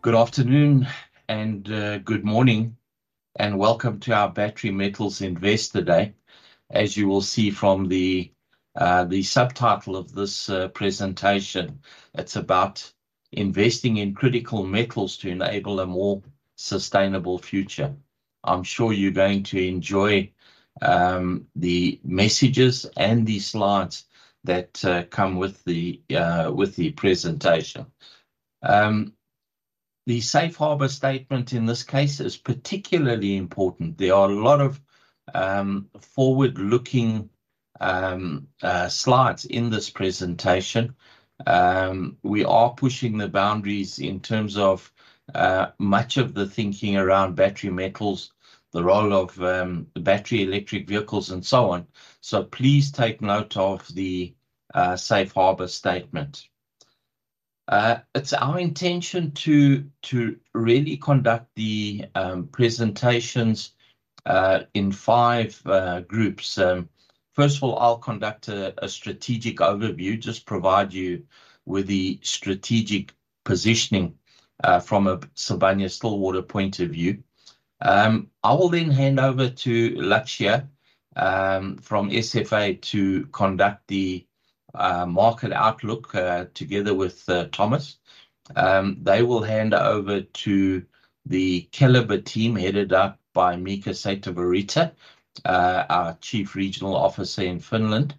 Good afternoon and good morning, and welcome to our Battery Metals Investor Day. As you will see from the subtitle of this presentation, it's about investing in critical metals to enable a more sustainable future. I'm sure you're going to enjoy the messages and the slides that come with the presentation. The Safe Harbor statement in this case is particularly important. There are a lot of forward-looking slides in this presentation. We are pushing the boundaries in terms of much of the thinking around battery metals, the role of battery electric vehicles, and so on. So please take note of the Safe Harbor statement. It's our intention to really conduct the presentations in five groups. First of all, I'll conduct a strategic overview, just provide you with the strategic positioning from a Sibanye-Stillwater point of view. I will then hand over to Lakshya from SFA to conduct the market outlook together with Thomas. They will hand over to the Keliber team, headed up by Mika Seitovirta, our Chief Regional Officer in Finland.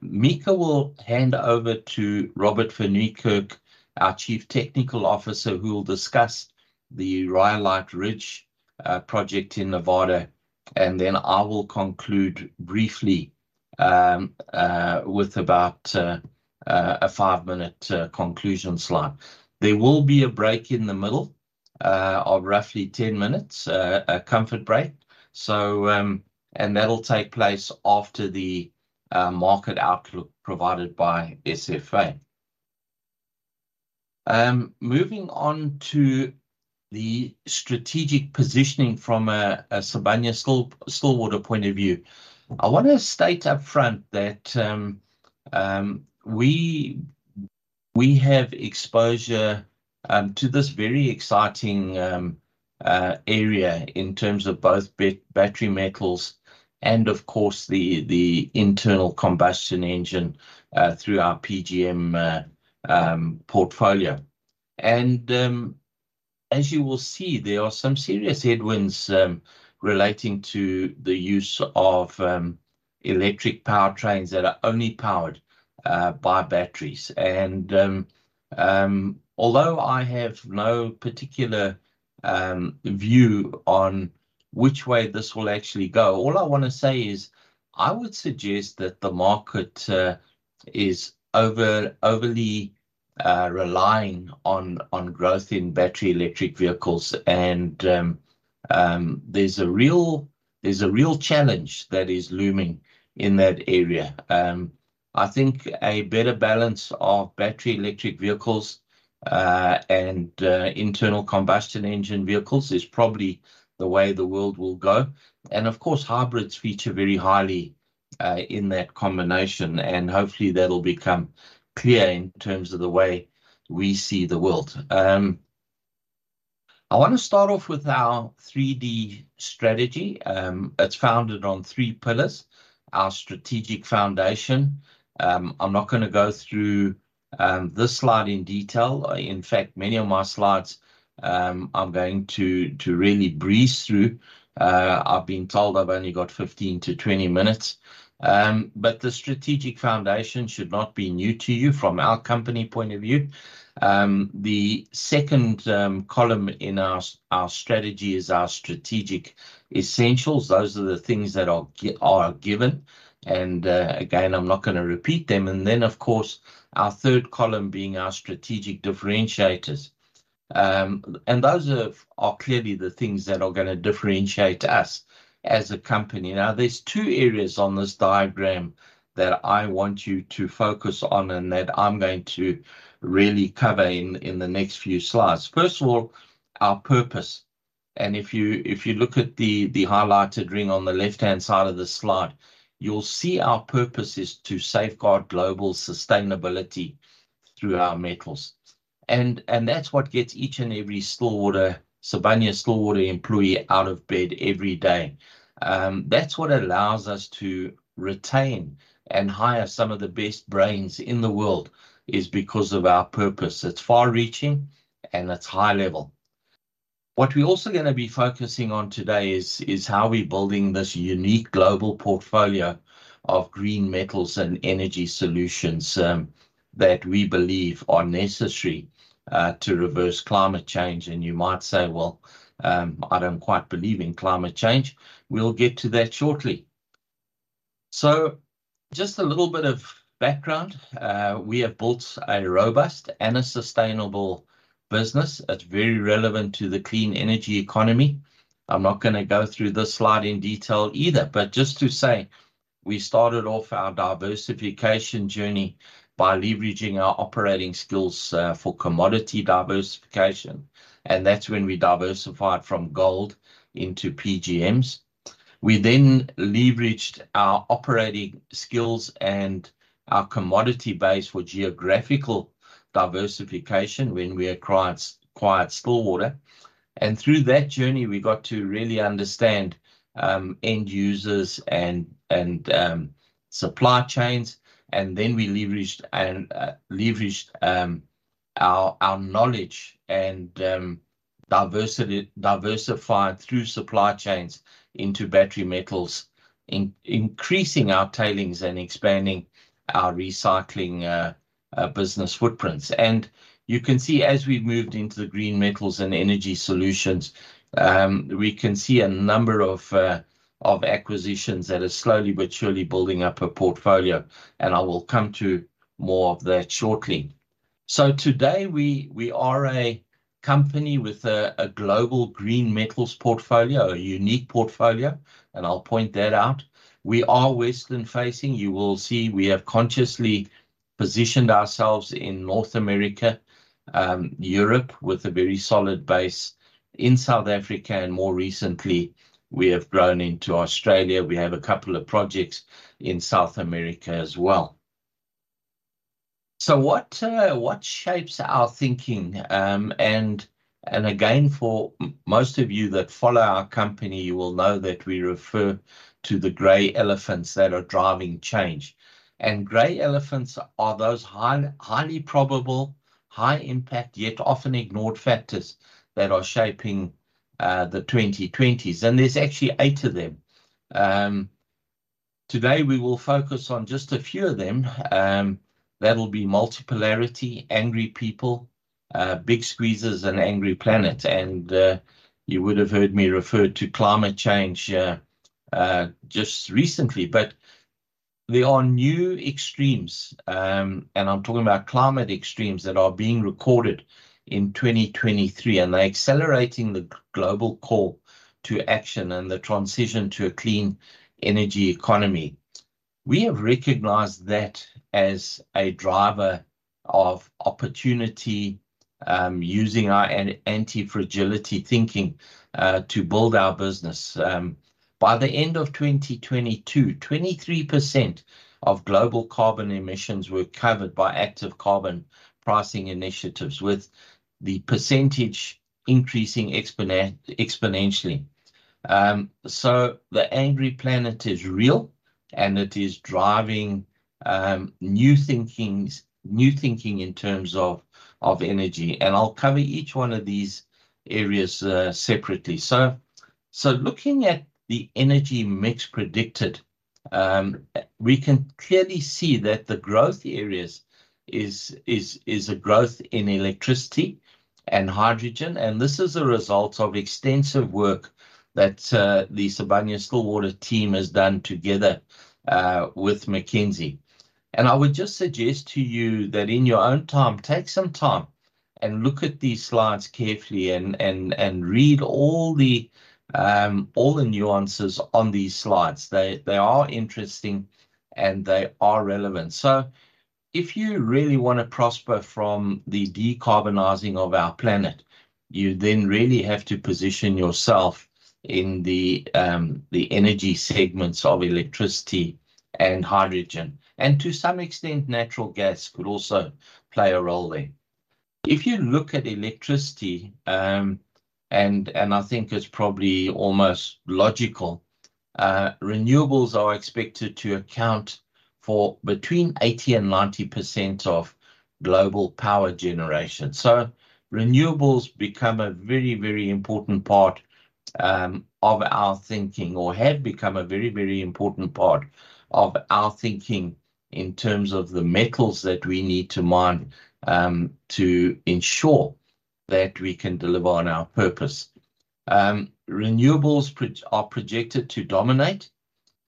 Mika will hand over to Robert van Niekerk, our Chief Technical Officer, who will discuss the Rhyolite Ridge project in Nevada. And then I will conclude briefly with about a 5-minute conclusion slide. There will be a break in the middle of roughly 10 minutes, a comfort break. So, and that'll take place after the market outlook provided by SFA. Moving on to the strategic positioning from a Sibanye-Stillwater point of view. I wanna state upfront that we have exposure to this very exciting area in terms of both battery metals and of course, the internal combustion engine through our PGM portfolio. As you will see, there are some serious headwinds relating to the use of electric powertrains that are only powered by batteries. Although I have no particular view on which way this will actually go, all I wanna say is I would suggest that the market is overly relying on growth in battery electric vehicles. There's a real challenge that is looming in that area. I think a better balance of battery electric vehicles and internal combustion engine vehicles is probably the way the world will go. And of course, hybrids feature very highly in that combination, and hopefully that'll become clear in terms of the way we see the world. I wanna start off with our 3D strategy. It's founded on three pillars, our strategic foundation. I'm not gonna go through this slide in detail. In fact, many of my slides, I'm going to really breeze through. I've been told I've only got 15-20 minutes. But the strategic foundation should not be new to you from our company point of view. The second column in our strategy is our strategic essentials. Those are the things that are given, and again, I'm not gonna repeat them. And then, of course, our third column being our strategic differentiators. And those are clearly the things that are gonna differentiate us as a company. Now, there's two areas on this diagram that I want you to focus on, and that I'm going to really cover in the next few slides. First of all, our purpose, and if you look at the highlighted ring on the left-hand side of the slide, you'll see our purpose is to safeguard global sustainability through our metals. And that's what gets each and every Sibanye-Stillwater employee out of bed every day. That's what allows us to retain and hire some of the best brains in the world, is because of our purpose. It's far-reaching, and it's high level. What we're also gonna be focusing on today is how we're building this unique global portfolio of green metals and energy solutions that we believe are necessary to reverse climate change. And you might say, "Well, I don't quite believe in climate change." We'll get to that shortly. So just a little bit of background. We have built a robust and a sustainable business that's very relevant to the clean energy economy. I'm not gonna go through this slide in detail either, but just to say, we started off our diversification journey by leveraging our operating skills for commodity diversification, and that's when we diversified from gold into PGMs. We then leveraged our operating skills and our commodity base for geographical diversification when we acquired Stillwater. And through that journey, we got to really understand end users and supply chains. And then we leveraged our knowledge and diversified through supply chains into battery metals, increasing our tailings and expanding our recycling business footprints. And you can see as we've moved into the green metals and energy solutions, we can see a number of acquisitions that are slowly but surely building up a portfolio, and I will come to more of that shortly. So today, we are a company with a global green metals portfolio, a unique portfolio, and I'll point that out. We are western-facing. You will see we have consciously positioned ourselves in North America, Europe, with a very solid base in South Africa, and more recently, we have grown into Australia. We have a couple of projects in South America as well. So what shapes our thinking? And again, for most of you that follow our company, you will know that we refer to the gray elephants that are driving change. Gray elephants are those highly probable, high impact, yet often ignored factors that are shaping the 2020s, and there's actually eight of them. Today we will focus on just a few of them. That'll be multipolarity, angry people, big squeezes and angry planet. You would have heard me refer to climate change just recently. But there are new extremes, and I'm talking about climate extremes that are being recorded in 2023, and they're accelerating the global call to action and the transition to a clean energy economy. We have recognized that as a driver of opportunity, using our antifragility thinking to build our business. By the end of 2022, 23% of global carbon emissions were covered by active carbon pricing initiatives, with the percentage increasing exponentially. So the angry planet is real, and it is driving new thinking in terms of energy, and I'll cover each one of these areas separately. So looking at the energy mix predicted, we can clearly see that the growth areas is a growth in electricity and hydrogen, and this is a result of extensive work that the Sibanye-Stillwater team has done together with McKinsey. And I would just suggest to you that in your own time, take some time and look at these slides carefully and read all the nuances on these slides. They are interesting, and they are relevant. So if you really wanna prosper from the decarbonizing of our planet, you then really have to position yourself in the, the energy segments of electricity and hydrogen, and to some extent, natural gas could also play a role there. If you look at electricity, and, and I think it's probably almost logical, renewables are expected to account for between 80%-90% of global power generation. So renewables become a very, very important part, of our thinking, or have become a very, very important part of our thinking in terms of the metals that we need to mine, to ensure that we can deliver on our purpose. Renewables are projected to dominate,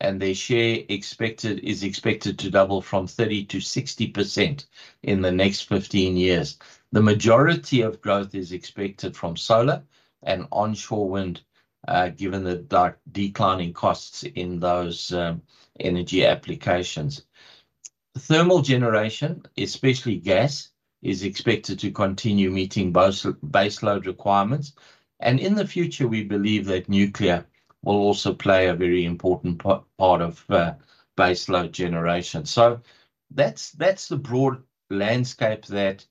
and their share is expected to double from 30%-60% in the next 15 years. The majority of growth is expected from solar and onshore wind, given the declining costs in those energy applications. Thermal generation, especially gas, is expected to continue meeting base load requirements, and in the future, we believe that nuclear will also play a very important part of base load generation. So that's the broad landscape that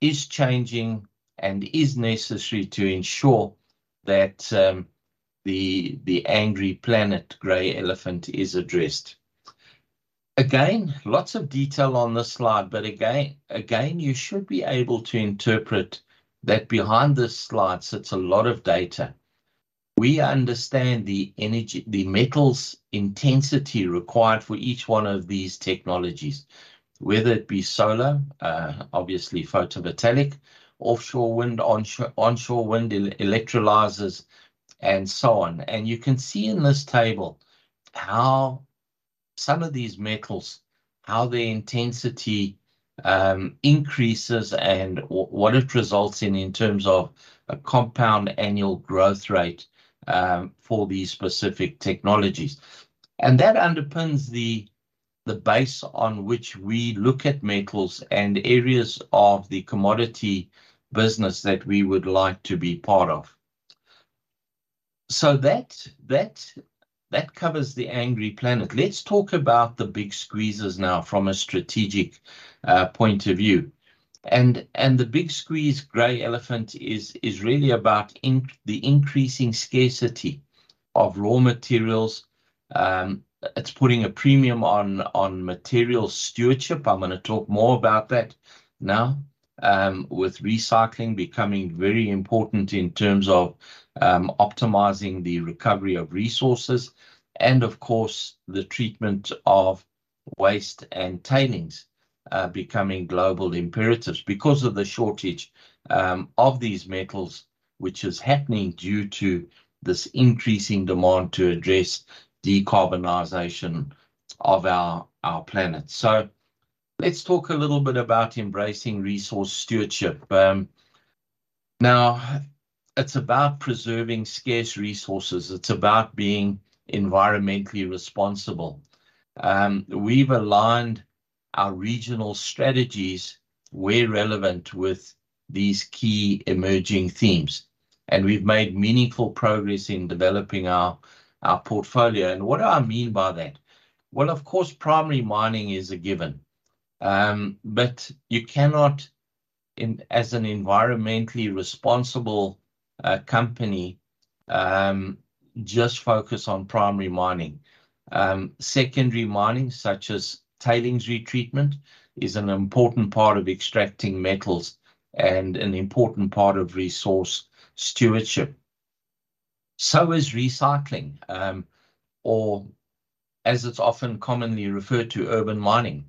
is changing and is necessary to ensure that the angry planet grey elephant is addressed. Again, lots of detail on this slide, but again, you should be able to interpret that behind this slide sits a lot of data. We understand the energy... the metals intensity required for each one of these technologies, whether it be solar, obviously photovoltaic, offshore wind, onshore wind electrolysers, and so on. You can see in this table how some of these metals, how the intensity increases, and what it results in, in terms of a compound annual growth rate, for these specific technologies. That underpins the base on which we look at metals and areas of the commodity business that we would like to be part of. So that covers the angry planet. Let's talk about the big squeezes now from a strategic point of view. The big squeeze gray elephant is really about the increasing scarcity of raw materials. It's putting a premium on material stewardship. I'm gonna talk more about that now. With recycling becoming very important in terms of, optimizing the recovery of resources and, of course, the treatment of waste and tailings, becoming global imperatives because of the shortage of these metals, which is happening due to this increasing demand to address decarbonization of our planet. So let's talk a little bit about embracing resource stewardship. Now, it's about preserving scarce resources. It's about being environmentally responsible. We've aligned our regional strategies where relevant with these key emerging themes, and we've made meaningful progress in developing our portfolio. And what do I mean by that? Well, of course, primary mining is a given. But you cannot, as an environmentally responsible, company, just focus on primary mining. Secondary mining, such as tailings retreatment, is an important part of extracting metals and an important part of resource stewardship. So is recycling, or as it's often commonly referred to, urban mining.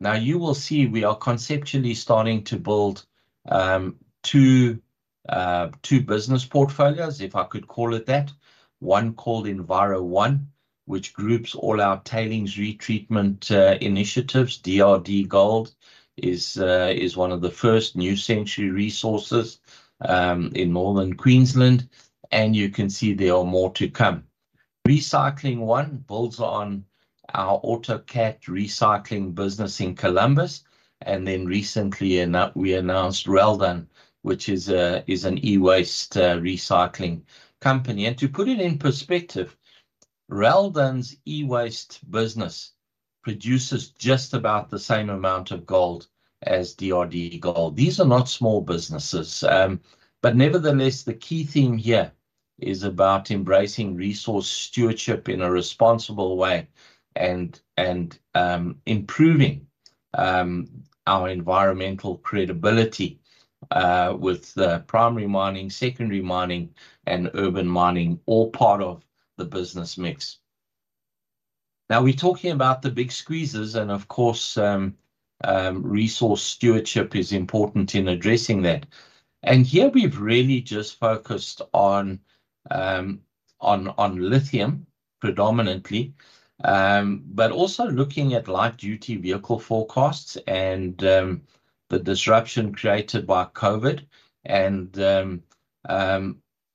Now, you will see we are conceptually starting to build two business portfolios, if I could call it that. One called Enviro One, which groups all our tailings retreatment initiatives. DRDGOLD is one of the first, New Century Resources, in Northern Queensland, and you can see there are more to come. Recycling One builds on our autocatalyst recycling business in Columbus, and then recently in that, we announced Reldan, which is an e-waste recycling company. And to put it in perspective, Reldan's e-waste business produces just about the same amount of gold as DRDGOLD. These are not small businesses. But nevertheless, the key theme here is about embracing resource stewardship in a responsible way and, improving our environmental credibility with the primary mining, secondary mining, and urban mining, all part of the business mix. Now, we're talking about the big squeezes and of course, resource stewardship is important in addressing that. And here we've really just focused on lithium, predominantly, but also looking at light-duty vehicle forecasts and the disruption created by COVID. And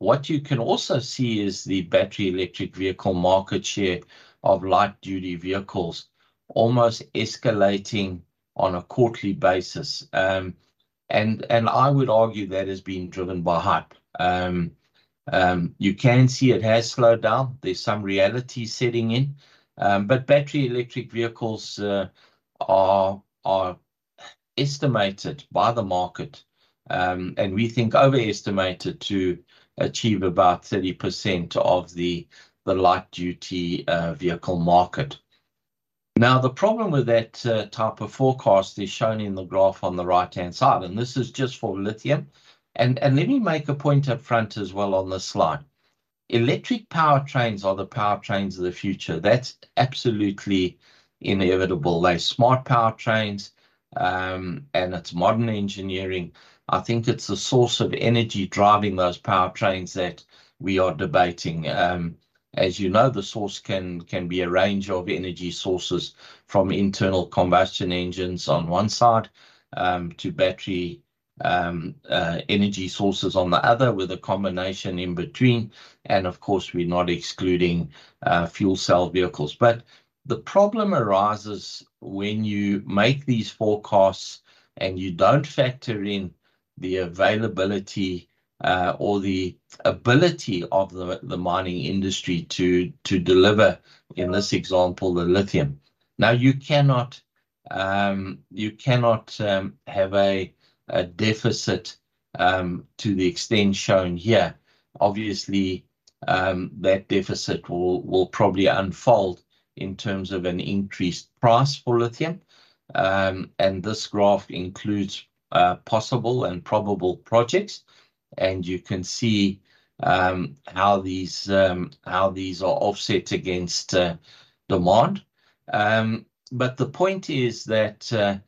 what you can also see is the battery electric vehicle market share of light-duty vehicles almost escalating on a quarterly basis. And I would argue that is being driven by hype. You can see it has slowed down. There's some reality setting in, but battery electric vehicles are estimated by the market, and we think overestimated, to achieve about 30% of the light-duty vehicle market. Now, the problem with that type of forecast is shown in the graph on the right-hand side, and this is just for lithium. And let me make a point up front as well on this slide. Electric powertrains are the powertrains of the future. That's absolutely inevitable. They're smart powertrains, and it's modern engineering. I think it's the source of energy driving those powertrains that we are debating. As you know, the source can be a range of energy sources, from internal combustion engines on one side, to battery energy sources on the other, with a combination in between. Of course, we're not excluding fuel cell vehicles. But the problem arises when you make these forecasts and you don't factor in the availability or the ability of the mining industry to deliver, in this example, the lithium. Now, you cannot have a deficit to the extent shown here. Obviously, that deficit will probably unfold in terms of an increased price for lithium. And this graph includes possible and probable projects, and you can see how these are offset against demand. But the point is that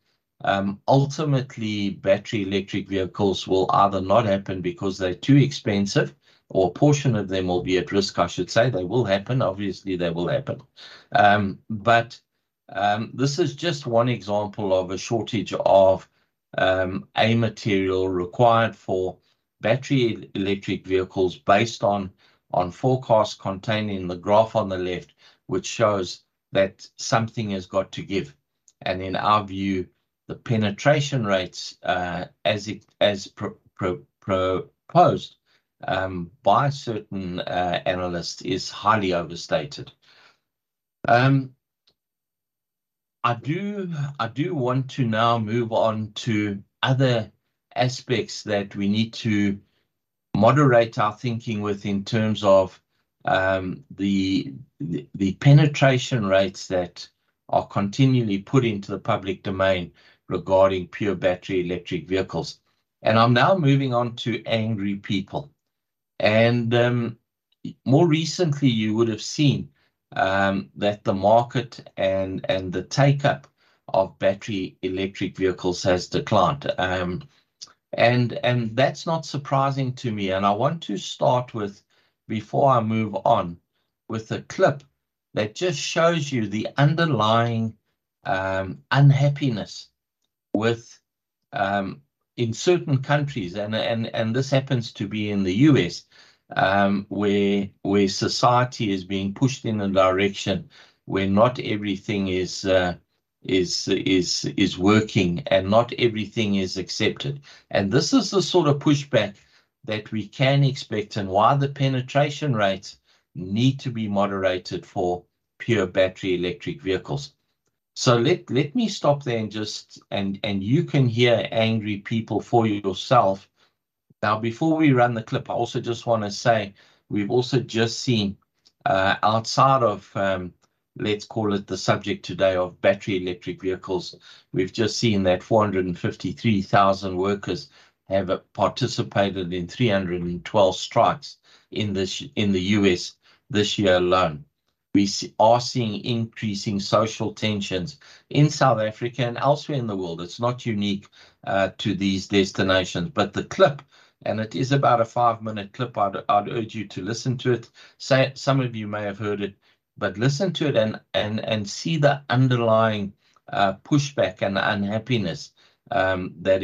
ultimately, battery electric vehicles will either not happen because they're too expensive, or a portion of them will be at risk, I should say. They will happen. Obviously, they will happen. But this is just one example of a shortage of a material required for battery electric vehicles based on forecasts containing the graph on the left, which shows that something has got to give. In our view, the penetration rates, as proposed by certain analysts, is highly overstated. I do, I do want to now move on to other aspects that we need to moderate our thinking with in terms of the penetration rates that are continually put into the public domain regarding pure battery electric vehicles. I'm now moving on to angry people. More recently, you would have seen that the market and the take-up of battery electric vehicles has declined. That's not surprising to me. I want to start with, before I move on, with a clip that just shows you the underlying unhappiness with in certain countries, and this happens to be in the U.S., where society is being pushed in a direction where not everything is working, and not everything is accepted. This is the sort of pushback that we can expect, and why the penetration rates need to be moderated for pure battery electric vehicles. Let me stop there and just and you can hear angry people for yourself. Now, before we run the clip, I also just want to say we've also just seen, outside of, let's call it the subject today of battery electric vehicles, we've just seen that 453,000 workers have participated in 312 strikes in the U.S. this year alone. We are seeing increasing social tensions in South Africa and elsewhere in the world. It's not unique to these destinations. But the clip, and it is about a 5-minute clip, I'd urge you to listen to it. Some of you may have heard it, but listen to it and see the underlying pushback and unhappiness that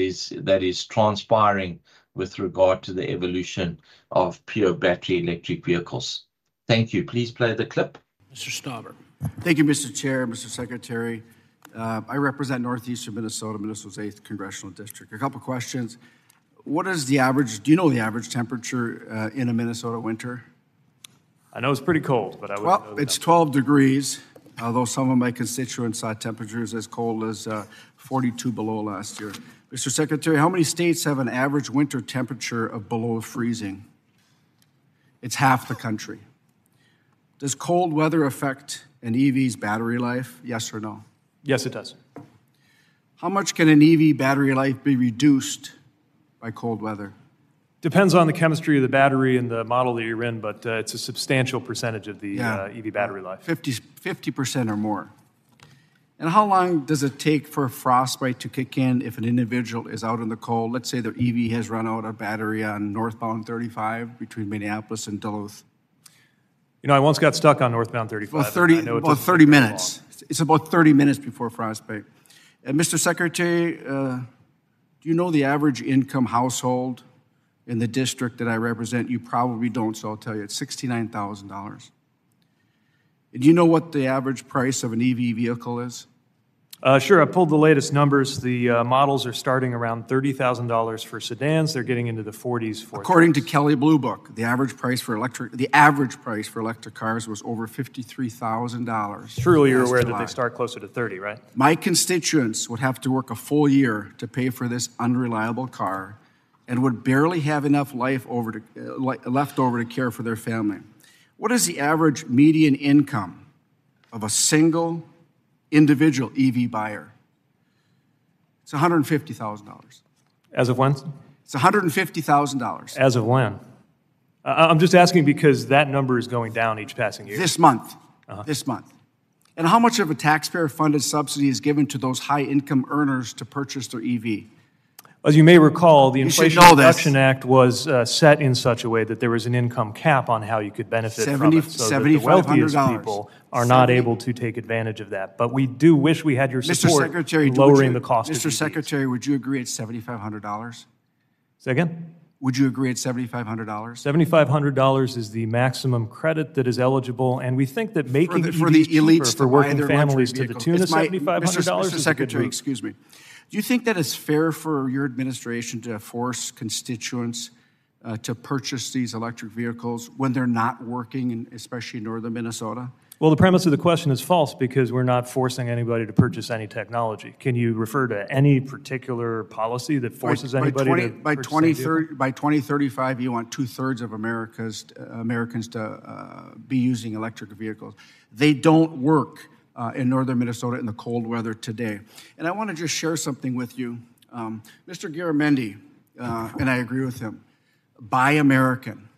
is transpiring with regard to the evolution of pure battery electric vehicles. Thank you. Please play the clip. Mr. Stauber. Thank you, Mr. Chair, Mr. Secretary. I represent northeastern Minnesota, Minnesota's eighth congressional district. A couple questions: Do you know the average temperature in a Minnesota winter? I know it's pretty cold, but I wouldn't know the- Well, it's 12 degrees, although some of my constituents saw temperatures as cold as 42 below last year. Mr. Secretary, how many states have an average winter temperature of below freezing? It's half the country. Does cold weather affect an EV's battery life, yes or no? Yes, it does. How much can an EV battery life be reduced by cold weather? Depends on the chemistry of the battery and the model that you're in, but, it's a substantial percentage of the- Yeah... EV battery life. 50, 50% or more. And how long does it take for frostbite to kick in if an individual is out in the cold? Let's say their EV has run out of battery on northbound 35 between Minneapolis and Duluth. You know, I once got stuck on northbound 35, and I know it takes pretty long. About 30, about 30 minutes. It's about 30 minutes before frostbite. And, Mr. Secretary, do you know the average income household in the district that I represent? You probably don't, so I'll tell you. It's $69,000. And do you know what the average price of an EV vehicle is? Sure, I pulled the latest numbers. The models are starting around $30,000 for sedans. They're getting into the $40s for trucks. According to Kelley Blue Book, the average price for electric cars was over $53,000 last July. Surely you're aware that they start closer to 30, right? My constituents would have to work a full year to pay for this unreliable car and would barely have enough left over to care for their family. What is the average median income of a single individual EV buyer? It's $150,000. As of when? It's $150,000. As of when? I'm just asking because that number is going down each passing year. This month. Uh-huh. This month. How much of a taxpayer-funded subsidy is given to those high-income earners to purchase their EV? As you may recall, the Inflation- You should know this.... Inflation Reduction Act was set in such a way that there was an income cap on how you could benefit from it. $7,000-$7,500. The wealthiest people- Seventy... are not able to take advantage of that, but we do wish we had your support- Mr. Secretary, do you- in lowering the cost of EVs. Mr. Secretary, would you agree it's $7,500? Say again? Would you agree it's $7,500? $7,500 is the maximum credit that is eligible, and we think that making EVs- For the elites to buy their luxury vehicle.... cheaper for working families to tune the $7,500 is a good move. Mr. Secretary, excuse me. Do you think that it's fair for your administration to force constituents to purchase these electric vehicles when they're not working, and especially in northern Minnesota? Well, the premise of the question is false, because we're not forcing anybody to purchase any technology. Can you refer to any particular policy that forces anybody to? By twenty- purchase an EV? By 2035, you want two-thirds of America's Americans to be using electric vehicles. They don't work in northern Minnesota in the cold weather today. And I want to just share something with you. Mr. Garamendi and I agree with him, buy American.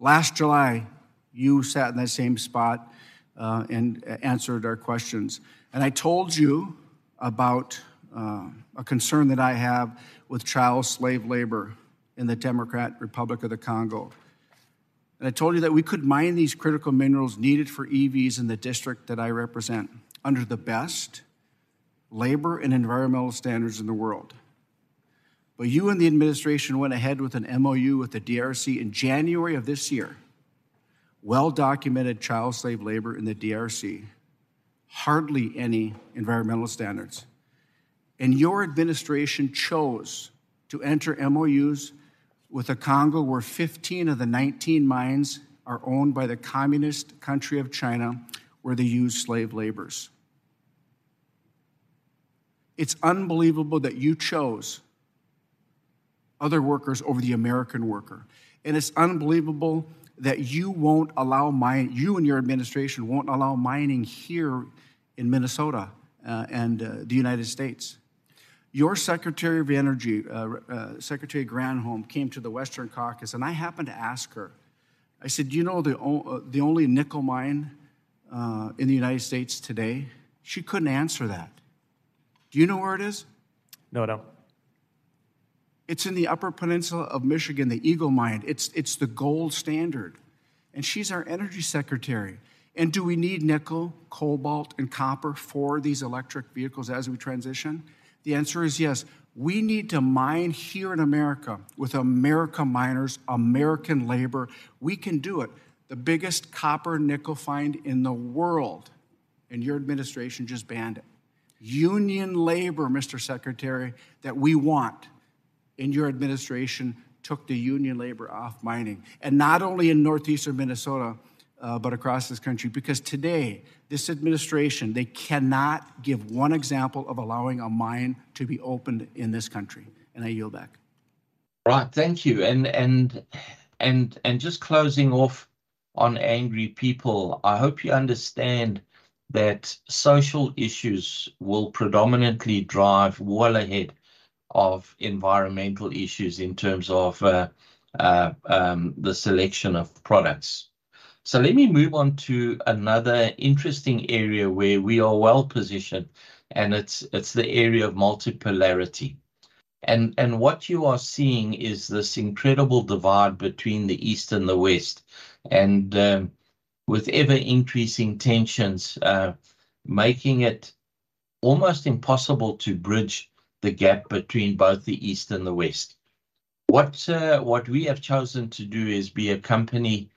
Last July, you sat in that same spot and answered our questions, and I told you about a concern that I have with child slave labor in the Democratic Republic of the Congo. And I told you that we could mine these critical minerals needed for EVs in the district that I represent under the best labor and environmental standards in the world. But you and the administration went ahead with an MOU with the DRC in January of this year. Well-documented child slave labor in the DRC, hardly any environmental standards, and your administration chose to enter MOUs with the Congo, where 15 of the 19 mines are owned by the communist country of China, where they use slave labors. It's unbelievable that you chose other workers over the American worker, and it's unbelievable that you won't allow mining here in Minnesota, and the United States. Your Secretary of Energy, Secretary Granholm, came to the Western Caucus, and I happened to ask her. I said, "Do you know the only nickel mine in the United States today?" She couldn't answer that. Do you know where it is? No, I don't. It's in the Upper Peninsula of Michigan, the Eagle Mine. It's the gold standard, and she's our Energy Secretary. Do we need nickel, cobalt, and copper for these electric vehicles as we transition? The answer is yes. We need to mine here in America with American miners, American labor. We can do it. The biggest copper-nickel find in the world, and your administration just banned it. Union labor, Mr. Secretary, that we want, and your administration took the union labor off mining, and not only in northeastern Minnesota, but across this country. Because today, this administration, they cannot give one example of allowing a mine to be opened in this country, and I yield back. Right. Thank you. And just closing off on angry people, I hope you understand that social issues will predominantly drive well ahead of environmental issues in terms of the selection of products. So let me move on to another interesting area where we are well-positioned, and it's the area of multipolarity. And what you are seeing is this incredible divide between the East and the West, and with ever-increasing tensions making it almost impossible to bridge the gap between both the East and the West. What we have chosen to do is be a company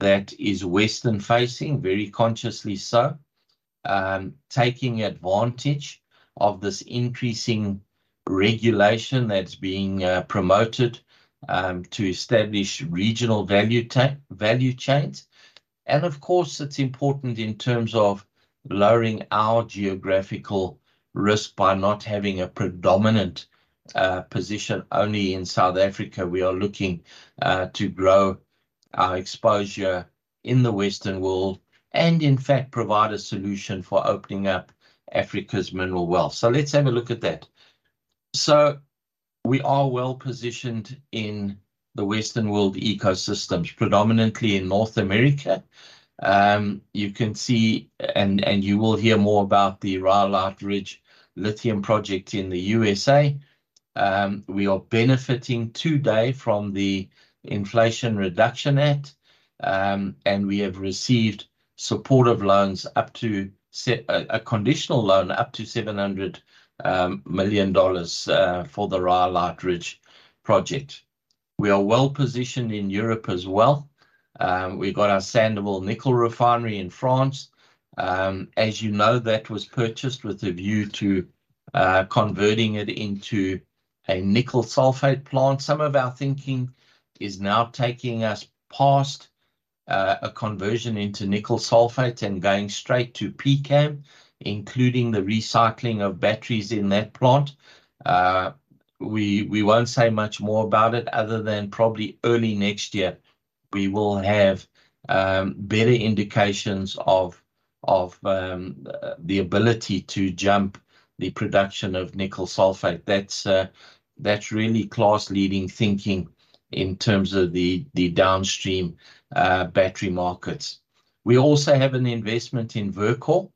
that is Western-facing, very consciously so, taking advantage of this increasing regulation that's being promoted to establish regional value chains. Of course, it's important in terms of lowering our geographical risk by not having a predominant position only in South Africa. We are looking to grow our exposure in the Western world, and in fact, provide a solution for opening up Africa's mineral wealth. So let's have a look at that. So we are well-positioned in the Western world ecosystems, predominantly in North America. You can see, and you will hear more about the Rhyolite Ridge lithium project in the USA. We are benefiting today from the Inflation Reduction Act, and we have received supportive loans up to a conditional loan up to $700 million for the Rhyolite Ridge project. We are well-positioned in Europe as well. We've got our Sandouville nickel refinery in France. As you know, that was purchased with a view to converting it into a nickel sulfate plant. Some of our thinking is now taking us past a conversion into nickel sulfate and going straight to PCAM, including the recycling of batteries in that plant. We won't say much more about it, other than probably early next year, we will have better indications of the ability to jump the production of nickel sulfate. That's really class-leading thinking in terms of the downstream battery markets. We also have an investment in Verkor,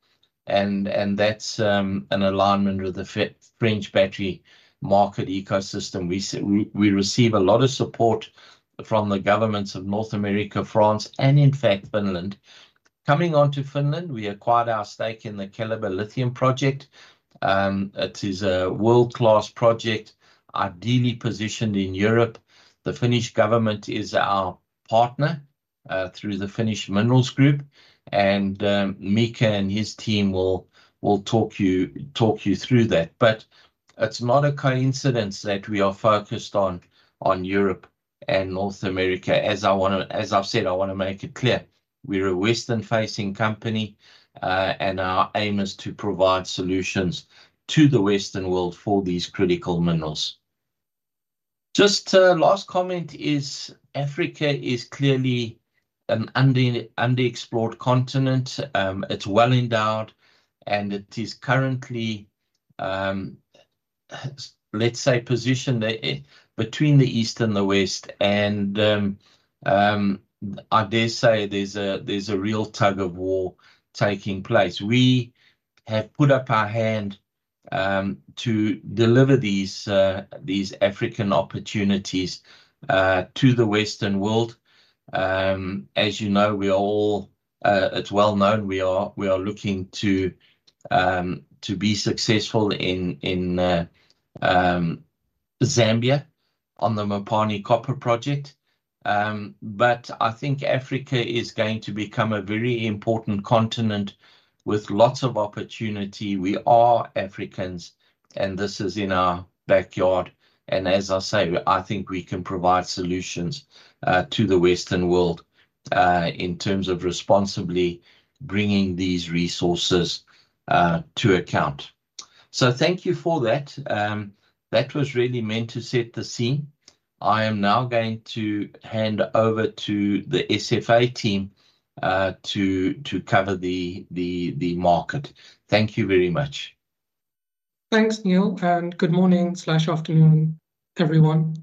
and that's an alignment with the French battery market ecosystem. We receive a lot of support from the governments of North America, France, and in fact, Finland. Coming on to Finland, we acquired our stake in the Keliber lithium project. It is a world-class project, ideally positioned in Europe. The Finnish government is our partner through the Finnish Minerals Group, and Mika and his team will talk you through that. But it's not a coincidence that we are focused on Europe and North America. As I've said, I wanna make it clear, we're a Western-facing company, and our aim is to provide solutions to the Western world for these critical minerals. Just a last comment is Africa is clearly an underexplored continent. It's well endowed, and it is currently, let's say, positioned between the East and the West. And I dare say there's a real tug-of-war taking place. We have put up our hand to deliver these African opportunities to the Western world. As you know, it's well known, we are looking to be successful in Zambia on the Mopani Copper Project. But I think Africa is going to become a very important continent with lots of opportunity. We are Africans, and this is in our backyard, and as I say, I think we can provide solutions to the Western world in terms of responsibly bringing these resources to account. So thank you for that. That was really meant to set the scene. I am now going to hand over to the SFA team to cover the market. Thank you very much. Thanks, Neal, and good morning slash afternoon, everyone.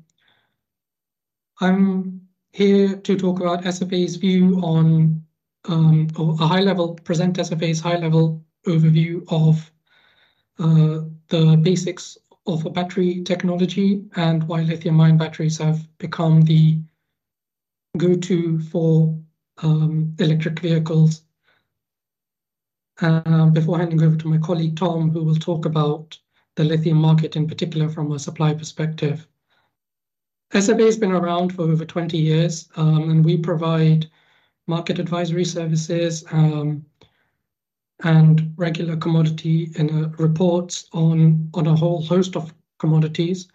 I'm here to talk about SFA's view on present SFA's high-level overview of the basics of battery technology and why lithium-ion batteries have become the go-to for electric vehicles. Before handing over to my colleague, Thomas, who will talk about the lithium market, in particular from a supply perspective. SFA's been around for over 20 years, and we provide market advisory services, and regular commodity and reports on a whole host of commodities.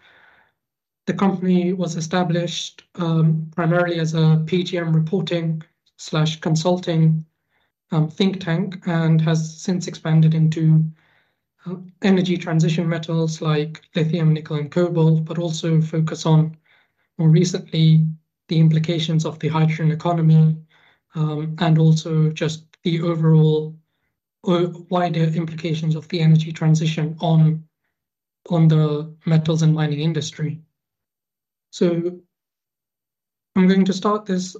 The company was established primarily as a PGM reporting slash consulting think tank, and has since expanded into energy transition metals like lithium, nickel, and cobalt, but also focus on, more recently, the implications of the hydrogen economy, and also just the overall or wider implications of the energy transition on the metals and mining industry. So I'm going to start this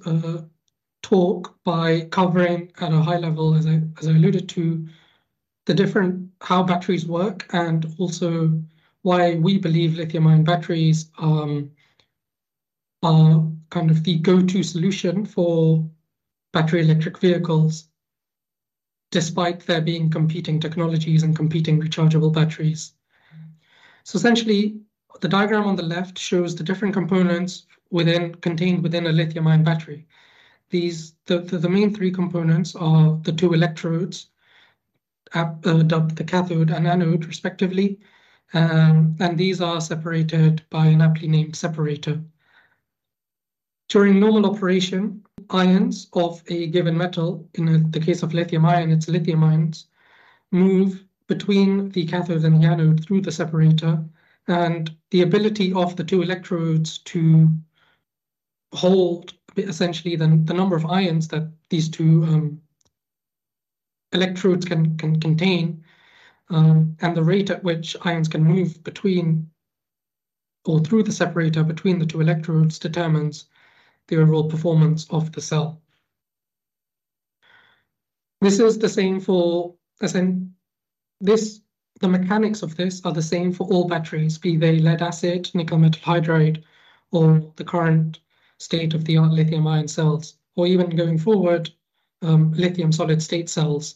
talk by covering at a high level, as I alluded to, the different how batteries work, and also why we believe lithium-ion batteries are kind of the go-to solution for battery electric vehicles, despite there being competing technologies and competing rechargeable batteries. So essentially, the diagram on the left shows the different components contained within a lithium-ion battery. The main three components are the two electrodes, the cathode and anode, respectively, and these are separated by an aptly named separator. During normal operation, ions of a given metal, in the case of lithium-ion, it's lithium ions, move between the cathode and the anode through the separator, and the ability of the two electrodes to hold essentially the number of ions that these two electrodes can contain, and the rate at which ions can move between or through the separator between the two electrodes, determines the overall performance of the cell. This is the same. The mechanics of this are the same for all batteries, be they lead-acid, nickel metal hydride, or the current state-of-the-art lithium-ion cells, or even going forward, lithium solid-state cells.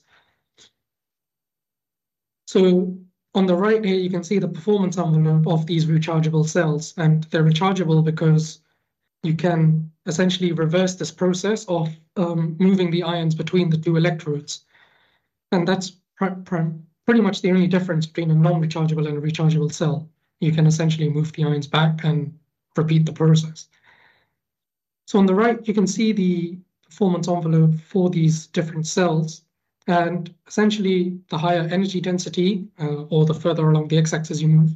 So on the right here, you can see the performance envelope of these rechargeable cells, and they're rechargeable because you can essentially reverse this process of moving the ions between the two electrodes. And that's pretty much the only difference between a non-rechargeable and a rechargeable cell. You can essentially move the ions back and repeat the process. So on the right, you can see the performance envelope for these different cells, and essentially, the higher energy density, or the further along the X-axis you move,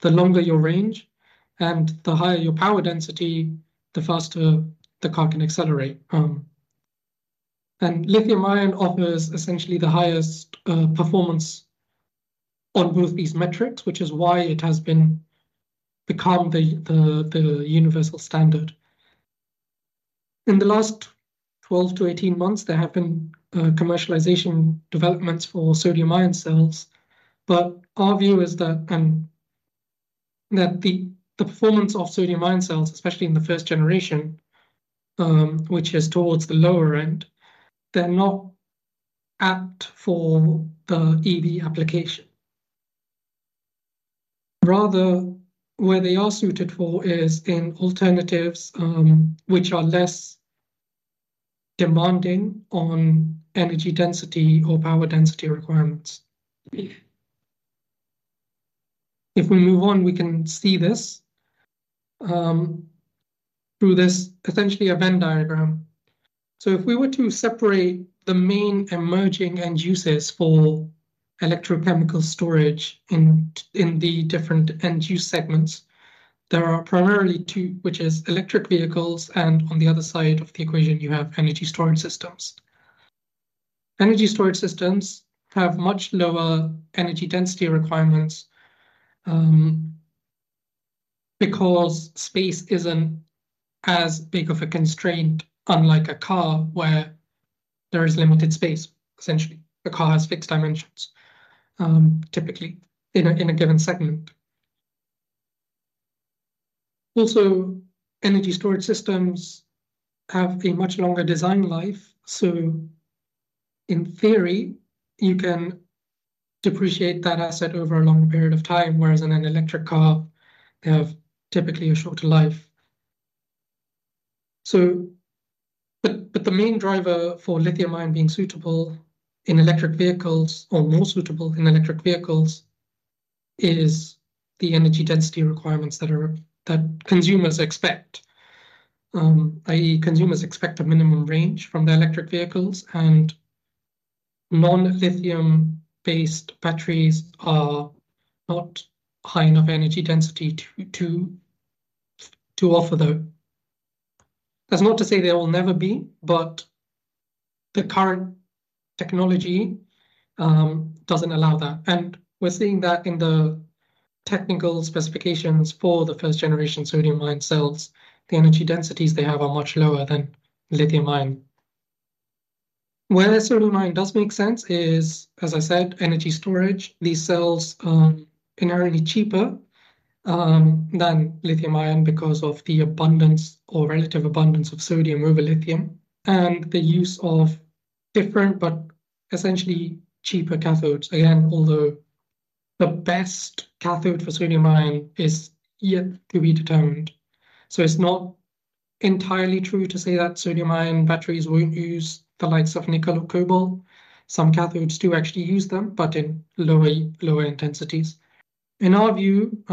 the longer your range, and the higher your power density, the faster the car can accelerate. And lithium-ion offers essentially the highest performance on both these metrics, which is why it has been become the universal standard. In the last 12-18 months, there have been, uh, commercialization developments for sodium-ion cells, but our view is that that the, the performance of sodium-ion cells, especially in the first generation, which is towards the lower end, they're not apt for the EV application. Rather, where they are suited for is in alternatives, which are less demanding on energy density or power density requirements. If we move on, we can see this through this essentially a Venn diagram. So if we were to separate the main emerging end uses for electrochemical storage in, in the different end-use segments, there are primarily two, which is electric vehicles, and on the other side of the equation, energy storage systems have much lower energy density requirements. Because space isn't as big of a constraint, unlike a car, where there is limited space, essentially. A car has fixed dimensions, typically in a given energy storage systems have a much longer design life, so in theory, you can depreciate that asset over a longer period of time, whereas in an Electric car, they have typically a shorter life. But the main driver for lithium-ion being suitable in electric vehicles or more suitable in electric vehicles, is the energy density requirements that consumers expect. I.e., consumers expect a minimum range from their electric vehicles, and non-lithium-based batteries are not high enough energy density to offer that. That's not to say they will never be, but the current technology doesn't allow that, and we're seeing that in the technical specifications for the first-generation sodium-ion cells. The energy densities they have are much lower than lithium-ion. Where sodium-ion does make sense is, as I said, energy storage. These cells are inherently cheaper than lithium-ion because of the abundance or relative abundance of sodium over lithium, and the use of different, but essentially cheaper cathodes. Again, although the best cathode for sodium-ion is yet to be determined. So it's not entirely true to say that sodium-ion batteries won't use the likes of nickel or cobalt. Some cathodes do actually use them, but in lower intensities. In our view,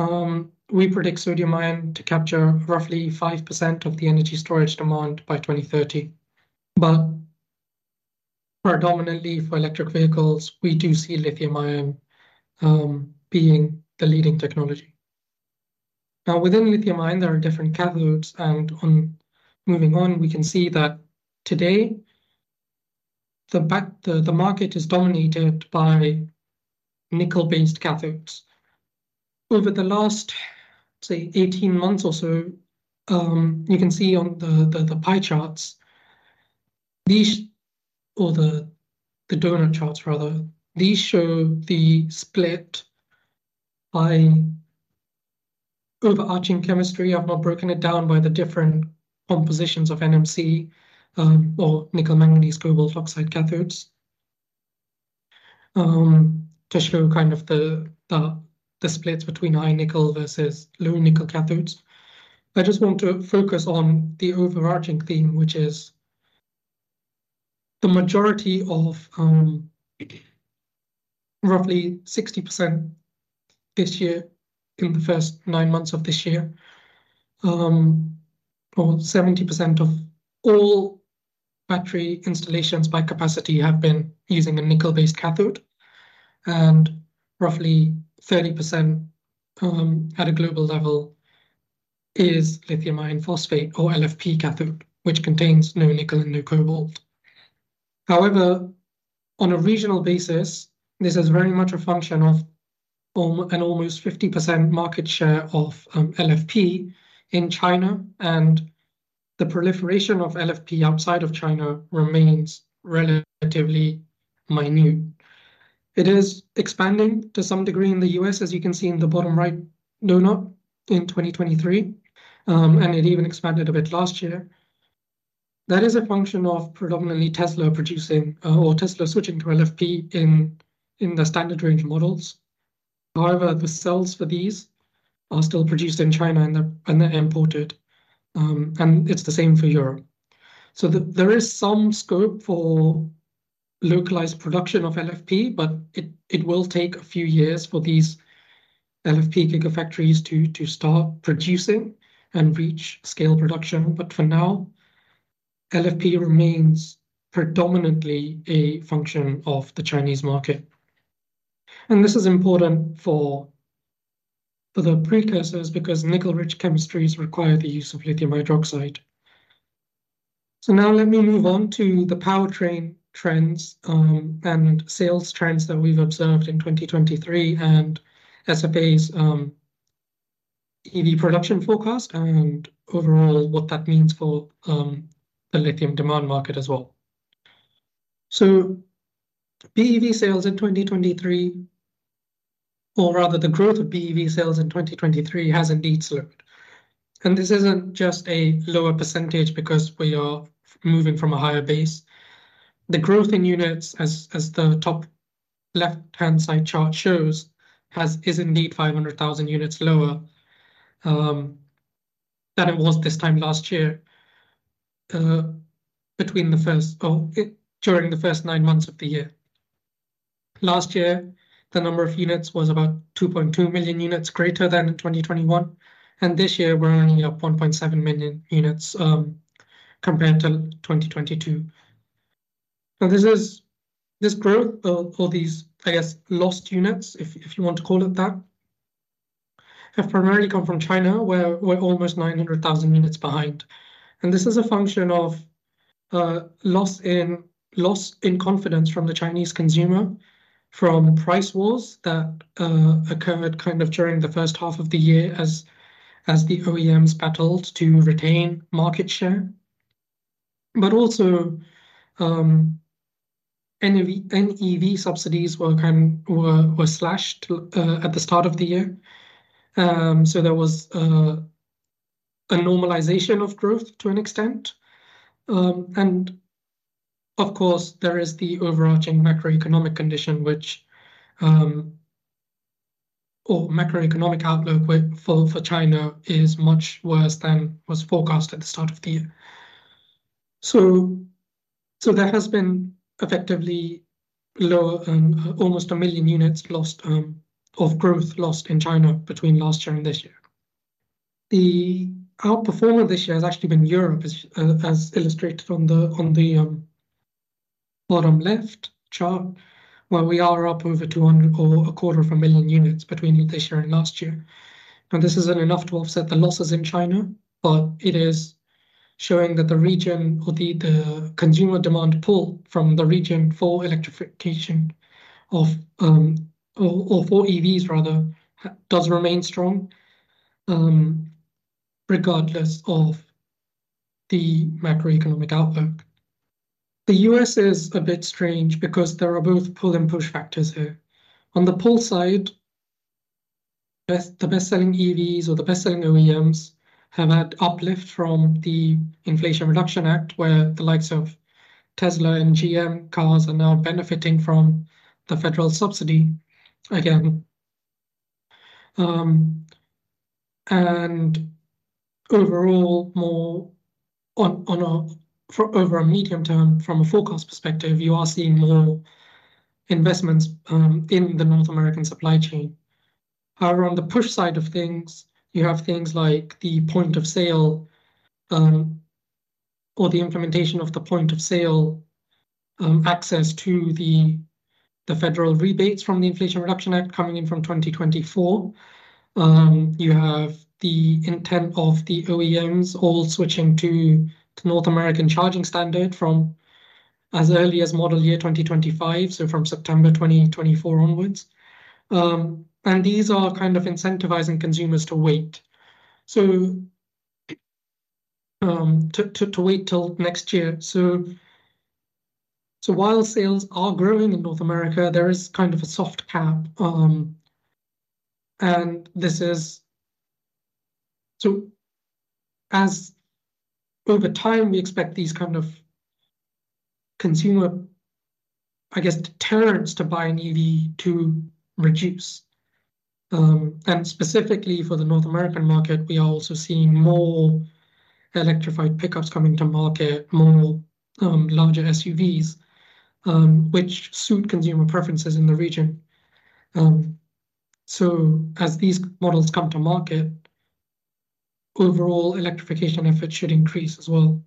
we predict sodium-ion to capture roughly 5% of the energy storage demand by 2030. But predominantly for electric vehicles, we do see lithium-ion being the leading technology. Now, within lithium-ion, there are different cathodes. Moving on, we can see that today, the market is dominated by nickel-based cathodes. Over the last, say, 18 months or so, you can see on the pie charts, these, or the donut charts, rather. These show the split by overarching chemistry. I've not broken it down by the different compositions of NMC or nickel Manganese cobalt Oxide to show kind of the splits between High-nickel versus Low-nickel cathodes. I just want to focus on the overarching theme, which is the majority of roughly 60% this year, in the first nine months of this year, or 70% of all battery installations by capacity, have been using a nickel-based cathode, and roughly 30% at lithium iron phosphate or lfp cathode, which contains no nickel and no cobalt. However, on a regional basis, this is very much a function of an almost 50% market share of LFP in China, and the proliferation of LFP outside of China remains relatively minute. It is expanding to some degree in the U.S., as you can see in the bottom right donut, in 2023, and it even expanded a bit last year. That is a function of predominantly Tesla producing or Tesla switching to LFP in the standard range models. However, the cells for these are still produced in China, and they're imported, and it's the same for Europe. So there is some scope for localized production of LFP, but it will take a few years for these LFP gigafactories to start producing and reach scale production. But for now, LFP remains predominantly a function of the Chinese market. This is important for the precursors because nickel-rich chemistries require the use lithium hydroxide. now let me move on to the powertrain trends, and sales trends that we've observed in 2023 and SFA's, EV production forecast and overall, what that means for, the lithium demand market as well. BEV sales in 2023, or rather the growth of BEV sales in 2023, has indeed slowed. This isn't just a lower percentage because we are moving from a higher base. The growth in units, as the top left-hand side chart shows, is indeed 500,000 units lower than it was this time last year, during the first nine months of the year. Last year, the number of units was about 2.2 million units greater than in 2021, and this year, we're only up 1.7 million units, compared to 2022. Now, this growth or these, I guess, lost units, if you want to call it that, have primarily come from China, where we're almost 900,000 units behind, and this is a function of loss in confidence from the Chinese consumer, from price wars that occurred kind of during the first half of the year as the OEMs battled to retain market share. But also, NEV subsidies were kind of slashed at the start of the year. So there was a normalization of growth to an extent. And of course, there is the overarching macroeconomic condition, which or macroeconomic outlook, which for China, is much worse than was forecast at the start of the year. So there has been effectively lower than almost a million units lost of growth lost in China between last year and this year. The outperformer this year has actually been Europe, as illustrated on the bottom left chart, where we are up over 200 or a quarter of a million units between this year and last year. Now, this isn't enough to offset the losses in China, but it is showing that the region or the consumer demand pull from the region for electrification of or for EVs rather does remain strong regardless of the macroeconomic outlook. The U.S. is a bit strange because there are both pull and push factors here. On the pull side, the best-selling EVs or the best-selling OEMs have had uplift from the Inflation Reduction Act, where the likes of Tesla and GM cars are now benefiting from the federal subsidy again. And overall, over a medium term, from a forecast perspective, you are seeing more investments in the North American supply chain. However, on the push side of things, you have things like the point of sale or the implementation of the point of sale access to the federal rebates from the Inflation Reduction Act coming in from 2024. You have the intent of the OEMs all switching to North American charging standard from as early as model year 2025, so from September 2024 onwards. These are kind of incentivizing consumers to wait. So, to wait till next year. So, while sales are growing in North America, there is kind of a soft cap, and this is... As over time, we expect these kind of consumer, I guess, deterrence to buy an EV to reduce. And specifically for the North American market, we are also seeing more electrified pickups coming to market, more larger SUVs, which suit consumer preferences in the region. So as these models come to market, overall electrification efforts should increase as well.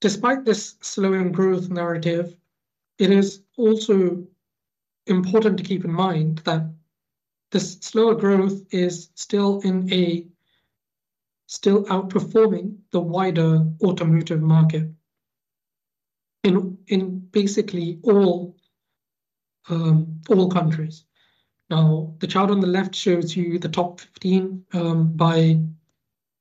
Despite this slowing growth narrative, it is also important to keep in mind that this slower growth is still outperforming the wider automotive market in basically all countries. Now, the chart on the left shows you the top 15 by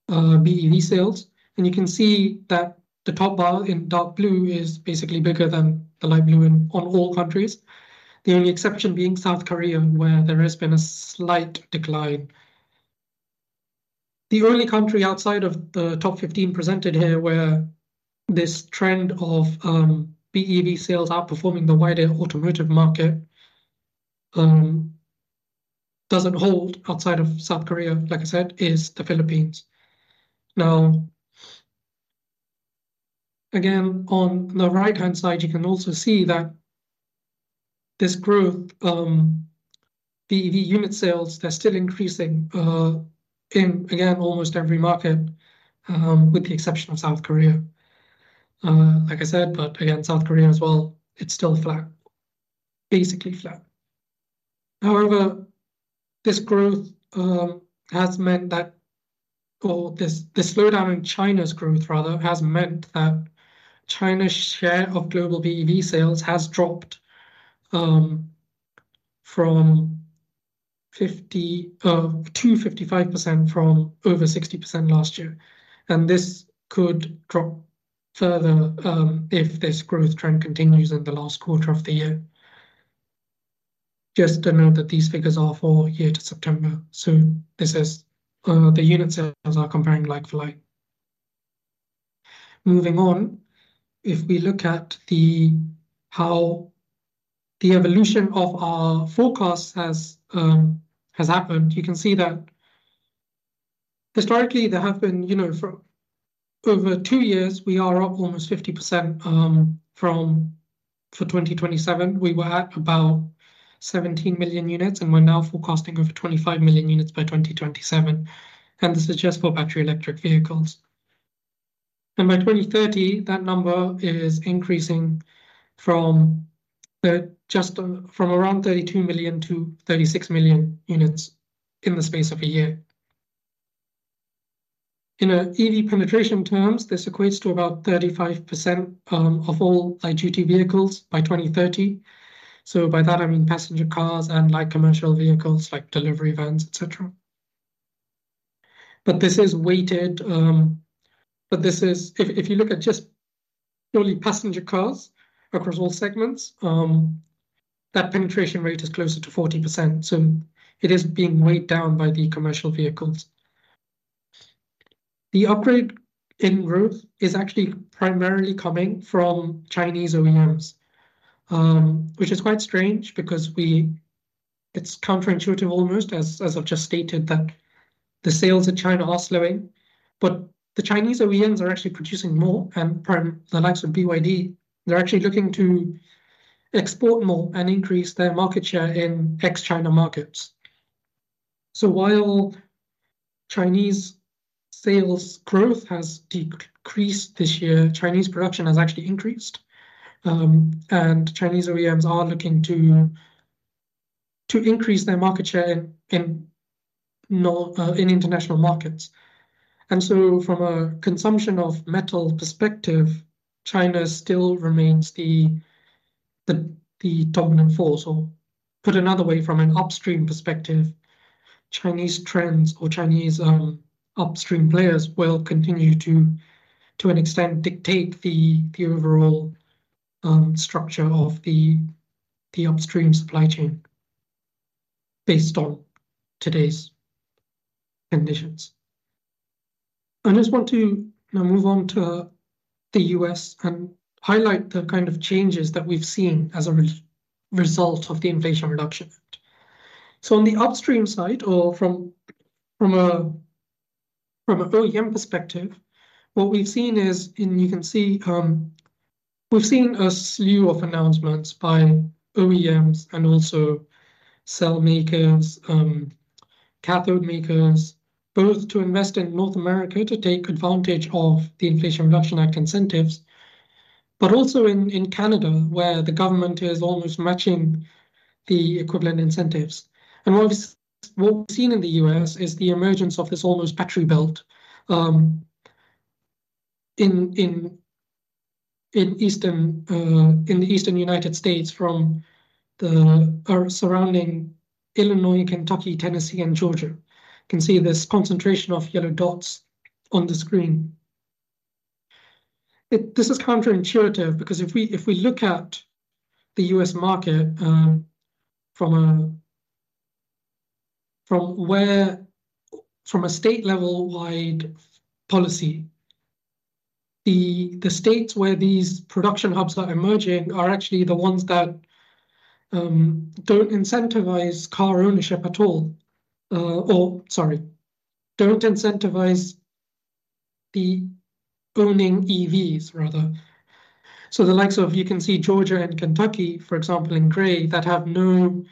BEV sales, and you can see that the top bar in dark blue is basically bigger than the light blue in, on all countries. The only exception being South Korea, where there has been a slight decline. The only country outside of the top 15 presented here, where this trend of, BEV sales outperforming the wider automotive market, doesn't hold outside of South Korea, like I said, is the Philippines. Now, again, on the right-hand side, you can also see that this growth, BEV unit sales, they're still increasing, in, again, almost every market, with the exception of South Korea. Like I said, but again, South Korea as well, it's still flat. Basically flat. However, this growth, has meant that... or this, this slowdown in China's growth, rather, has meant that China's share of global BEV sales has dropped from 50 to 55% from over 60% last year. And this could drop further if this growth trend continues in the last quarter of the year. Just to note that these figures are for year to September, so this is the unit sales are comparing like for like. Moving on. If we look at how the evolution of our forecast has happened, you can see that historically, there have been, you know, for over two years, we are up almost 50% from—for 2027, we were at about 17 million units, and we're now forecasting over 25 million units by 2027, and this is just for battery electric vehicles. By 2030, that number is increasing from around 32 million-36 million units in the space of a year. In EV penetration terms, this equates to about 35% of all light-duty vehicles by 2030. So by that, I mean passenger cars and light commercial vehicles, like delivery vans, et cetera. But this is weighted. If you look at just only passenger cars across all segments, that penetration rate is closer to 40%, so it is being weighed down by the commercial vehicles. The upgrade in growth is actually primarily coming from Chinese OEMs, which is quite strange because it's counterintuitive, almost, as I've just stated, that the sales in China are slowing. But the Chinese OEMs are actually producing more, and the likes of BYD, they're actually looking to export more and increase their market share in ex-China markets. So while Chinese sales growth has decreased this year, Chinese production has actually increased. And Chinese OEMs are looking to increase their market share in international markets. And so from a consumption of metal perspective, China still remains the dominant force, or put another way, from an upstream perspective, Chinese trends or Chinese upstream players will continue to an extent dictate the overall structure of the upstream supply chain based on today's conditions. I just want to now move on to the U.S. and highlight the kind of changes that we've seen as a result of the Inflation Reduction Act. So on the upstream side, or from an OEM perspective, what we've seen is, and you can see, we've seen a slew of announcements by OEMs and also cell makers, cathode makers, both to invest in North America to take advantage of the Inflation Reduction Act incentives, but also in Canada, where the government is almost matching the equivalent incentives. What we've seen in the US is the emergence of this almost battery belt, in the eastern United States, from the surrounding Illinois, Kentucky, Tennessee, and Georgia. You can see this concentration of yellow dots on the screen. This is counterintuitive because if we, if we look at the U.S. market, from a, from where, from a state-level wide policy, the, the states where these production hubs are emerging are actually the ones that, don't incentivize car ownership at all. Or sorry, don't incentivize the owning EVs, rather. So the likes of, you can see Georgia and Kentucky, for example, in gray, that have no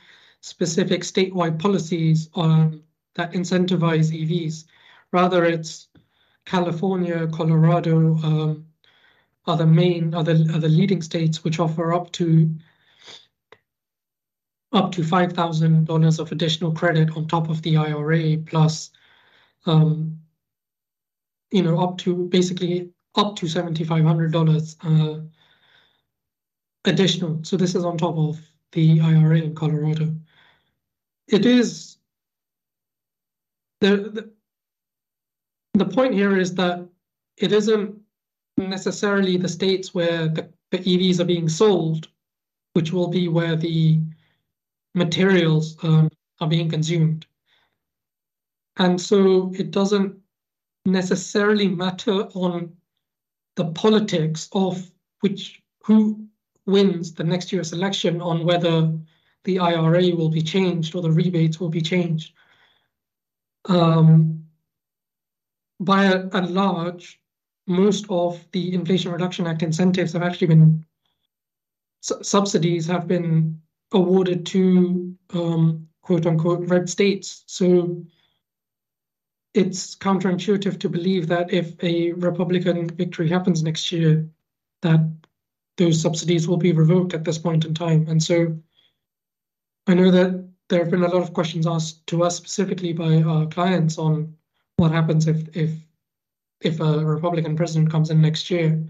specific statewide policies, that incentivize EVs. Rather, it's California, Colorado, are the main, are the, are the leading states which offer up to, up to $5,000 of additional credit on top of the IRA, plus, you know, up to basically, up to $7,500, additional. So this is on top of the IRA in Colorado. It is... The point here is that it isn't necessarily the states where the EVs are being sold, which will be where the materials are being consumed. And so it doesn't necessarily matter on the politics of which who wins the next year's election on whether the IRA will be changed or the rebates will be changed. By and large, most of the Inflation Reduction Act incentives have actually been subsidies have been awarded to quote-unquote, "red states". So it's counterintuitive to believe that if a Republican victory happens next year, that those subsidies will be revoked at this point in time. And so I know that there have been a lot of questions asked to us, specifically by our clients, on what happens if a Republican president comes in next year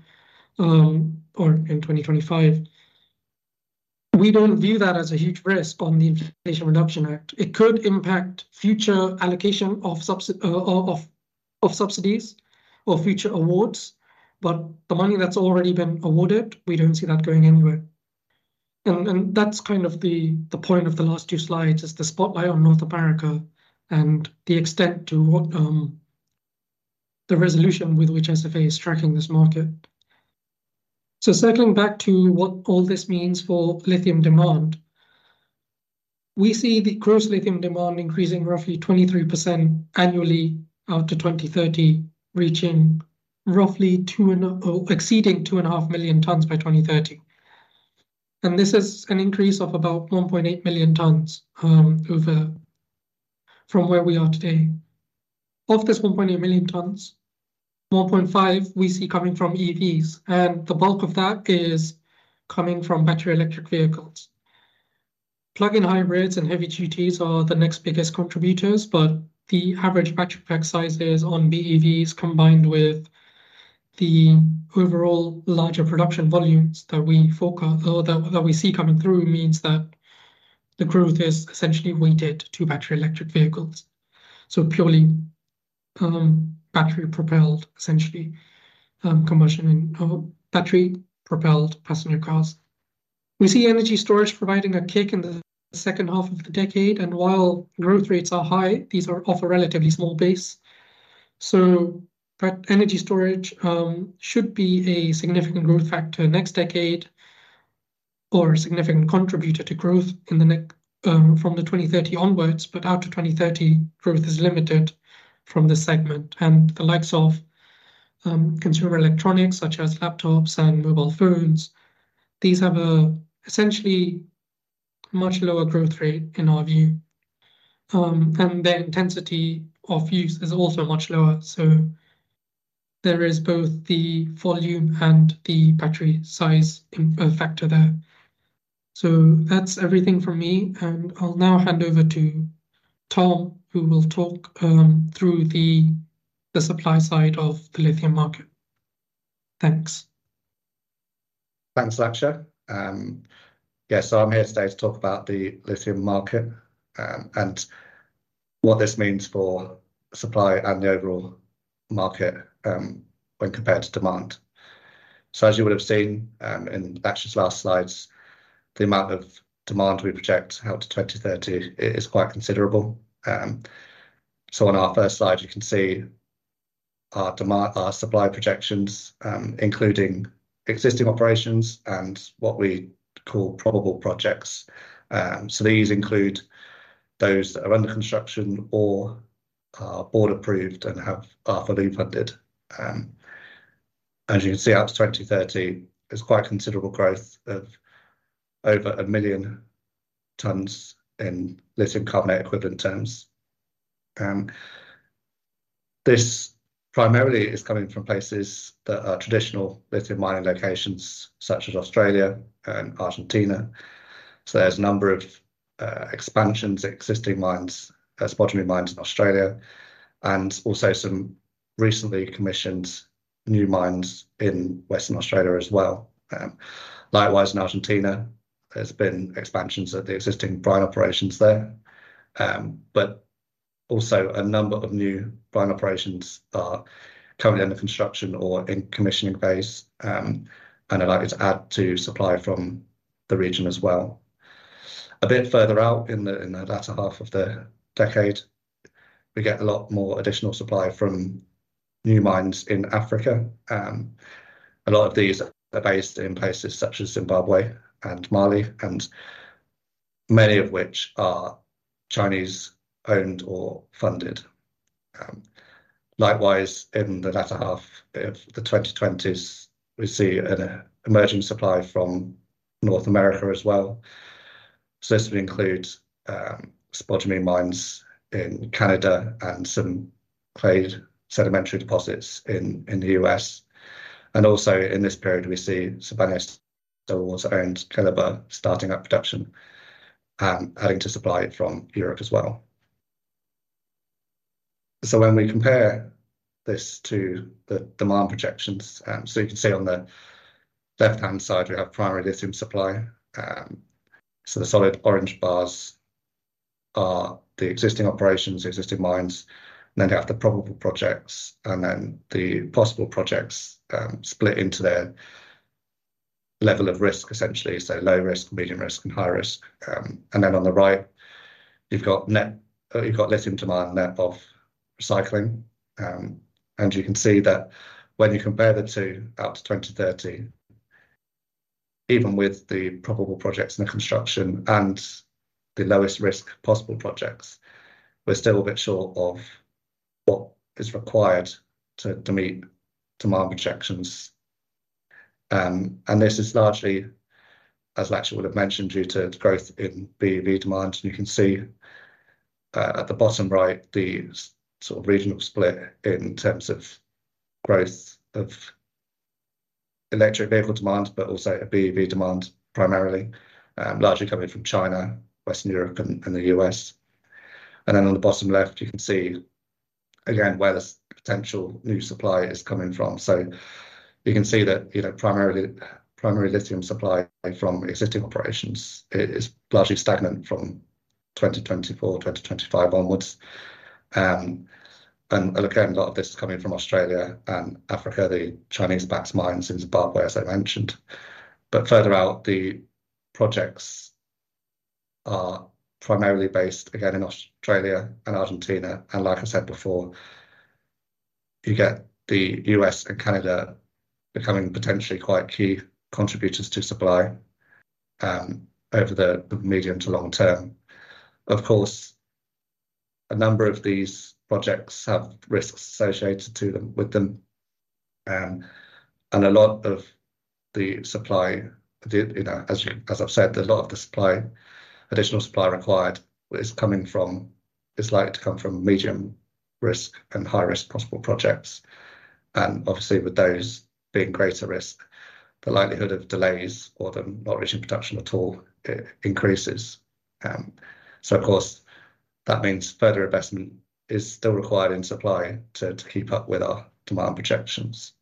or in 2025. We don't view that as a huge risk on the Inflation Reduction Act. It could impact future allocation of subsidies or future awards, but the money that's already been awarded, we don't see that going anywhere. And that's kind of the point of the last two slides, is the spotlight on North America and the extent to what the resolution with which SFA is tracking this market. So circling back to what all this means for lithium demand, we see the gross lithium demand increasing roughly 23% annually out to 2030, reaching roughly or exceeding 2.5 million tonnes by 2030. And this is an increase of about 1.8 million tonnes over from where we are today. Of this 1.8 million tonnes, 1.5 we see coming from EVs, and the bulk of that is coming from battery electric vehicles. Plug-in hybrids and heavy duties are the next biggest contributors, but the average battery pack sizes on BEVs, combined with the overall larger production volumes that we forecast or that we see coming through, means that the growth is essentially weighted to battery electric vehicles. So purely, battery-propelled, essentially, combustion and battery-propelled passenger cars. We see energy storage providing a kick in the second half of the decade, and while growth rates are high, these are off a relatively small base. So, but energy storage should be a significant growth factor next decade, or a significant contributor to growth in the next, from 2030 onwards. But after 2030, growth is limited from this segment. And the likes of consumer electronics, such as laptops and mobile phones, these have a essentially much lower growth rate, in our view. And their intensity of use is also much lower, so there is both the volume and the battery size in factor there. So that's everything from me, and I'll now hand over to Tom, who will talk through the supply side of the lithium market. Thanks. Thanks, Lakshya. Yeah, so I'm here today to talk about the lithium market, and what this means for supply and the overall market, when compared to demand. As you would have seen, in Lakshya's last slides, the amount of demand we project out to 2030 is quite considerable. So on our first slide, you can see our supply projections, including existing operations and what we call probable projects. These include those that are under construction or are board approved and are fully funded. As you can see, out to 2030, there's quite considerable growth of over 1 million tonnes in Lithium carbonate equivalent terms. This primarily is coming from places that are traditional lithium mining locations, such as Australia and Argentina. So there's a number of expansions at existing mines, spodumene mines in Australia, and also some recently commissioned new mines in Western Australia as well. Likewise, in Argentina, there's been expansions at the existing brine operations there. But also a number of new brine operations are currently under construction or in commissioning phase, and are likely to add to supply from the region as well. A bit further out in the latter half of the decade, we get a lot more additional supply from new mines in Africa. A lot of these are based in places such as Zimbabwe and Mali, and many of which are Chinese-owned or funded. Likewise, in the latter half of the 2020s, we see an emerging supply from North America as well. So this includes spodumene mines in Canada and some clay sedimentary deposits in the US. And also in this period, we see Sibanye-Stillwater's owned Keliber starting up production, adding to supply from Europe as well. So when we compare this to the demand projections, so you can see on the left-hand side, we have primary lithium supply. So the solid orange bars are the existing operations, the existing mines, and then they have the probable projects, and then the possible projects, split into their level of risk, essentially, so low risk, medium risk, and high risk. And then on the right, you've got lithium demand net of recycling. And you can see that when you compare the two out to 2030, even with the probable projects under construction and the lowest risk possible projects, we're still a bit short of what is required to meet demand projections. This is largely, as Lakshya would have mentioned, due to growth in BEV demand. And you can see at the bottom right, the sort of regional split in terms of growth of electric vehicle demand, but also BEV demand, primarily, largely coming from China, Western Europe, and the US. And then on the bottom left, you can see again, where this potential new supply is coming from. So you can see that, you know, primarily, primary lithium supply from existing operations is largely stagnant from 2024, 2025 onwards. And again, a lot of this is coming from Australia and Africa, the Chinese-backed mines in Zimbabwe, as I mentioned. But further out, the projects are primarily based, again, in Australia and Argentina, and like I said before, you get the U.S. and Canada becoming potentially quite key contributors to supply, over the medium to long term. Of course, a number of these projects have risks associated to them, with them, and a lot of the supply, the, you know, as, as I've said, a lot of the supply, additional supply required is likely to come from medium risk and high risk possible projects. And obviously, with those being greater risk, the likelihood of delays or them not reaching production at all, it increases. So of course, that means further investment is still required in supply to keep up with our demand projections.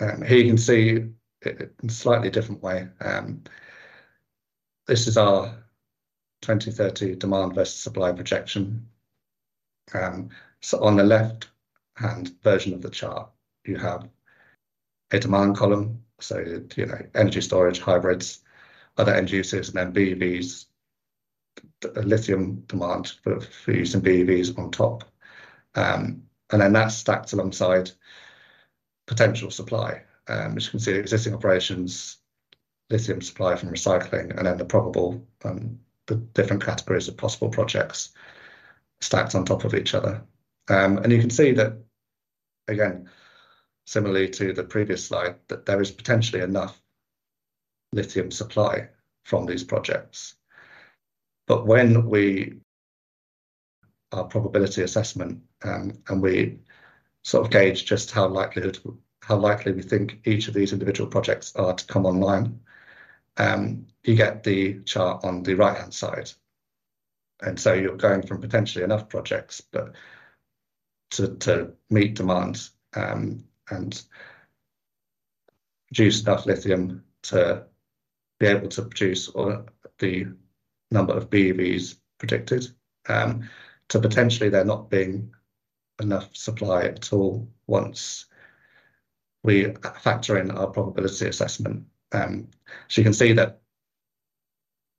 And here you can see it in a slightly different way. This is our 2030 demand versus supply projection. So on the left-hand version of the chart, you have a demand column, so, you know, energy storage, hybrids, other end users, and then BEVs, the lithium demand for use in BEVs on top. And then that's stacked alongside potential supply, which you can see existing operations, lithium supply from recycling, and then the probable, the different categories of possible projects stacked on top of each other. And you can see that, again, similarly to the previous slide, that there is potentially enough lithium supply from these projects. But when we, our probability assessment, and we sort of gauge just how likely we think each of these individual projects are to come online, you get the chart on the right-hand side. So you're going from potentially enough projects, but to meet demand, and produce enough lithium to be able to produce all the number of BEVs predicted, to potentially there not being enough supply at all once we factor in our probability assessment. So you can see that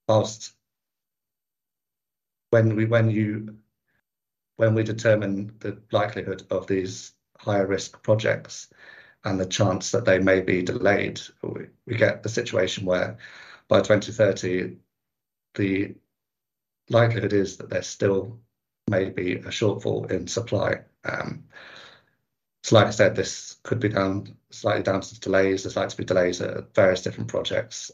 whilst when we determine the likelihood of these higher risk projects and the chance that they may be delayed, we get the situation where by 2030, the likelihood is that there still may be a shortfall in supply. So like I said, this could be down, slightly down to delays. There's likely to be delays at various different projects.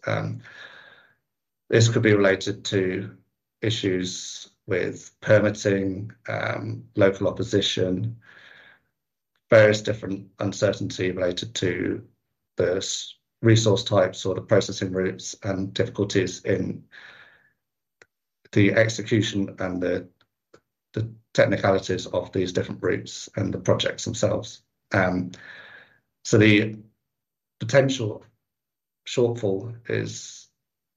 This could be related to issues with permitting, local opposition, various different uncertainty related to the resource types or the processing routes, and difficulties in the execution and the technicalities of these different routes and the projects themselves. So the potential shortfall is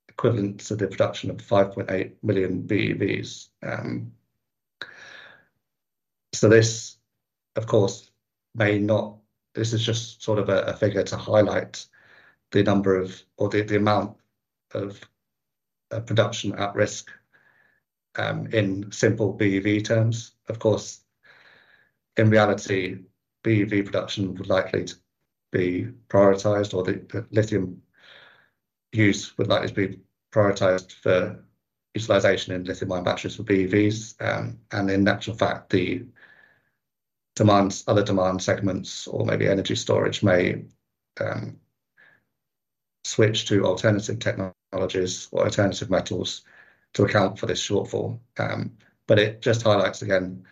equivalent to the production of 5.8 million BEVs. So this, of course, may not... This is just sort of a figure to highlight the number of or the amount of production at risk, in simple BEV terms. Of course, in reality, BEV production would likely to be prioritised, or the lithium use would likely to be prioritised for utilisation in lithium ion batteries for BEVs. In actual fact, the demand, other demand segments, or maybe energy storage may switch to alternative technologies or alternative metals to account for this shortfall. But it just highlights again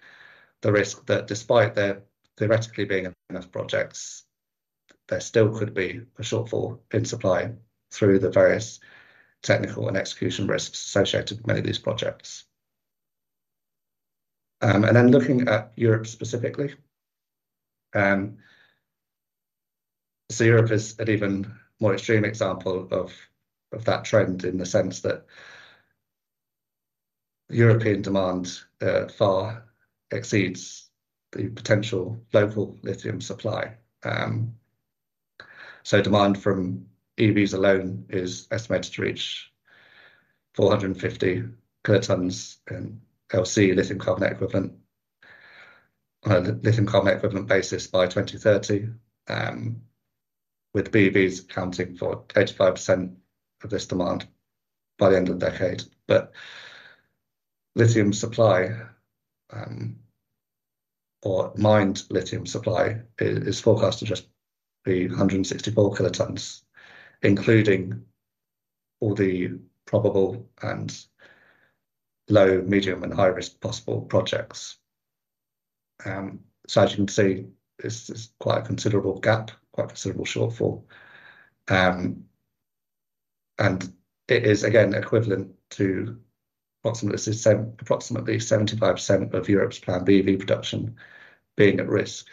the risk that despite there theoretically being enough projects, there still could be a shortfall in supply through the various technical and execution risks associated with many of these projects. And then looking at Europe specifically, so Europe is an even more extreme example of that trend, in the sense that European demand far exceeds the potential local lithium supply. So demand from EVs alone is estimated to reach 450 kilotons in LCE, Lithium carbonate equivalent, on a Lithium carbonate equivalent basis by 2030, with BEVs accounting for 85% of this demand by the end of the decade. But lithium supply, or mined lithium supply is forecast to just be 164 kilotons, including all the probable and low, medium, and high risk possible projects. So as you can see, this is quite a considerable gap, quite a considerable shortfall. And it is again, equivalent to approximately 70, approximately 75% of Europe's planned BEV production being at risk.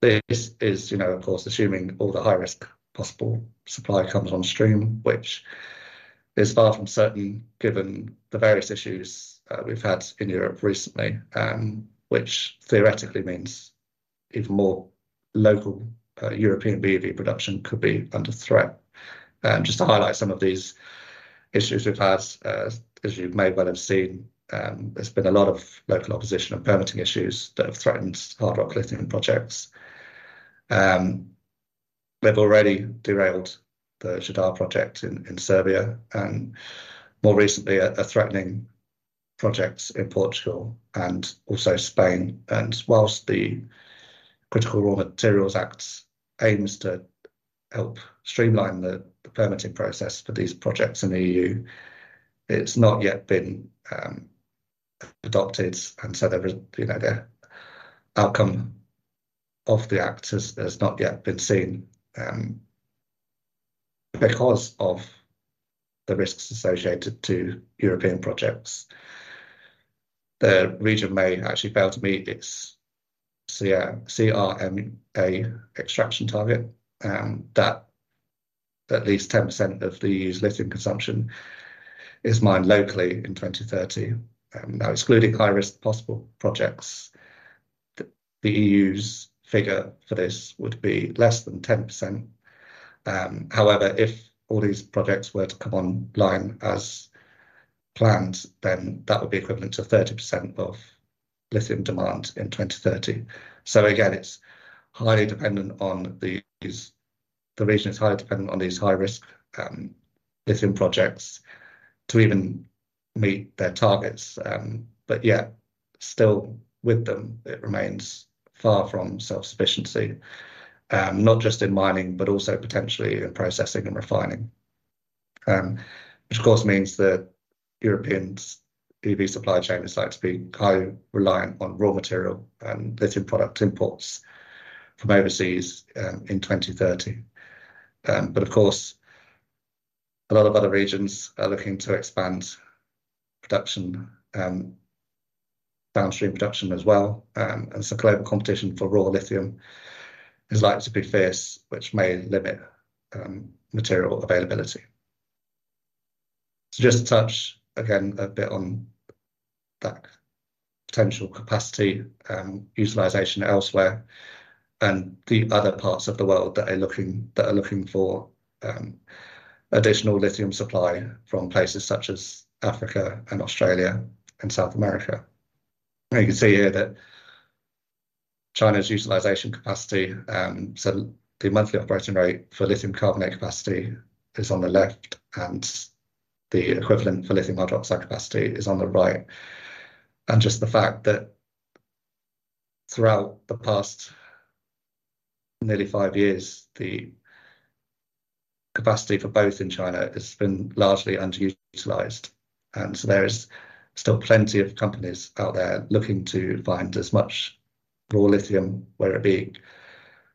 This is, you know, of course, assuming all the high risk possible supply comes on stream, which is far from certain, given the various issues, we've had in Europe recently, which theoretically means even more local, European BEV production could be under threat. Just to highlight some of these issues we've had, as you may well have seen, there's been a lot of local opposition and permitting issues that have threatened hard rock lithium projects. They've already derailed the Jadar project in Serbia and more recently, are threatening projects in Portugal and also Spain. And while the Critical Raw Materials Act aims to help streamline the permitting process for these projects in the EU. It's not yet been adopted, and so there is, you know, the outcome of the act has not yet been seen. Because of the risks associated to European projects, the region may actually fail to meet its CRMA extraction target, that at least 10% of the EU's lithium consumption is mined locally in 2030. Now, excluding high-risk possible projects, the EU's figure for this would be less than 10%. However, if all these projects were to come online as planned, then that would be equivalent to 30% of lithium demand in 2030. So again, it's highly dependent on these. The region is highly dependent on these high-risk lithium projects to even meet their targets. But yet, still with them, it remains far from self-sufficiency, not just in mining, but also potentially in processing and refining. Which of course means that Europeans' EV supply chain is likely to be highly reliant on raw material and lithium product imports from overseas, in 2030. But of course, a lot of other regions are looking to expand production, downstream production as well. And so global competition for raw lithium is likely to be fierce, which may limit material availability. So just touch again a bit on that potential capacity, utilization elsewhere, and the other parts of the world that are looking, that are looking for, additional lithium supply from places such as Africa and Australia and South America. And you can see here that China's utilization capacity, so the monthly operating rate for Lithium carbonate capacity is on the left, and the equivalent lithium hydroxide capacity is on the right. And just the fact that throughout the past nearly five years, the capacity for both in China has been largely underutilized, and so there is still plenty of companies out there looking to find as much raw lithium, whether it be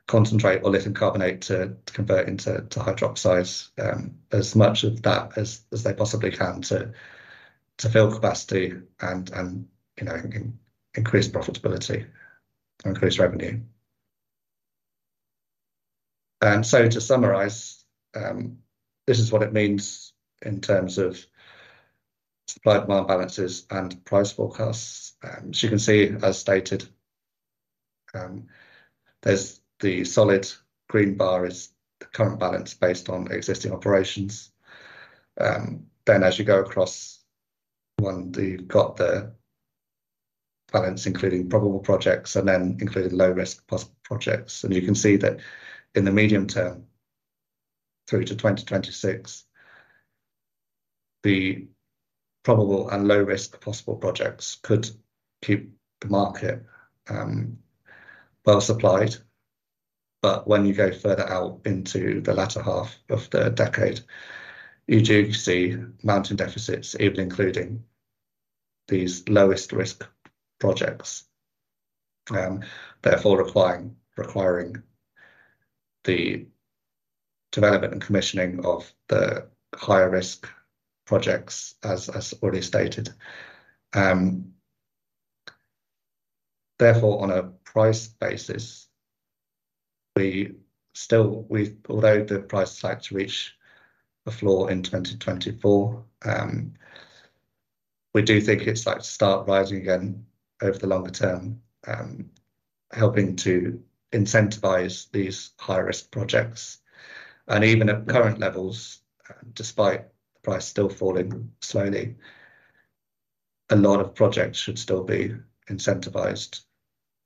concentrate or Lithium carbonate, to, to convert into, to hydroxides, as much of that as, as they possibly can to, to fill capacity and, and, you know, increase profitability and increase revenue. To summarize, this is what it means in terms of supply, demand balances, and price forecasts. You can see, as stated, there's the solid green bar is the current balance based on existing operations. As you go across, one, you've got the balance, including probable projects, and then including low-risk possible projects. You can see that in the medium term, through to 2026, the probable and low-risk possible projects could keep the market well-supplied. When you go further out into the latter half of the decade, you do see mounting deficits, even including these lowest-risk projects, therefore requiring, requiring the development and commissioning of the higher-risk projects, as already stated. Therefore, on a price basis, we still, although the price is likely to reach a floor in 2024, we do think it's likely to start rising again over the longer term, helping to incentivize these high-risk projects. And even at current levels, despite the price still falling slowly, a lot of projects should still be incentivized,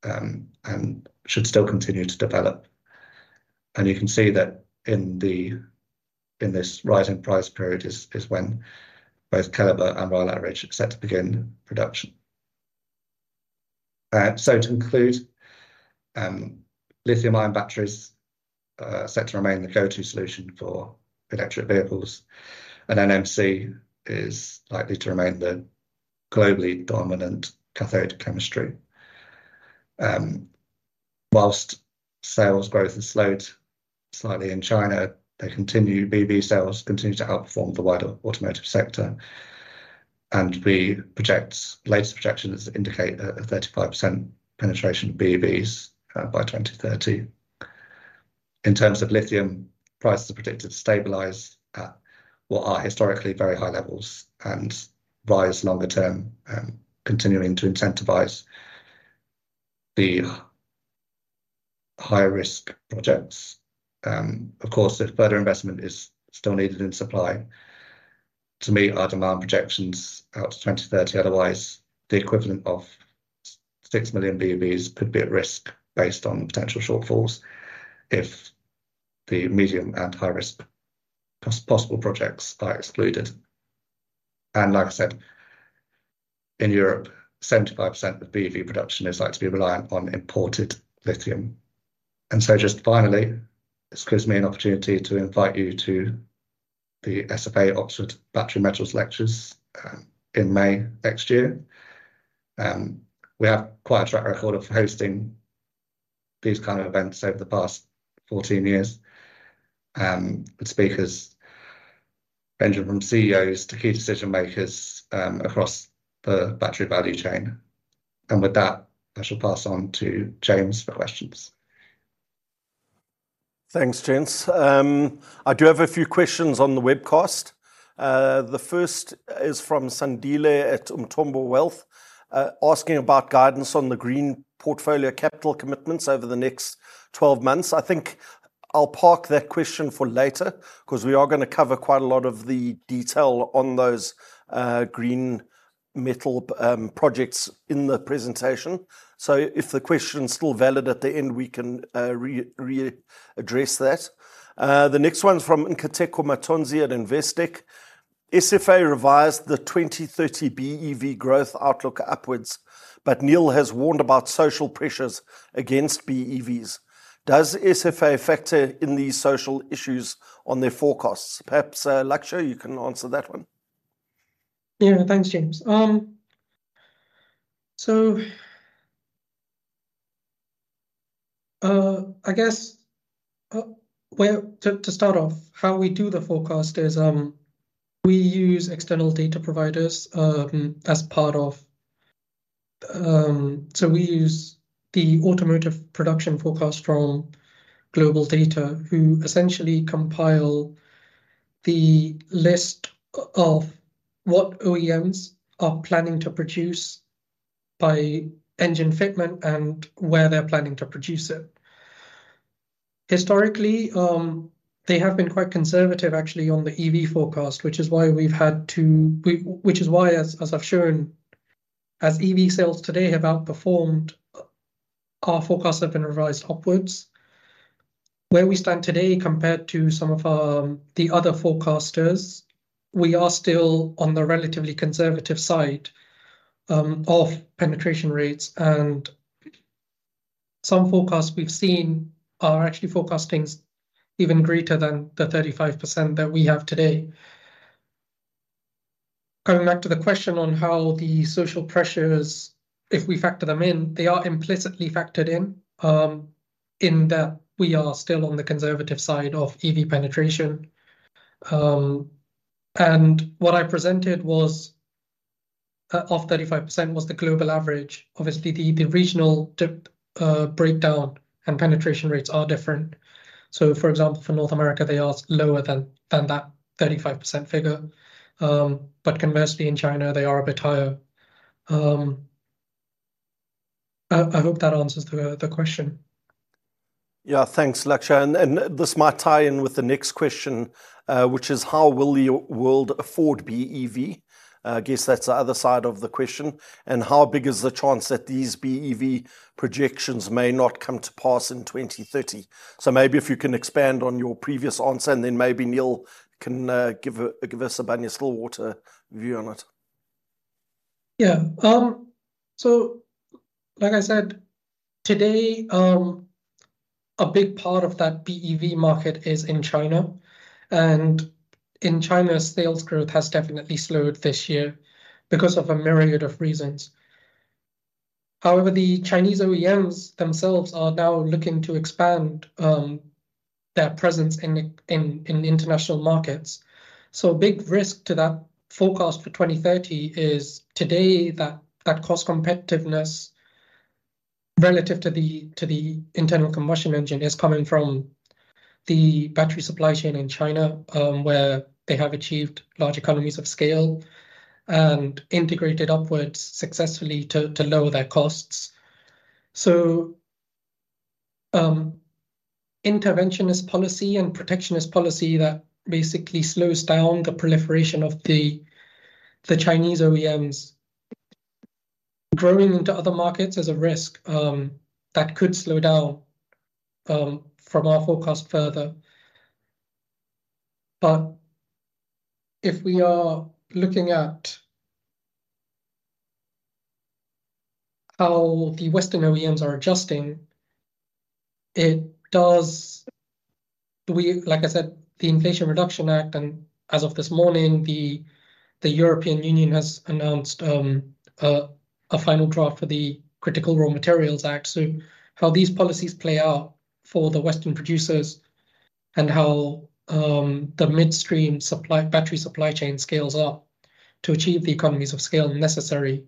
and should still continue to develop. And you can see that in the, in this rising price period is when both Keliber and Rhyolite Ridge are set to begin production. So to conclude, lithium-ion batteries are set to remain the go-to solution for electric vehicles, and NMC is likely to remain the globally dominant cathode chemistry. While sales growth has slowed slightly in China, BEV sales continue to help form the wider automotive sector, and latest projections indicate a 35% penetration of BEVs by 2030. In terms of lithium, prices are predicted to stabilize at what are historically very high levels and rise longer term, continuing to incentivize the higher-risk projects. Of course, if further investment is still needed in supply to meet our demand projections out to 2030, otherwise, the equivalent of 6 million BEVs could be at risk based on potential shortfalls if the medium- and high-risk possible projects are excluded... and like I said, in Europe, 75% of BEV production is likely to be reliant on imported lithium. And so just finally, this gives me an opportunity to invite you to the SFA Oxford Battery Metals Lectures in May next year. We have quite a track record of hosting these kind of events over the past 14 years. With speakers ranging from CEOs to key decision makers across the battery value chain. And with that, I shall pass on to James for questions. Thanks, James. I do have a few questions on the webcast. The first is from Sandile at Umthombo Wealth, asking about guidance on the green portfolio capital commitments over the next 12 months. I think I'll park that question for later, 'cause we are gonna cover quite a lot of the detail on those, green metal, projects in the presentation. So if the question's still valid at the end, we can re-address that. The next one's from Nkateko Mathonsi at Investec: SFA revised the 2030 BEV growth outlook upwards, but Neal has warned about social pressures against BEVs. Does SFA factor in these social issues on their forecasts? Perhaps, Lakshya, you can answer that one. Yeah. Thanks, James. So, to start off, how we do the forecast is, we use external data providers as part of. So we use the automotive production forecast from GlobalData, who essentially compile the list of what OEMs are planning to produce by engine fitment and where they're planning to produce it. Historically, they have been quite conservative, actually, on the EV forecast, which is why, as I've shown, as EV sales today have outperformed, our forecasts have been revised upwards. Where we stand today compared to some of the other forecasters, we are still on the relatively conservative side of penetration rates, and some forecasts we've seen are actually forecasting even greater than the 35% that we have today. Coming back to the question on how the social pressures, if we factor them in, they are implicitly factored in, in that we are still on the conservative side of EV penetration. And what I presented was, of 35%, was the global average. Obviously, the, the regional breakdown and penetration rates are different. So, for example, for North America, they are lower than, than that 35% figure. But conversely, in China, they are a bit higher. I, I hope that answers the, the question. Yeah. Thanks, Lakshya, and, and this might tie in with the next question, which is: How will the world afford BEV? I guess that's the other side of the question. And how big is the chance that these BEV projections may not come to pass in 2030? So maybe if you can expand on your previous answer, and then maybe Neal can give a, give us a Stillwater view on it. Yeah. So like I said, today, a big part of that BEV market is in China, and in China, sales growth has definitely slowed this year because of a myriad of reasons. However, the Chinese OEMs themselves are now looking to expand their presence in international markets. So a big risk to that forecast for 2030 is, today, that cost competitiveness relative to the internal combustion engine is coming from the battery supply chain in China, where they have achieved large economies of scale and integrated upwards successfully to lower their costs. So, interventionist policy and protectionist policy that basically slows down the proliferation of the Chinese OEMs growing into other markets is a risk that could slow down from our forecast further. But if we are looking at how the Western OEMs are adjusting, it does—We, like I said, the Inflation Reduction Act, and as of this morning, the European Union has announced a final draft for the Critical Raw Materials Act. So how these policies play out for the Western producers and how the midstream supply, battery supply chain scales up to achieve the economies of scale necessary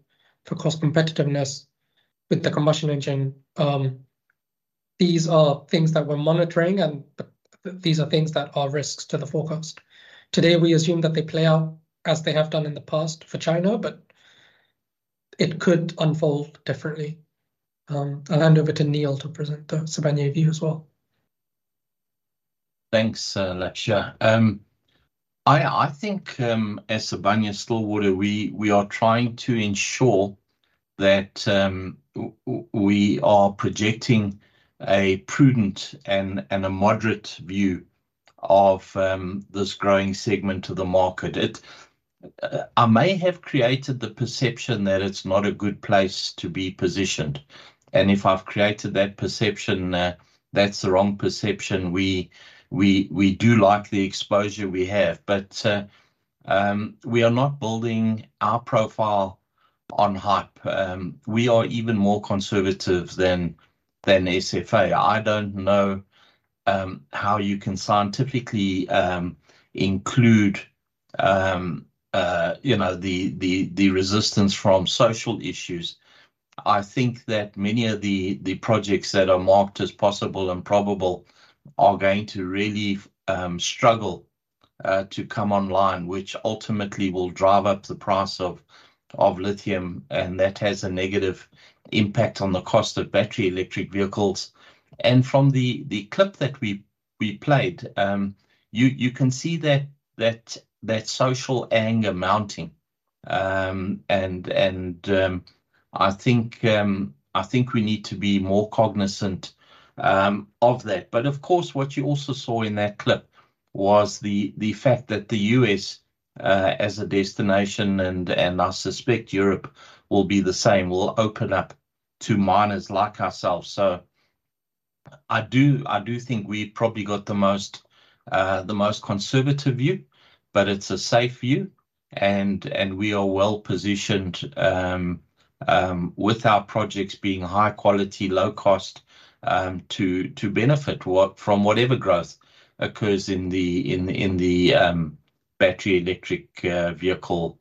for cost competitiveness with the combustion engine, these are things that we're monitoring, and these are things that are risks to the forecast. Today, we assume that they play out as they have done in the past for China, but it could unfold differently. I'll hand over to Neal to present the Sibanye view as well. Thanks, Lakshya. I think, as Sibanye-Stillwater, we are trying to ensure-... that we are projecting a prudent and a moderate view of this growing segment of the market. It I may have created the perception that it's not a good place to be positioned, and if I've created that perception, that's the wrong perception. We do like the exposure we have, but we are not building our profile on hype. We are even more conservative than SFA. I don't know how you can scientifically include you know the resistance from social issues. I think that many of the projects that are marked as possible and probable are going to really struggle to come online, which ultimately will drive up the price of lithium, and that has a negative impact on the cost of battery electric vehicles. From the clip that we played, you can see that social anger mounting. I think we need to be more cognizant of that. But of course, what you also saw in that clip was the fact that the U.S. as a destination, and I suspect Europe will be the same, will open up to miners like ourselves. So I do think we've probably got the most conservative view, but it's a safe view, and we are well positioned with our projects being high quality, low cost to benefit from whatever growth occurs in the battery electric vehicle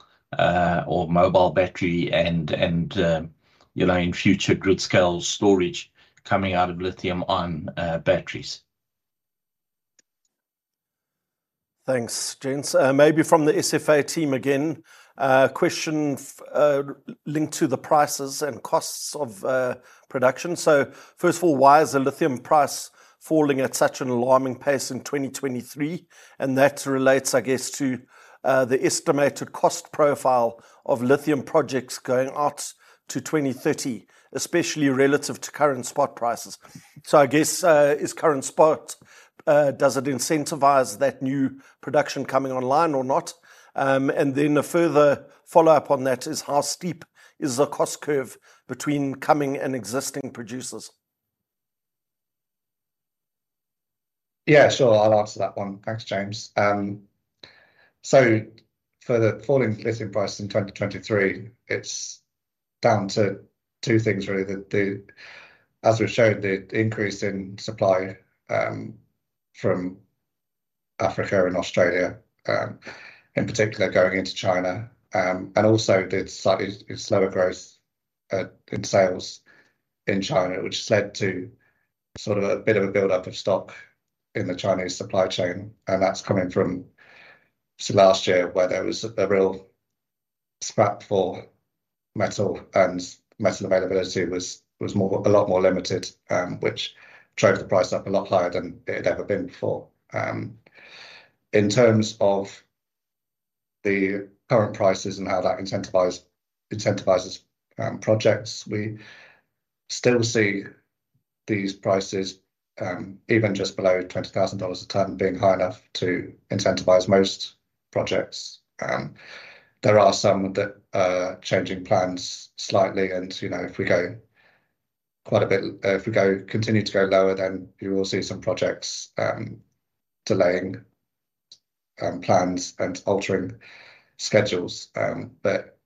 or mobile battery and, you know, in future grid-scale storage coming out of lithium-ion batteries. Thanks, gents. Maybe from the SFA team again, a question linked to the prices and costs of production. So first of all, why is the lithium price falling at such an alarming pace in 2023? And that relates, I guess, to the estimated cost profile of lithium projects going out to 2030, especially relative to current spot prices. So I guess, is current spot does it incentivize that new production coming online or not? And then a further follow-up on that is, how steep is the cost curve between coming and existing producers? Yeah, sure. I'll answer that one. Thanks, James. So for the falling lithium prices in 2023, it's down to two things, really. As we've shown, the increase in supply, from Africa and Australia, in particular, going into China. And also the slightly slower growth, in sales in China, which led to sort of a bit of a build-up of stock in the Chinese supply chain, and that's coming from last year, where there was a real scrap for metal, and metal availability was a lot more limited, which drove the price up a lot higher than it had ever been before. In terms of the current prices and how that incentivises, projects, we still see these prices, even just below $20,000 a ton, being high enough to incentivise most projects. There are some that are changing plans slightly and, you know, if we go quite a bit, if we go continue to go lower, then you will see some projects delaying plans and altering schedules. But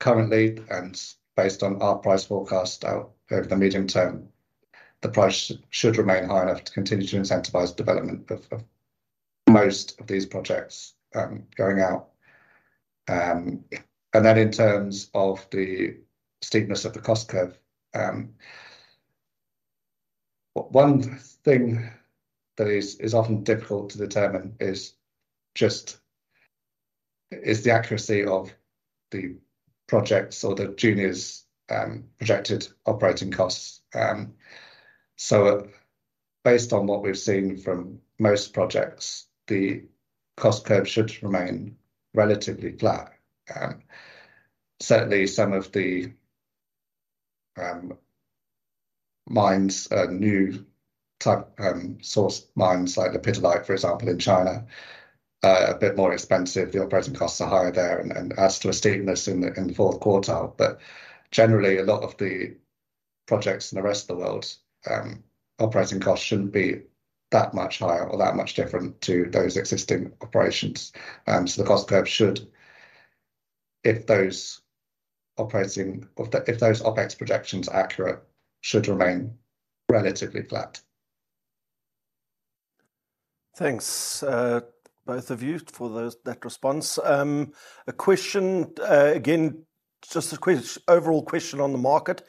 currently, and based on our price forecast out over the medium term, the price should remain high enough to continue to incentivize development of most of these projects going out. And then in terms of the steepness of the cost curve, one thing that is often difficult to determine is just... the accuracy of the projects or the juniors' projected operating costs. So based on what we've seen from most projects, the cost curve should remain relatively flat. Certainly some of the mines, new type source mines, like the lepidolite, for example, in China, are a bit more expensive. The operating costs are higher there, and as to a steepness in the fourth quartile. But generally, a lot of the projects in the rest of the world, operating costs shouldn't be that much higher or that much different to those existing operations. So the cost curve should, if those OpEx projections are accurate, remain relatively flat. Thanks, both of you, for those, that response. A question, overall question on the market: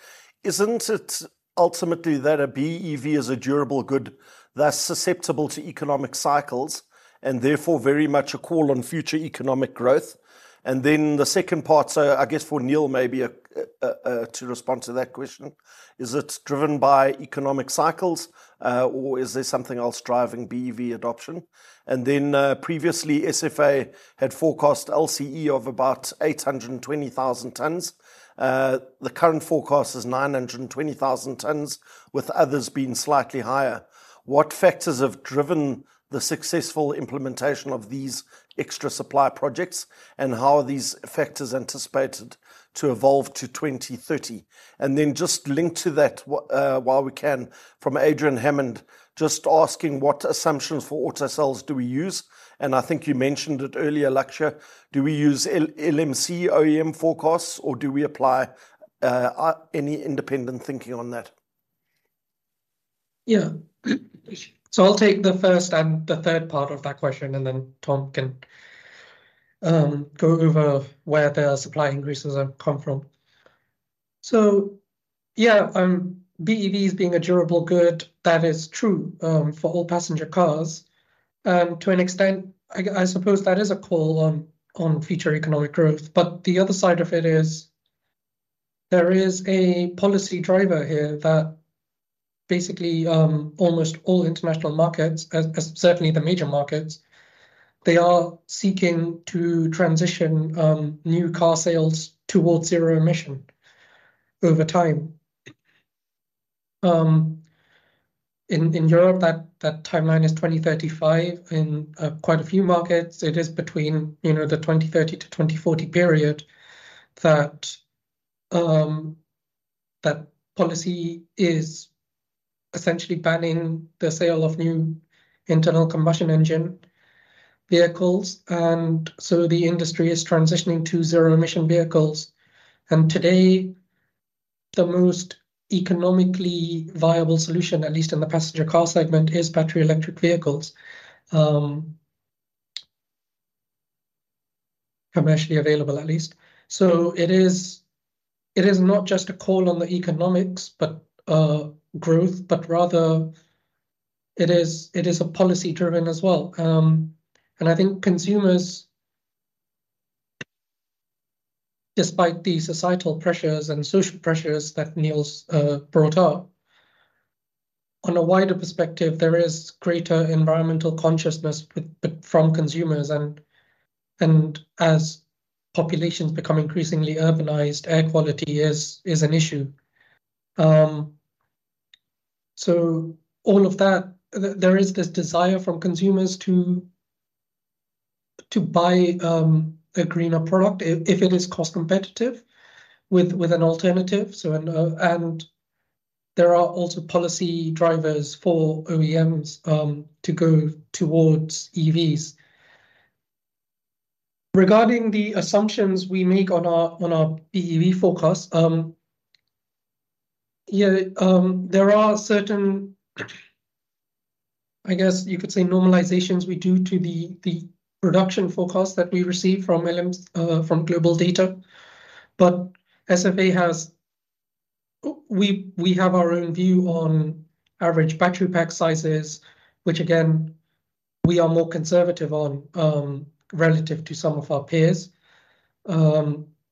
Isn't it ultimately that a BEV is a durable good, thus susceptible to economic cycles, and therefore very much a call on future economic growth? And then the second part, so I guess for Neal, maybe, to respond to that question: Is it driven by economic cycles, or is there something else driving BEV adoption? And then, previously, SFA had forecast LCE of about 820,000 tonnes. The current forecast is 920,000 tonnes, with others being slightly higher. What factors have driven the successful implementation of these extra supply projects, and how are these factors anticipated to evolve to 2030? Then just linked to that, while we can, from Adrian Hammond, just asking what assumptions for auto sales do we use? And I think you mentioned it earlier, Lakshya. Do we use LMC OEM forecasts, or do we apply any independent thinking on that? Yeah. So I'll take the first and the third part of that question, and then Tom can go over where the supply increases have come from. So, yeah, BEVs being a durable good, that is true for all passenger cars. And to an extent, I suppose that is a call on future economic growth. But the other side of it is, there is a policy driver here that basically almost all international markets, as certainly the major markets, they are seeking to transition new car sales towards zero emission over time. In Europe, that timeline is 2035. In quite a few markets, it is between, you know, the 2030-2040 period that policy is essentially banning the sale of new internal combustion engine vehicles, and so the industry is transitioning to zero-emission vehicles. And today, the most economically viable solution, at least in the passenger car segment, is battery electric vehicles, commercially available at least. So it is, it is not just a call on the economics, but growth, but rather it is, it is a policy driven as well. And I think consumers, despite the societal pressures and social pressures that Neal's brought up, on a wider perspective, there is greater environmental consciousness with, with... from consumers and, and as populations become increasingly urbanized, air quality is an issue. So all of that, there, there is this desire from consumers to, to buy, a greener product if it is cost competitive with, with an alternative. So, and, and there are also policy drivers for OEMs, to go towards EVs. Regarding the assumptions we make on our, on our BEV forecast, yeah, there are certain, I guess, you could say, normalizations we do to the, the production forecast that we receive from LM, from GlobalData. But SFA has... we, we have our own view on average battery pack sizes, which again, we are more conservative on, relative to some of our peers.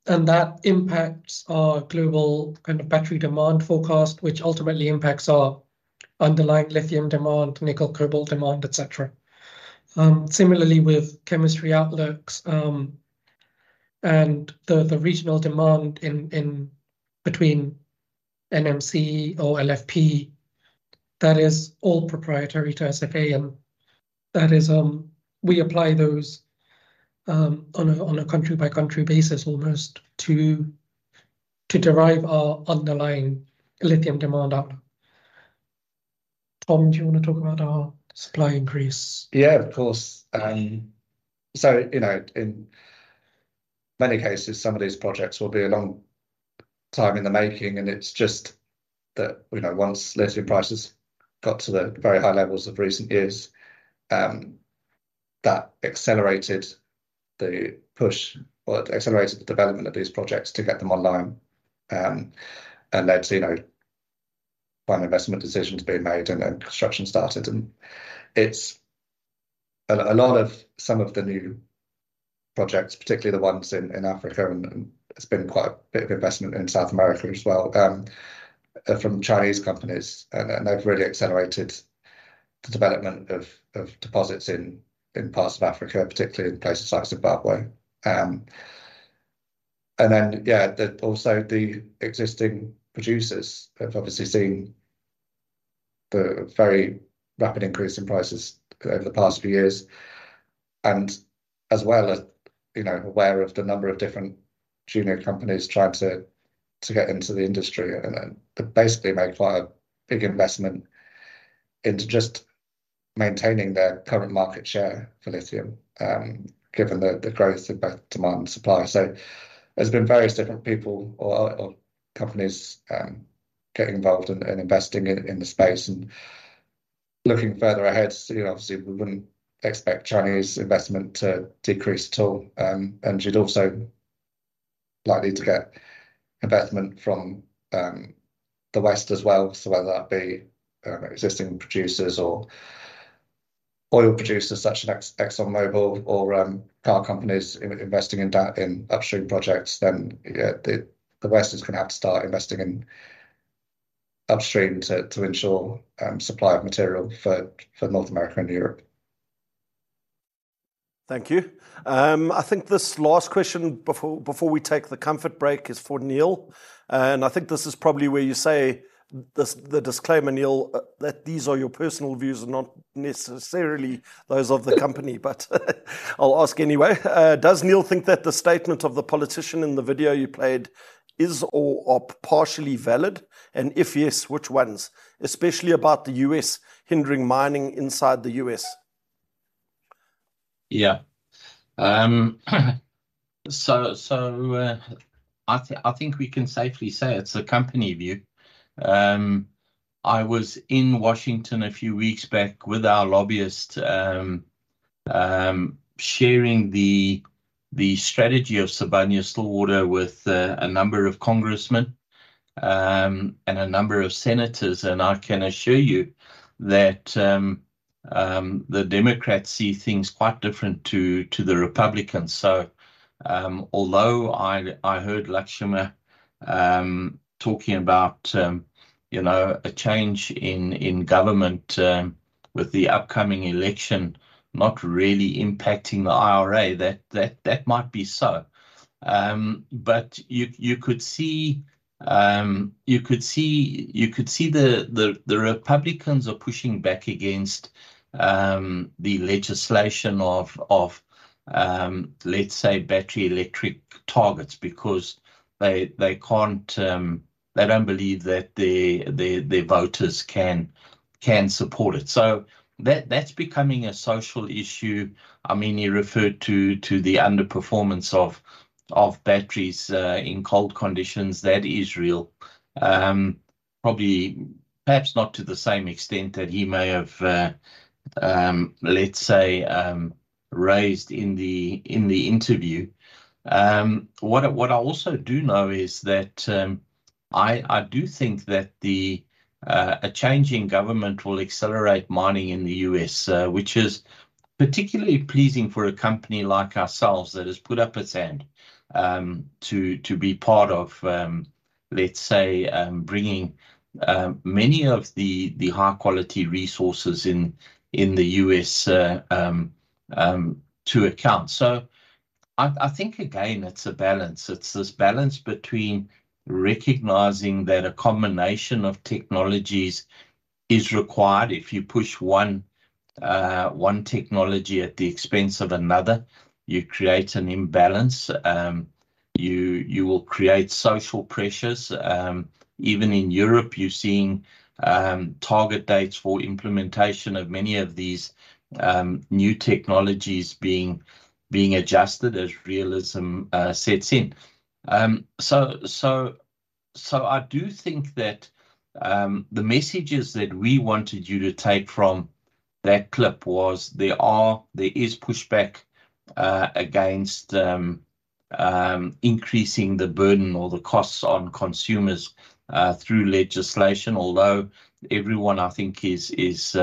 And that impacts our global kind of battery demand forecast, which ultimately impacts our underlying lithium demand, nickel, cobalt demand, et cetera. Similarly with chemistry outlooks, and the regional demand in between NMC or LFP, that is all proprietary to SFA, and that is we apply those on a country-by-country basis, almost, to derive our underlying lithium demand up. Tom, do you want to talk about our supply increase? Yeah, of course. So, you know, in many cases, some of these projects will be a long time in the making, and it's just that, you know, once lithium prices got to the very high levels of recent years, that accelerated the push, or it accelerated the development of these projects to get them online. And led to, you know, final investment decisions being made and then construction started, and it's a lot of some of the new projects, particularly the ones in Africa, and it's been quite a bit of investment in South America as well, from Chinese companies, and they've really accelerated the development of deposits in parts of Africa, particularly in places like Zimbabwe. And then, yeah, also the existing producers have obviously seen the very rapid increase in prices over the past few years, and as well as, you know, aware of the number of different junior companies trying to get into the industry and then to basically make quite a big investment into just maintaining their current market share for lithium, given the growth in both demand and supply. So there's been various different people or companies getting involved and investing in the space and looking further ahead, you know, obviously we wouldn't expect Chinese investment to decrease at all. And should also likely to get investment from the West as well. So whether that be existing producers or oil producers such as ExxonMobil or car companies investing in that, in upstream projects, then, yeah, the West is gonna have to start investing in upstream to ensure supply of material for North America and Europe. Thank you. I think this last question before we take the comfort break is for Neal, and I think this is probably where you say this, the disclaimer, Neal, that these are your personal views and not necessarily those of the company. But I'll ask anyway. Does Neal think that the statement of the politician in the video you played is or, are partially valid? And if yes, which ones, especially about the U.S. hindering mining inside the U.S.? Yeah. So, I think we can safely say it's a company view. I was in Washington a few weeks back with our lobbyist, sharing the strategy of Sibanye-Stillwater with a number of congressmen, and a number of senators, and I can assure you that the Democrats see things quite different to the Republicans. So, although I heard Lakshya talking about, you know, a change in government with the upcoming election not really impacting the IRA, that might be so. But you could see... You could see the Republicans are pushing back against the legislation of, of, let's say, battery electric targets because they can't, they don't believe that their voters can support it. So that's becoming a social issue. I mean, he referred to the underperformance of batteries in cold conditions. That is real. Probably, perhaps not to the same extent that he may have, let's say, raised in the interview. What I also do know is that I do think that a change in government will accelerate mining in the U.S., which is particularly pleasing for a company like ourselves that has put up its hand to be part of, let's say, bringing many of the high-quality resources in the U.S. to account. So I think, again, it's a balance. It's this balance between recognizing that a combination of technologies is required. If you push one technology at the expense of another, you create an imbalance. You will create social pressures. Even in Europe, you're seeing target dates for implementation of many of these new technologies being adjusted as realism sets in. So I do think that the messages that we wanted you to take from that clip were that there is pushback against increasing the burden or the costs on consumers through legislation. Although everyone, I think, is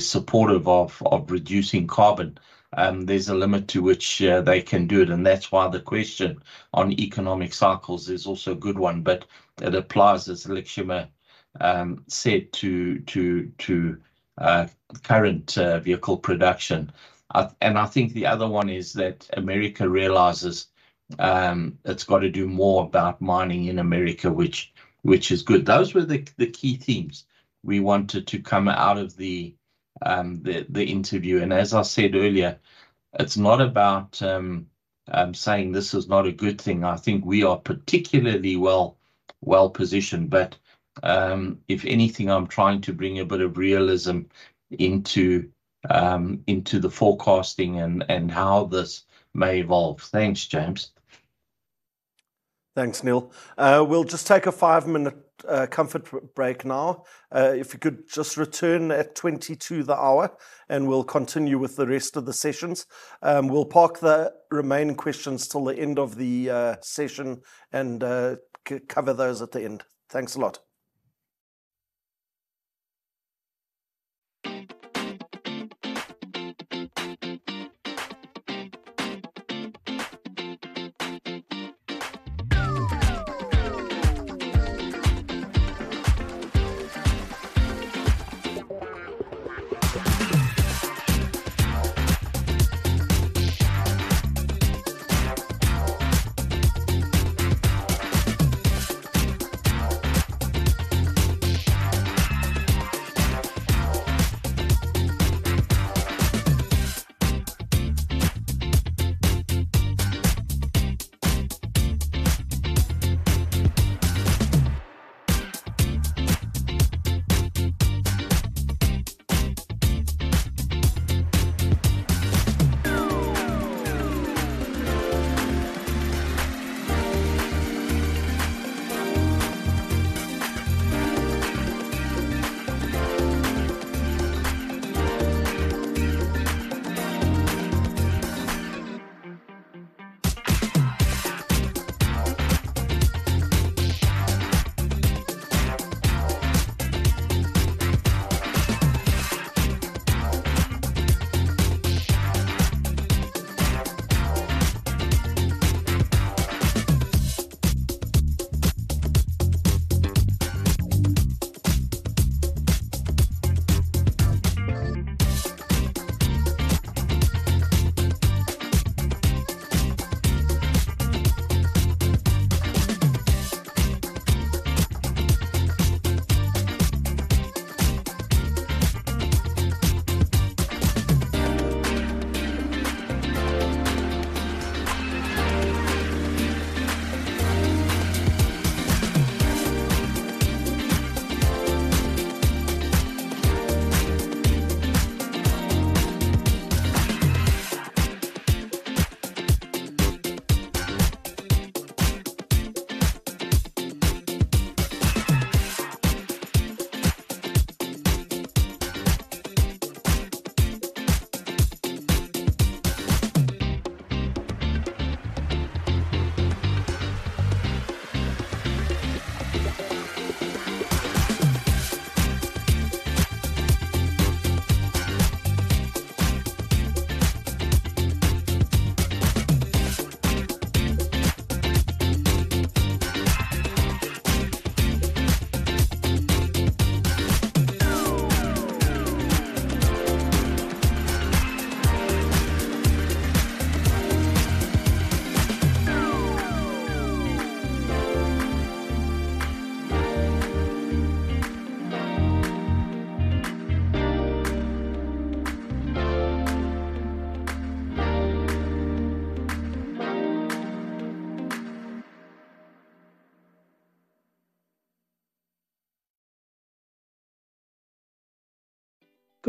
supportive of reducing carbon, there's a limit to which they can do it, and that's why the question on economic cycles is also a good one. But it applies, as Lakshya said, to current vehicle production. And I think the other one is that America realizes it's got to do more about mining in America, which is good. Those were the key themes we wanted to come out of the interview. As I said earlier, it's not about saying, "This is not a good thing." I think we are particularly well-positioned. But if anything, I'm trying to bring a bit of realism into the forecasting and how this may evolve. Thanks, James. Thanks, Neal. We'll just take a five-minute comfort break now. If you could just return at 20 to the hour, and we'll continue with the rest of the sessions. We'll park the remaining questions till the end of the session and cover those at the end. Thanks a lot.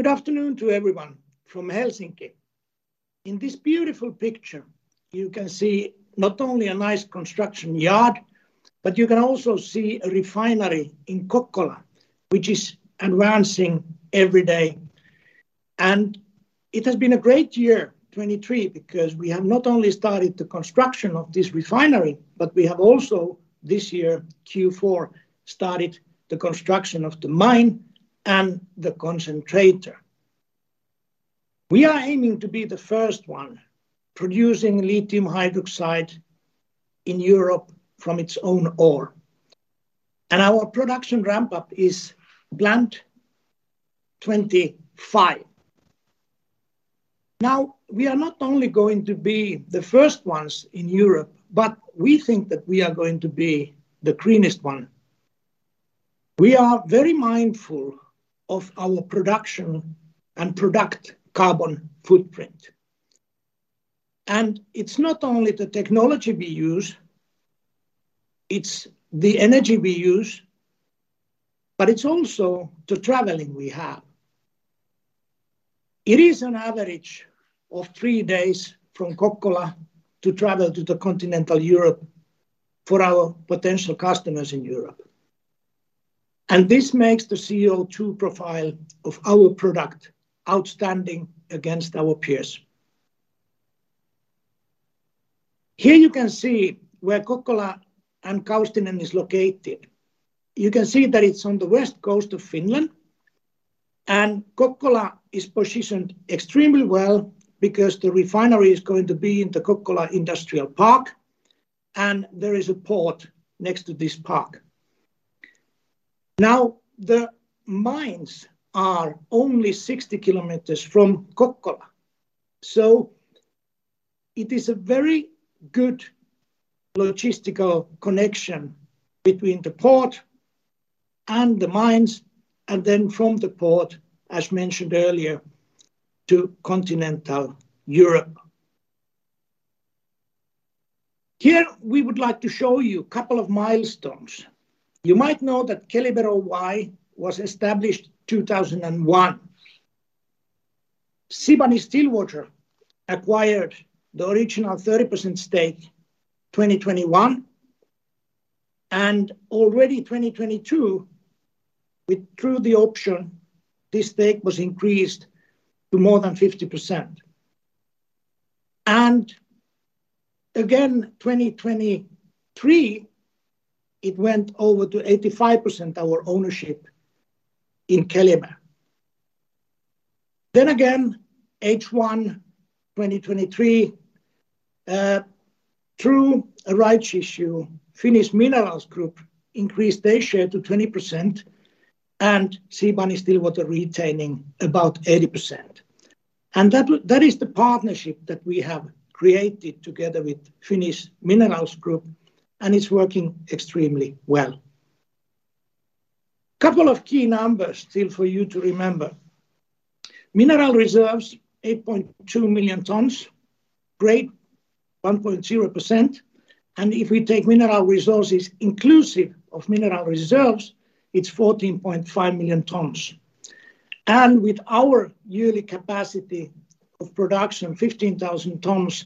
Good afternoon to everyone from Helsinki. In this beautiful picture, you can see not only a nice construction yard, but you can also see a refinery in Kokkola, which is advancing every day. It has been a great year, 2023, because we have not only started the construction of this refinery, but we have also, this year, Q4, started the construction of the mine and the concentrator. We are aiming to be the first one lithium hydroxide in Europe from its own ore, and our production ramp-up is planned 2025. Now, we are not only going to be the first ones in Europe, but we think that we are going to be the greenest one. We are very mindful of our production and product carbon footprint. It's not only the technology we use, it's the energy we use, but it's also the traveling we have. It is an average of 3 days from Kokkola to travel to the continental Europe for our potential customers in Europe, and this makes the CO2 profile of our product outstanding against our peers. Here you can see where Kokkola and Kaustinen is located. You can see that it's on the west coast of Finland, and Kokkola is positioned extremely well because the refinery is going to be in the Kokkola Industrial Park, and there is a port next to this park. Now, the mines are only 60 km from Kokkola, so it is a very good logistical connection between the port and the mines, and then from the port, as mentioned earlier, to continental Europe. Here, we would like to show you a couple of milestones. You might know that Keliber Oy was established in 2001. Sibanye-Stillwater acquired the original 30% stake 2021, and already 2022, we drew the option, this stake was increased to more than 50%. And again, 2023, it went over to 85%, our ownership in Keliber. Then again, H1 2023, through a rights issue, Finnish Minerals Group increased their share to 20% and Sibanye-Stillwater retaining about 80%. And that that is the partnership that we have created together with Finnish Minerals Group, and it's working extremely well. Couple of key numbers still for you to remember. Mineral reserves, 8.2 million tons. Grade, 1.0%, and if we take mineral resources inclusive of mineral reserves, it's 14.5 million tons. And with our yearly capacity of production, 15,000 tons.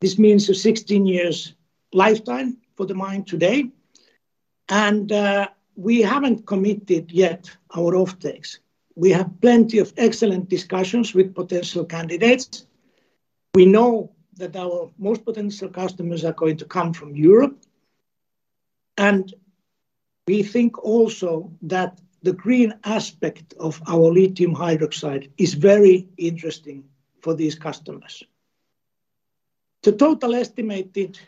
This means a 16 years lifetime for the mine today. We haven't committed yet our offtakes. We have plenty of excellent discussions with potential candidates. We know that our most potential customers are going to come from Europe, and we think also that the green aspect of lithium hydroxide is very interesting for these customers. The total estimated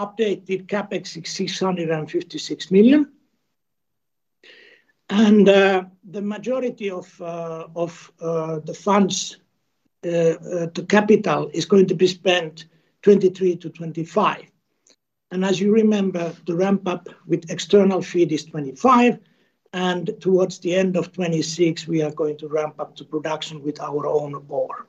updated CapEx is EUR 656 million. The majority of the funds, the capital is going to be spent 2023-2025. As you remember, the ramp up with external feed is 2025, and towards the end of 2026, we are going to ramp up to production with our own ore.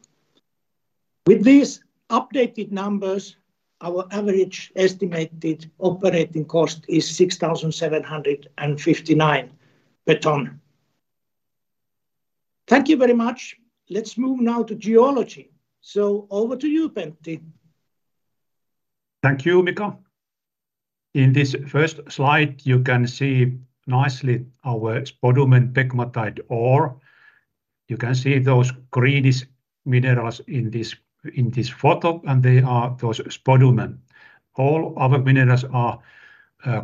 With these updated numbers, our average estimated operating cost is 6,759 per ton. Thank you very much. Let's move now to geology. So over to you, Pentti. Thank you, Mika. In this first slide, you can see nicely our spodumene pegmatite ore. You can see those greenish minerals in this, in this photo, and they are those spodumene. All other minerals are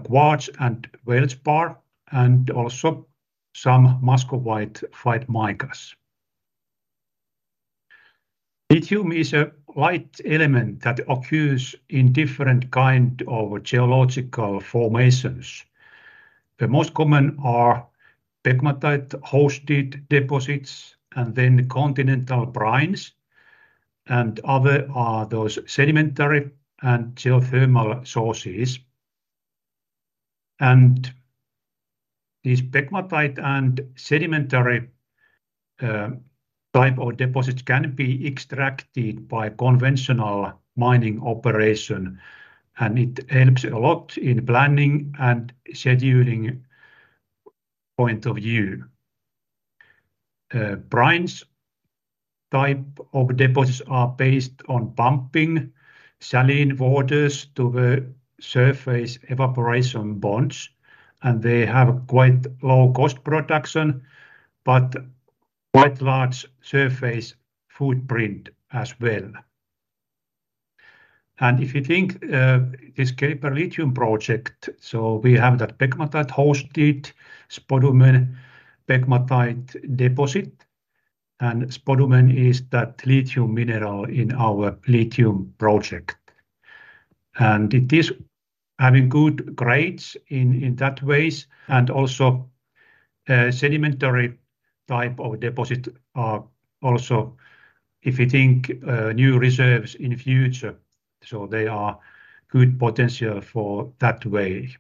quartz and feldspar, and also some muscovite white micas. Lithium is a light element that occurs in different kind of geological formations. The most common are pegmatite-hosted deposits, and then continental brines, and other are those sedimentary and geothermal sources. And these pegmatite and sedimentary type of deposits can be extracted by conventional mining operation, and it helps a lot in planning and scheduling point of view. Brines type of deposits are based on pumping saline waters to the surface evaporation ponds, and they have quite low cost production, but quite large surface footprint as well. And if you think, this Keliber lithium project, so we have that pegmatite-hosted spodumene pegmatite deposit, and spodumene is that lithium mineral in our lithium project. And it is having good grades in, in that ways, and also, sedimentary type of deposit are also, if you think, new reserves in future, so they are good potential for that way.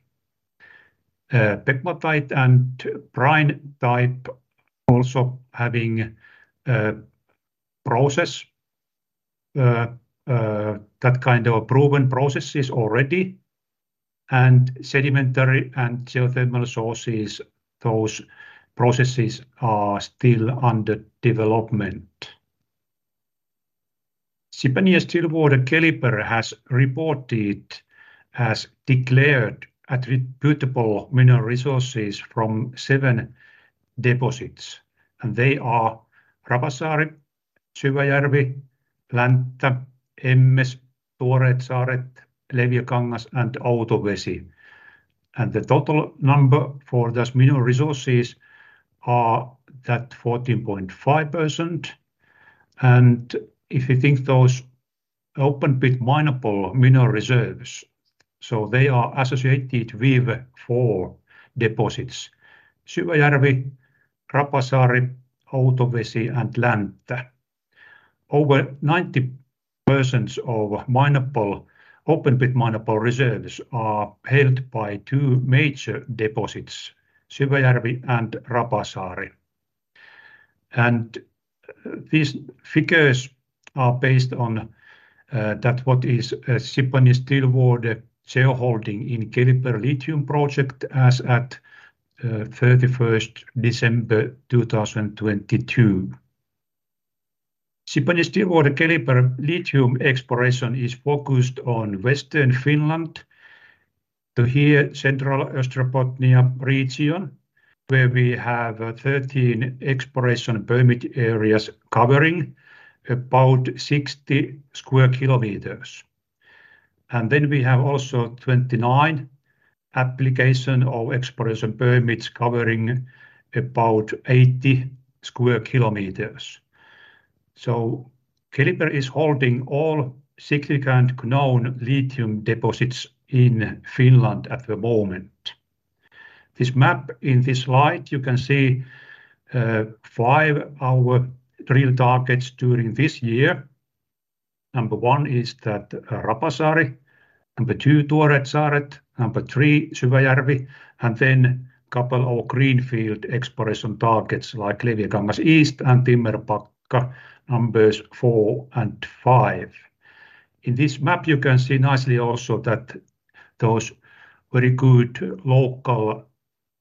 Pegmatite and brine type also having, process, that kind of proven processes already, and sedimentary and geothermal sources, those processes are still under development. Sibanye-Stillwater Keliber has reported, has declared attributable mineral resources from seven deposits, and they are Rapasaari, Syväjärvi, Länttä, Emmes, Tuoreet Saaret, Leviäkangas, and Outovesi. And the total number for those mineral resources are that 14.5%. If you think those open-pit mineable mineral reserves, so they are associated with four deposits: Syväjärvi, Rapasaari, Outovesi, and Länttä. Over 90% of mineable, open-pit mineable reserves are held by two major deposits, Syväjärvi and Rapasaari. These figures are based on that what is Sibanye-Stillwater shareholding in Keliber Lithium project as at 31 December 2022. Sibanye-Stillwater Keliber lithium exploration is focused on western Finland, to here, Central Ostrobothnia region, where we have 13 exploration permit areas covering about 60 sq km. And then we have also 29 application of exploration permits covering about 80 sq km. Keliber is holding all significant known lithium deposits in Finland at the moment. This map in this slide, you can see, five of our drill targets during this year. Number 1 is that, Rapasaari, number 2, Tuoreet Saaret, number 3, Syväjärvi, and then couple of greenfield exploration targets like Leviäkangas East and Timmerpakka, numbers 4 and 5. In this map, you can see nicely also that those very good local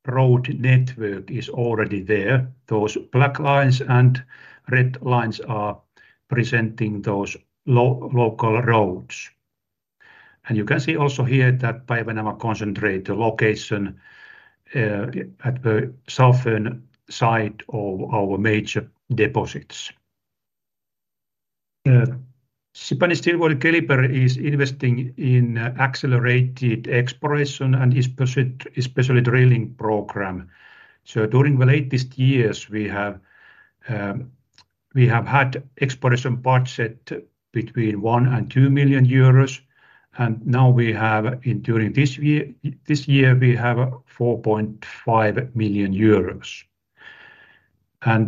road network is already there. Those black lines and red lines are presenting those local roads. And you can see also here that Päiväneva concentrate location, at the southern side of our major deposits. Sibanye-Stillwater Keliber is investing in accelerated exploration and especially, especially drilling program. So during the latest years, we have, we have had exploration budget between 1 million and 2 million euros, and now we have in during this year, this year, we have 4.5 million euros.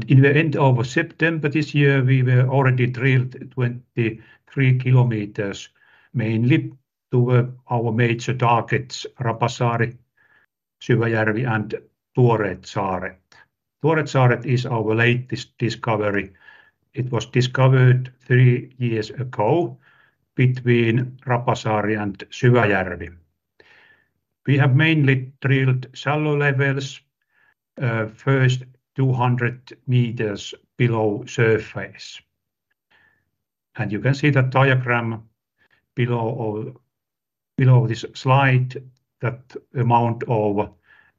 In the end of September this year, we were already drilled 23 kilometers, mainly to, our major targets, Rapasaari, Syväjärvi, and TuoreSaaret. TuoreSaaret is our latest discovery. It was discovered three years ago between Rapasaari and Syväjärvi. We have mainly drilled shallow levels, first 200 meters below surface. And you can see the diagram below or below this slide, that amount of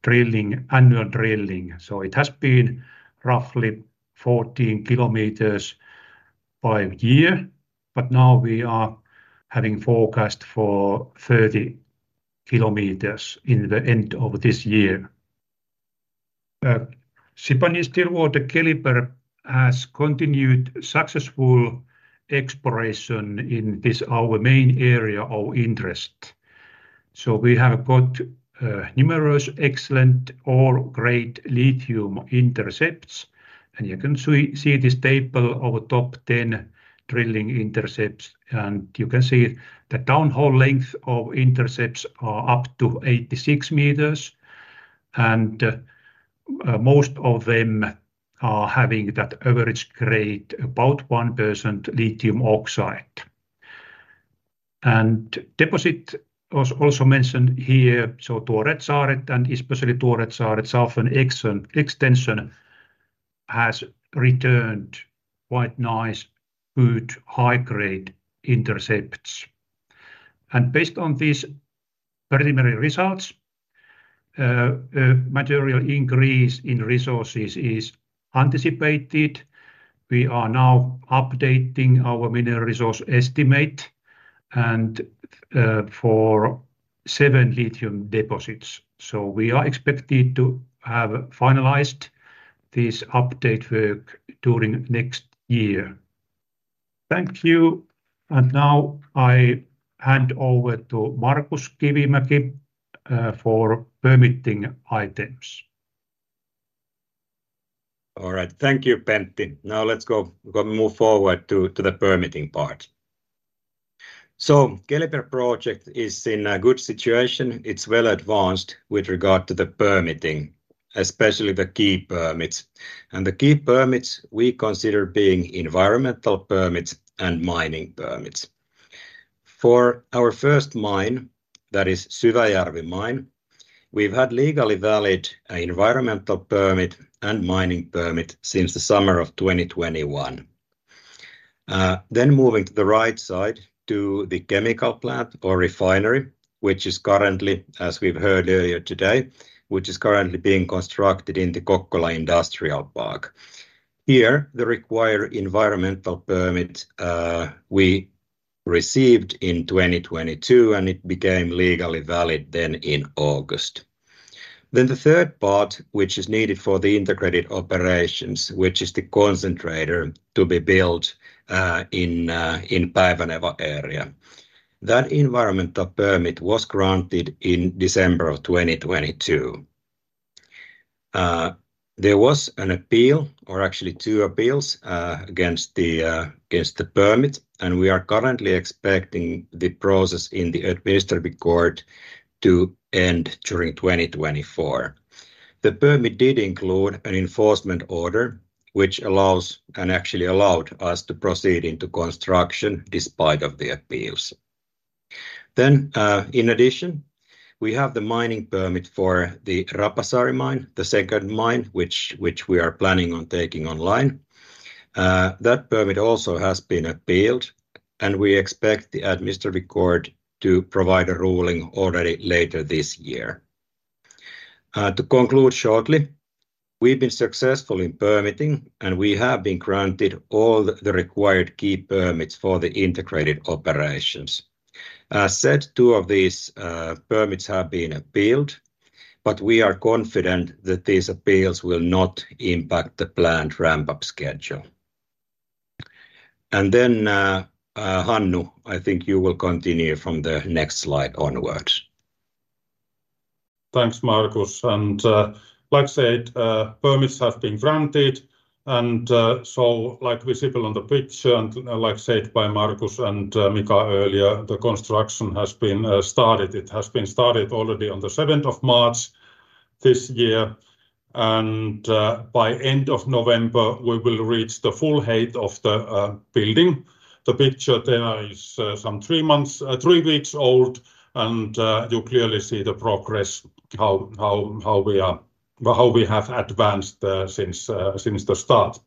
drilling, annual drilling. So it has been roughly 14 kilometers by year, but now we are having forecast for 30 kilometers in the end of this year. Sibanye-Stillwater Keliber has continued successful exploration in this, our main area of interest. So we have got, numerous excellent or great lithium intercepts, and you can see, see this table of top 10 drilling intercepts. And you can see the downhole length of intercepts are up to 86 meters, and, most of them are having that average grade, about 1% lithium oxide. And deposit was also mentioned here, so TuoreSaaret, and especially TuoreSaaret southern extension, has returned quite nice, good, high-grade intercepts. And based on these preliminary results, material increase in resources is anticipated. We are now updating our mineral resource estimate and, for 7 lithium deposits. So we are expected to have finalized this update work during next year. Thank you, and now I hand over to Markus Kivimäki, for permitting items. All right. Thank you, Pentti. Now let's move forward to the permitting part. So Keliber project is in a good situation. It's well advanced with regard to the permitting, especially the key permits. And the key permits we consider being environmental permits and mining permits. For our first mine, that is Syväjärvi mine, we've had legally valid environmental permit and mining permit since the summer of 2021. Then moving to the right side, to the chemical plant or refinery, which is currently, as we've heard earlier today, which is currently being constructed in the Kokkola Industrial Park. Here, the required environmental permit we received in 2022, and it became legally valid then in August. Then the third part, which is needed for the integrated operations, which is the concentrator to be built in Päiväneva area. That environmental permit was granted in December 2022. There was an appeal, or actually two appeals, against the permit, and we are currently expecting the process in the administrative court to end during 2024. The permit did include an enforcement order, which allows, and actually allowed us to proceed into construction despite of the appeals. Then, in addition, we have the mining permit for the Rapasaari mine, the second mine, which we are planning on taking online. That permit also has been appealed, and we expect the administrative court to provide a ruling already later this year. To conclude shortly, we've been successful in permitting, and we have been granted all the required key permits for the integrated operations. As said, two of these permits have been appealed, but we are confident that these appeals will not impact the planned ramp-up schedule. And then, Hannu, I think you will continue from the next slide onwards. Thanks, Markus, and, like said, permits have been granted, and, so like visible on the picture, and like said by Markus and, Mika earlier, the construction has been started. It has been started already on the seventh of March this year. By end of November, we will reach the full height of the building. The picture there is some three months, three weeks old, and you clearly see the progress, how we have advanced since the start.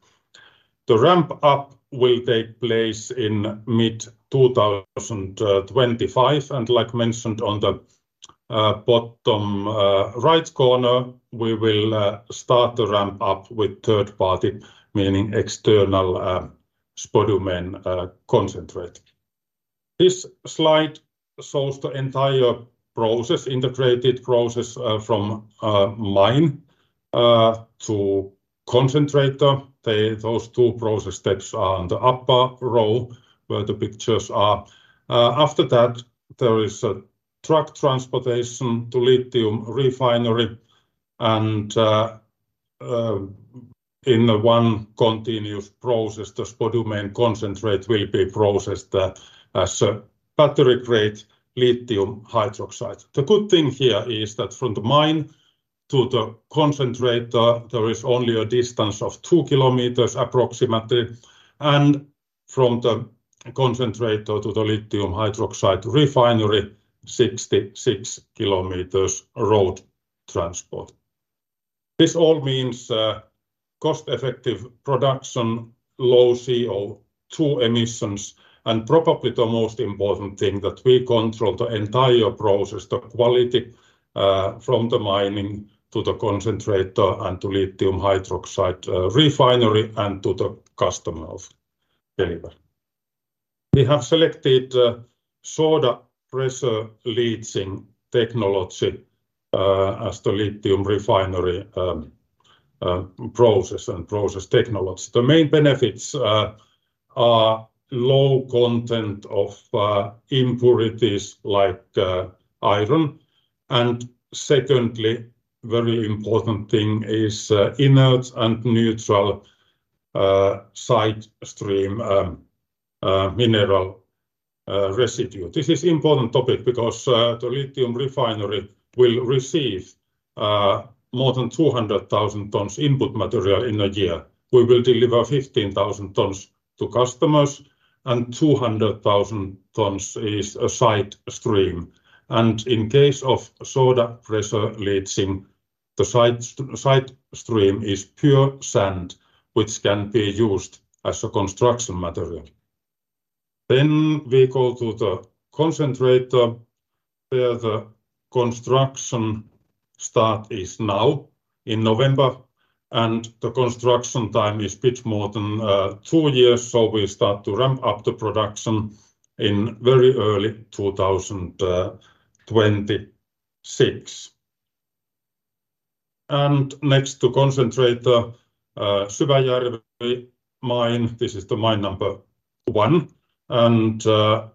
The ramp up will take place in mid 2025, and like mentioned on the bottom, right corner, we will start the ramp up with third party, meaning external, spodumene, concentrate. This slide shows the entire process, integrated process, from mine to concentrator. Those two process steps are on the upper row, where the pictures are. After that, there is a truck transportation to lithium refinery and in the one continuous process, the spodumene concentrate will be processed as a lithium hydroxide. the good thing here is that from the mine to the concentrator, there is only a distance of 2 kilometers approximately, and from the concentrator to lithium hydroxide refinery, 66 kilometers road transport. This all means cost-effective production, low CO₂ emissions, and probably the most important thing, that we control the entire process, the quality, from the mining to the concentrator and lithium hydroxide refinery, and to the customer of delivery. We have selected a soda pressure leaching technology as the lithium refinery process and process technology. The main benefits are low content of impurities like iron. Secondly, very important thing is inert and neutral side stream mineral residue. This is important topic because the lithium refinery will receive more than 200,000 tons input material in a year. We will deliver 15,000 tons to customers, and 200,000 tons is a side stream. And in case of soda pressure leaching, the side stream is pure sand, which can be used as a construction material. Then we go to the concentrator, where the construction start is now in November, and the construction time is bit more than 2 years, so we start to ramp up the production in very early 2026. Next to concentrate the Syväjärvi mine, this is the mine number one, and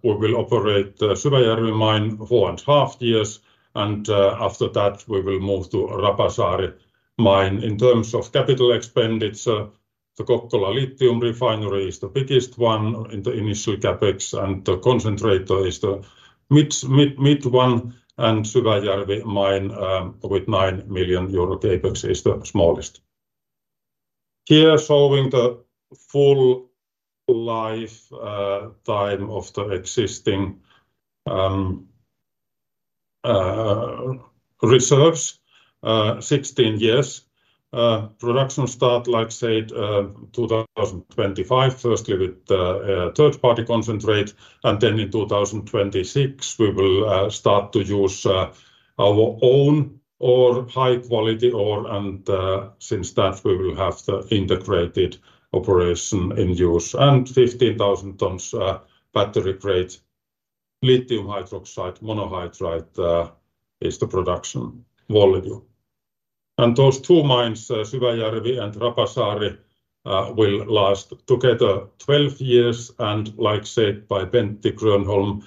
we will operate the Syväjärvi mine 4.5 years, and after that, we will move to Rapasaari mine. In terms of capital expenditure, the Kokkola lithium refinery is the biggest one in the initial CapEx, and the concentrator is the mid one, and Syväjärvi mine, with 9 million euro CapEx, is the smallest. Here, showing the full lifetime of the existing reserves, 16 years. Production start, like said, 2025, firstly with third-party concentrate, and then in 2026, we will start to use our own ore, high quality ore, and since that, we will have the integrated operation in use. Fifteen thousand tons battery lithium hydroxide monohydrate is the production volume. Those two mines, Syväjärvi and Rapasaari, will last together 12 years, and like said by Pentti Grönholm,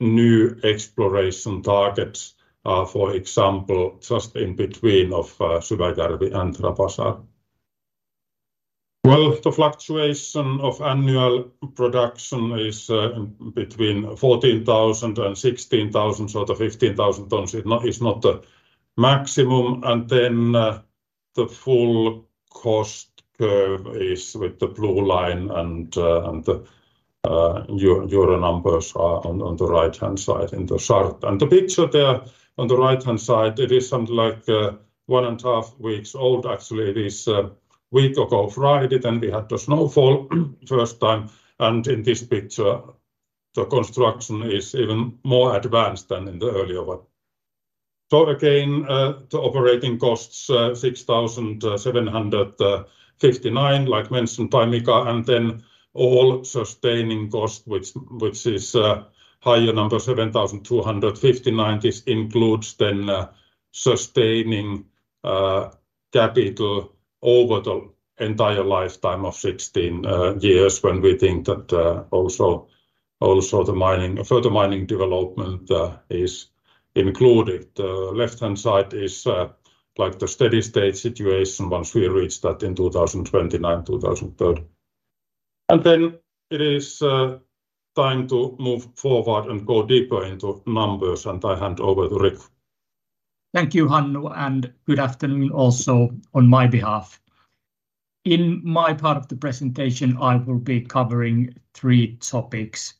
new exploration targets, for example, just in between of Syväjärvi and Rapasaari. Well, the fluctuation of annual production is between 14,000 and 16,000, so the 15,000 tons is not the maximum. Then, the full cost curve is with the blue line, and the euro numbers are on the right-hand side in the chart. The picture there on the right-hand side, it is something like one and a half weeks old. Actually, it is a week ago Friday, then we had the snowfall first time, and in this picture, the construction is even more advanced than in the earlier one. So again, the operating costs, 6,759, like mentioned by Mika, and then all sustaining cost, which is a higher number, 7,259. This includes then sustaining capital over the entire lifetime of 16 years, when we think that also the mining, further mining development, is included. The left-hand side is like the steady state situation once we reach that in 2029, 2030, and then it is time to move forward and go deeper into numbers, and I hand over to Riku. Thank you, Hannu, and good afternoon also on my behalf. In my part of the presentation, I will be covering three topics.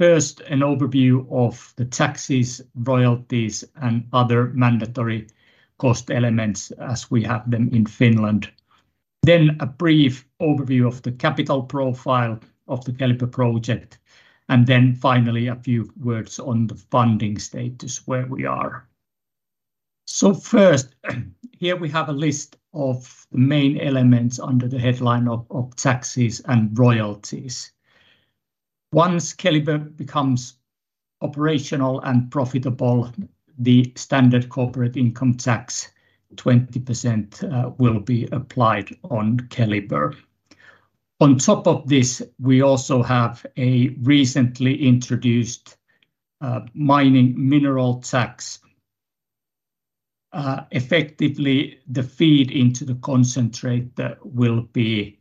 First, an overview of the taxes, royalties, and other mandatory cost elements as we have them in Finland. Then a brief overview of the capital profile of the Keliber project, and then finally, a few words on the funding status, where we are. So first, here we have a list of the main elements under the headline of, of taxes and royalties. Once Keliber becomes operational and profitable, the standard corporate income tax, 20%, will be applied on Keliber. On top of this, we also have a recently introduced mining mineral tax. Effectively, the feed into the concentrate that will be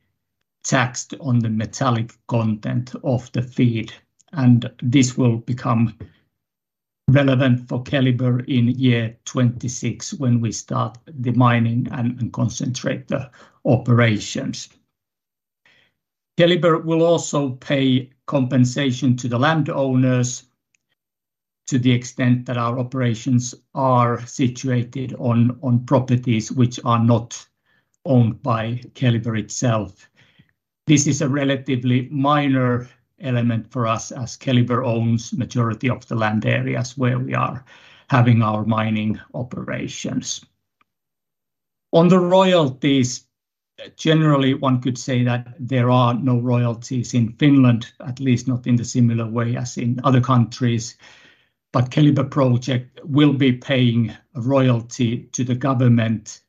taxed on the metallic content of the feed, and this will become relevant for Keliber in year 2026 when we start the mining and concentrate the operations. Keliber will also pay compensation to the landowners to the extent that our operations are situated on properties which are not owned by Keliber itself. This is a relatively minor element for us, as Keliber owns majority of the land areas where we are having our mining operations. On the royalties, generally, one could say that there are no royalties in Finland, at least not in the similar way as in other countries. But Keliber project will be paying a royalty to the government,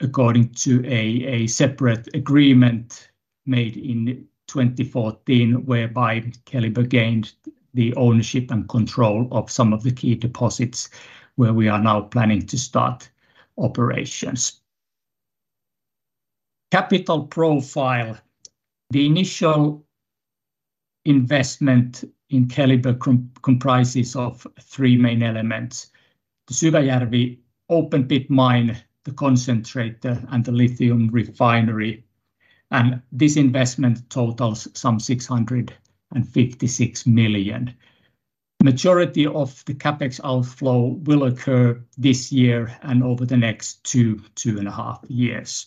according to a separate agreement made in 2014, whereby Keliber gained the ownership and control of some of the key deposits where we are now planning to start operations. Capital profile. The initial investment in Keliber comprises of three main elements: the Syväjärvi open pit mine, the concentrator, and the lithium refinery. And this investment totals some 656 million. Majority of the CapEx outflow will occur this year and over the next two to two and a half years.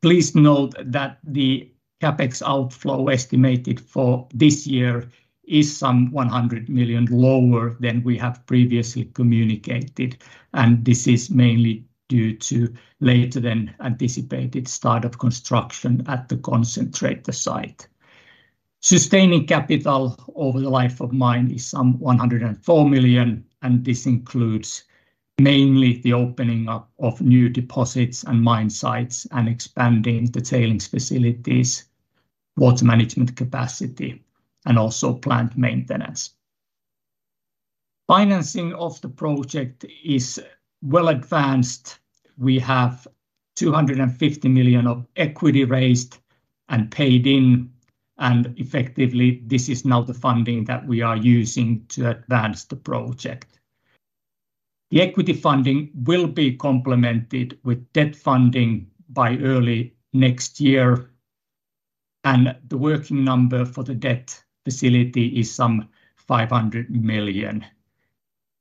Please note that the CapEx outflow estimated for this year is some 100 million lower than we have previously communicated, and this is mainly due to later than anticipated start of construction at the concentrator site. Sustaining capital over the life of mine is some 104 million, and this includes mainly the opening up of new deposits and mine sites, and expanding the tailings facilities, water management capacity, and also plant maintenance. Financing of the project is well advanced. We have 250 million of equity raised and paid in, and effectively, this is now the funding that we are using to advance the project. The equity funding will be complemented with debt funding by early next year, and the working number for the debt facility is some 500 million.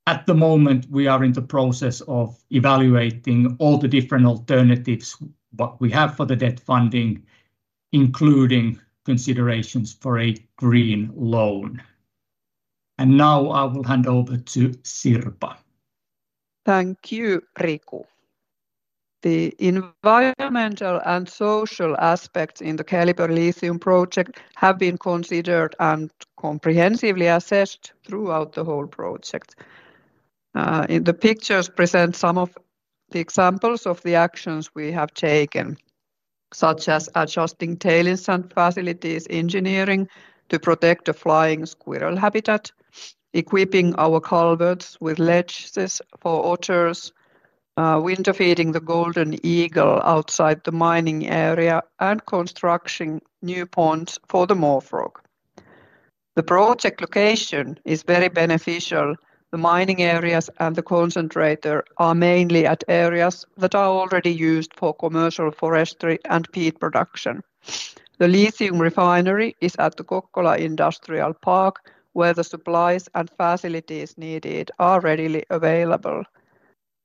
At the moment, we are in the process of evaluating all the different alternatives, what we have for the debt funding, including considerations for a green loan. Now I will hand over to Sirpa. Thank you, Riku. The environmental and social aspects in the Keliber lithium project have been considered and comprehensively assessed throughout the whole project. In the pictures present some of the examples of the actions we have taken, such as adjusting tailings and facilities engineering to protect the flying squirrel habitat, equipping our culverts with ledges for otters, winter feeding the golden eagle outside the mining area, and constructing new ponds for the moor frog. The project location is very beneficial. The mining areas and the concentrator are mainly at areas that are already used for commercial forestry and peat production. The lithium refinery is at the Kokkola Industrial Park, where the supplies and facilities needed are readily available.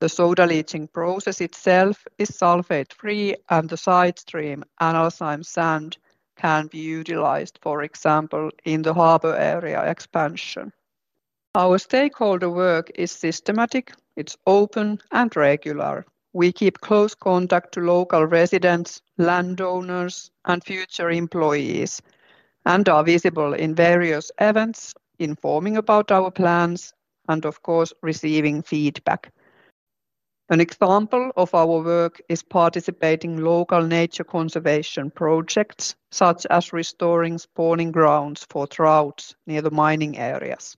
The soda leaching process itself is sulfate-free, and the side stream, analcime sand, can be utilized, for example, in the harbor area expansion. Our stakeholder work is systematic, it's open, and regular. We keep close contact to local residents, landowners, and future employees, and are visible in various events, informing about our plans, and of course, receiving feedback. An example of our work is participating local nature conservation projects, such as restoring spawning grounds for trouts near the mining areas.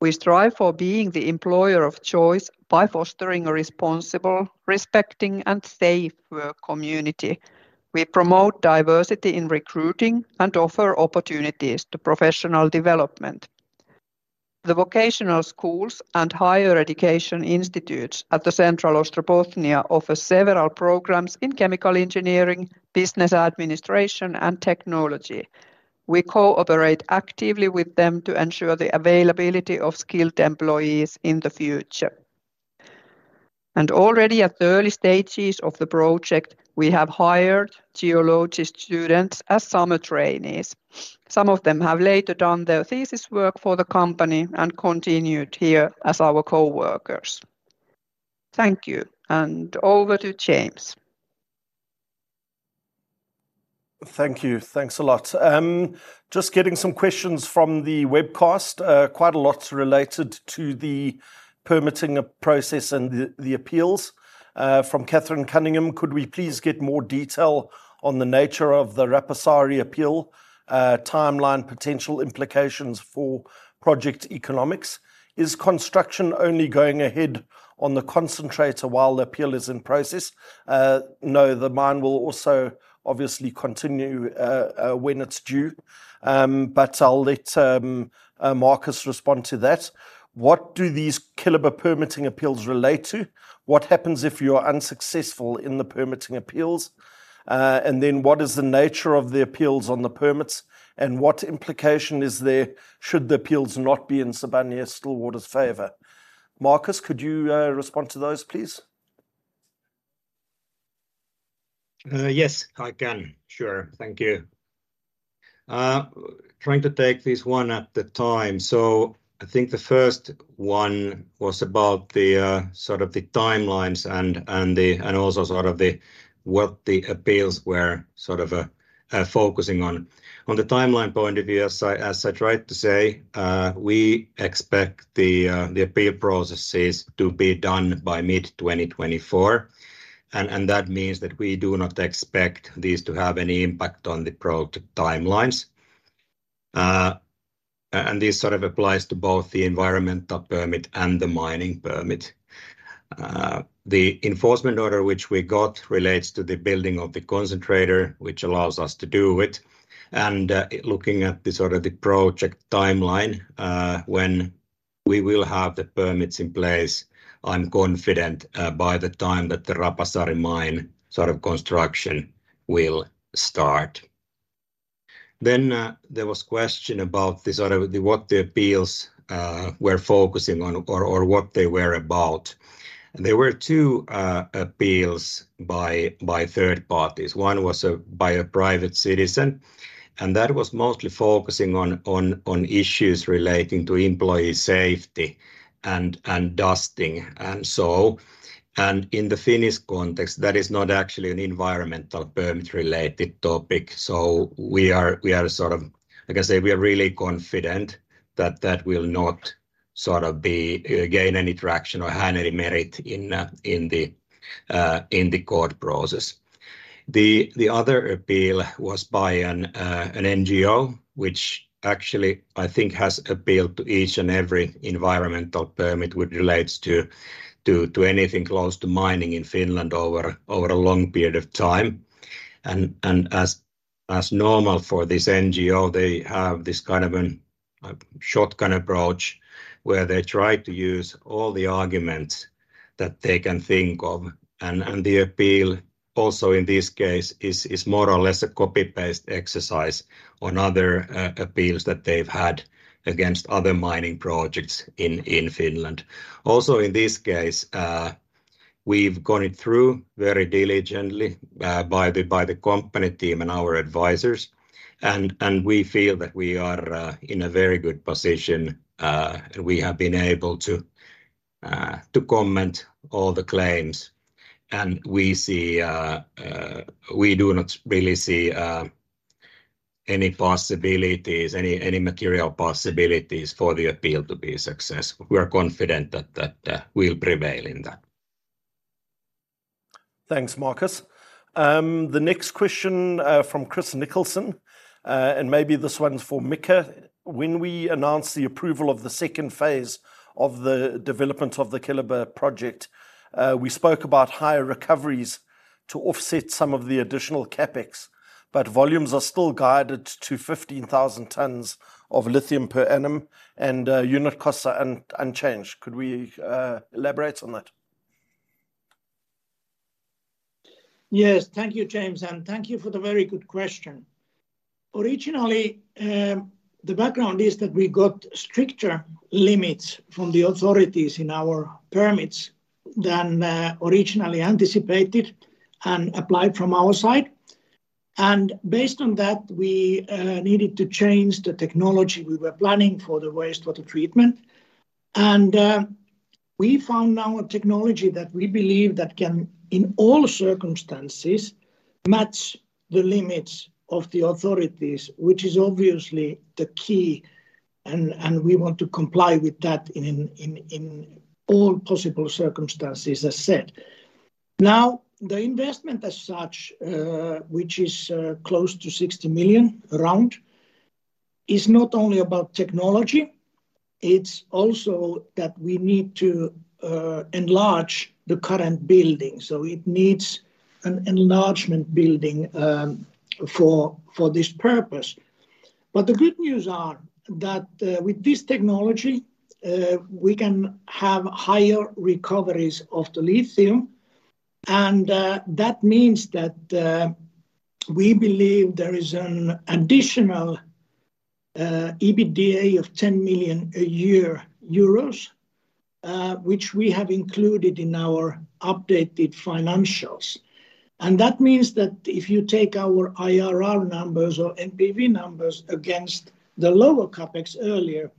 We strive for being the employer of choice by fostering a responsible, respecting, and safe work community. We promote diversity in recruiting and offer opportunities to professional development. The vocational schools and higher education institutes at the Central Ostrobothnia offer several programs in chemical engineering, business administration, and technology. We cooperate actively with them to ensure the availability of skilled employees in the future. Already at the early stages of the project, we have hired geologist students as summer trainees. Some of them have later done their thesis work for the company and continued here as our coworkers. Thank you, and over to James. Thank you. Thanks a lot. Just getting some questions from the webcast. Quite a lot related to the permitting process and the appeals. From Catherine Cunningham: Could we please get more detail on the nature of the Rapasaari appeal, timeline, potential implications for project economics? Is construction only going ahead on the concentrator while the appeal is in process? No, the mine will also obviously continue when it's due. But I'll let Markus respond to that. What do these Kilpi permitting appeals relate to? What happens if you are unsuccessful in the permitting appeals? And then what is the nature of the appeals on the permits, and what implication is there should the appeals not be in Sibanye-Stillwater's favor? Markus, could you respond to those, please? Yes, I can. Sure. Thank you. Trying to take this one at a time. So I think the first one was about the, sort of the timelines and, and the... and also sort of the what the appeals were sort of, focusing on. On the timeline point of view, as I, as I tried to say, we expect the, the appeal processes to be done by mid-2024, and, and that means that we do not expect these to have any impact on the project timelines. And this sort of applies to both the environmental permit and the mining permit. The enforcement order, which we got, relates to the building of the concentrator, which allows us to do it, and, looking at the sort of the project timeline, when we will have the permits in place, I'm confident, by the time that the Rapasaari mine sort of construction will start. Then, there was question about the sort of the, what the appeals, were focusing on or, or what they were about. There were two, appeals by, by third parties. One was, by a private citizen, and that was mostly focusing on, on, on issues relating to employee safety and, and dusting. And so, and in the Finnish context, that is not actually an environmental permit-related topic, so we are, we are sort of... Like I say, we are really confident that that will not sort of be, gain any traction or have any merit in, in the court process. The other appeal was by an NGO, which actually, I think, has appealed to each and every environmental permit, which relates to anything close to mining in Finland over a long period of time. And as normal for this NGO, they have this kind of a shotgun approach, where they try to use all the arguments that they can think of. And the appeal also in this case is more or less a copy-paste exercise on other appeals that they've had against other mining projects in Finland. Also, in this case, we've gone it through very diligently by the company team and our advisors, and we feel that we are in a very good position, and we have been able to to comment all the claims. And we see... We do not really see any possibilities, any material possibilities for the appeal to be successful. We are confident that we'll prevail in that. Thanks, Markus. The next question from Chris Nicholson, and maybe this one's for Mika. When we announced the approval of the second phase of the development of the Kilpi project, we spoke about higher recoveries to offset some of the additional CapEx, but volumes are still guided to 15,000 tons of lithium per annum, and unit costs are unchanged. Could we elaborate on that? Yes. Thank you, James, and thank you for the very good question. Originally, the background is that we got stricter limits from the authorities in our permits than originally anticipated and applied from our side. And based on that, we needed to change the technology we were planning for the wastewater treatment. And we found now a technology that we believe that can, in all circumstances, match the limits of the authorities, which is obviously the key, and we want to comply with that in all possible circumstances, as said. Now, the investment as such, which is close to 60 million around, is not only about technology, it's also that we need to enlarge the current building. So it needs an enlargement building, for this purpose. But the good news are that with this technology we can have higher recoveries of the lithium, and that means that we believe there is an additional EBITDA of 10 million a year, which we have included in our updated financials. That means that if you take our IRR numbers or NPV numbers against the lower CapEx earlier,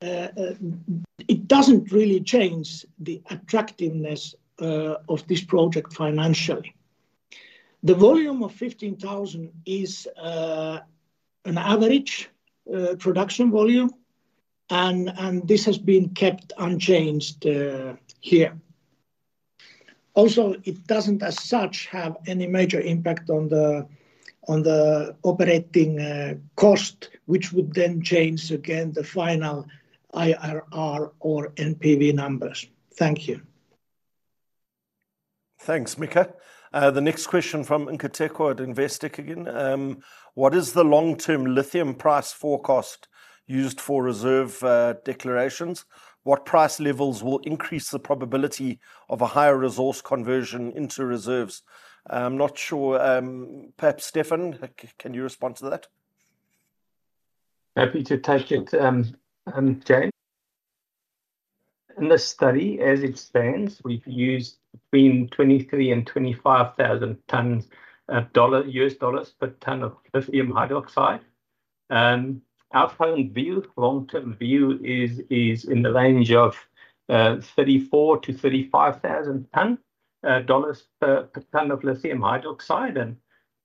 it doesn't really change the attractiveness of this project financially. The volume of 15,000 is an average production volume, and this has been kept unchanged here. Also, it doesn't as such have any major impact on the operating cost, which would then change again the final IRR or NPV numbers. Thank you. Thanks, Mika. The next question from Nqabeko at Investec again. What is the long-term lithium price forecast used for reserve declarations? What price levels will increase the probability of a higher resource conversion into reserves? I'm not sure. Perhaps, Stefan, can you respond to that? Happy to take it, James. In this study, as it stands, we've used between $23,000 and $25,000 per ton lithium hydroxide. our current view, long-term view is in the range of $34,000-$35,000 per ton lithium hydroxide.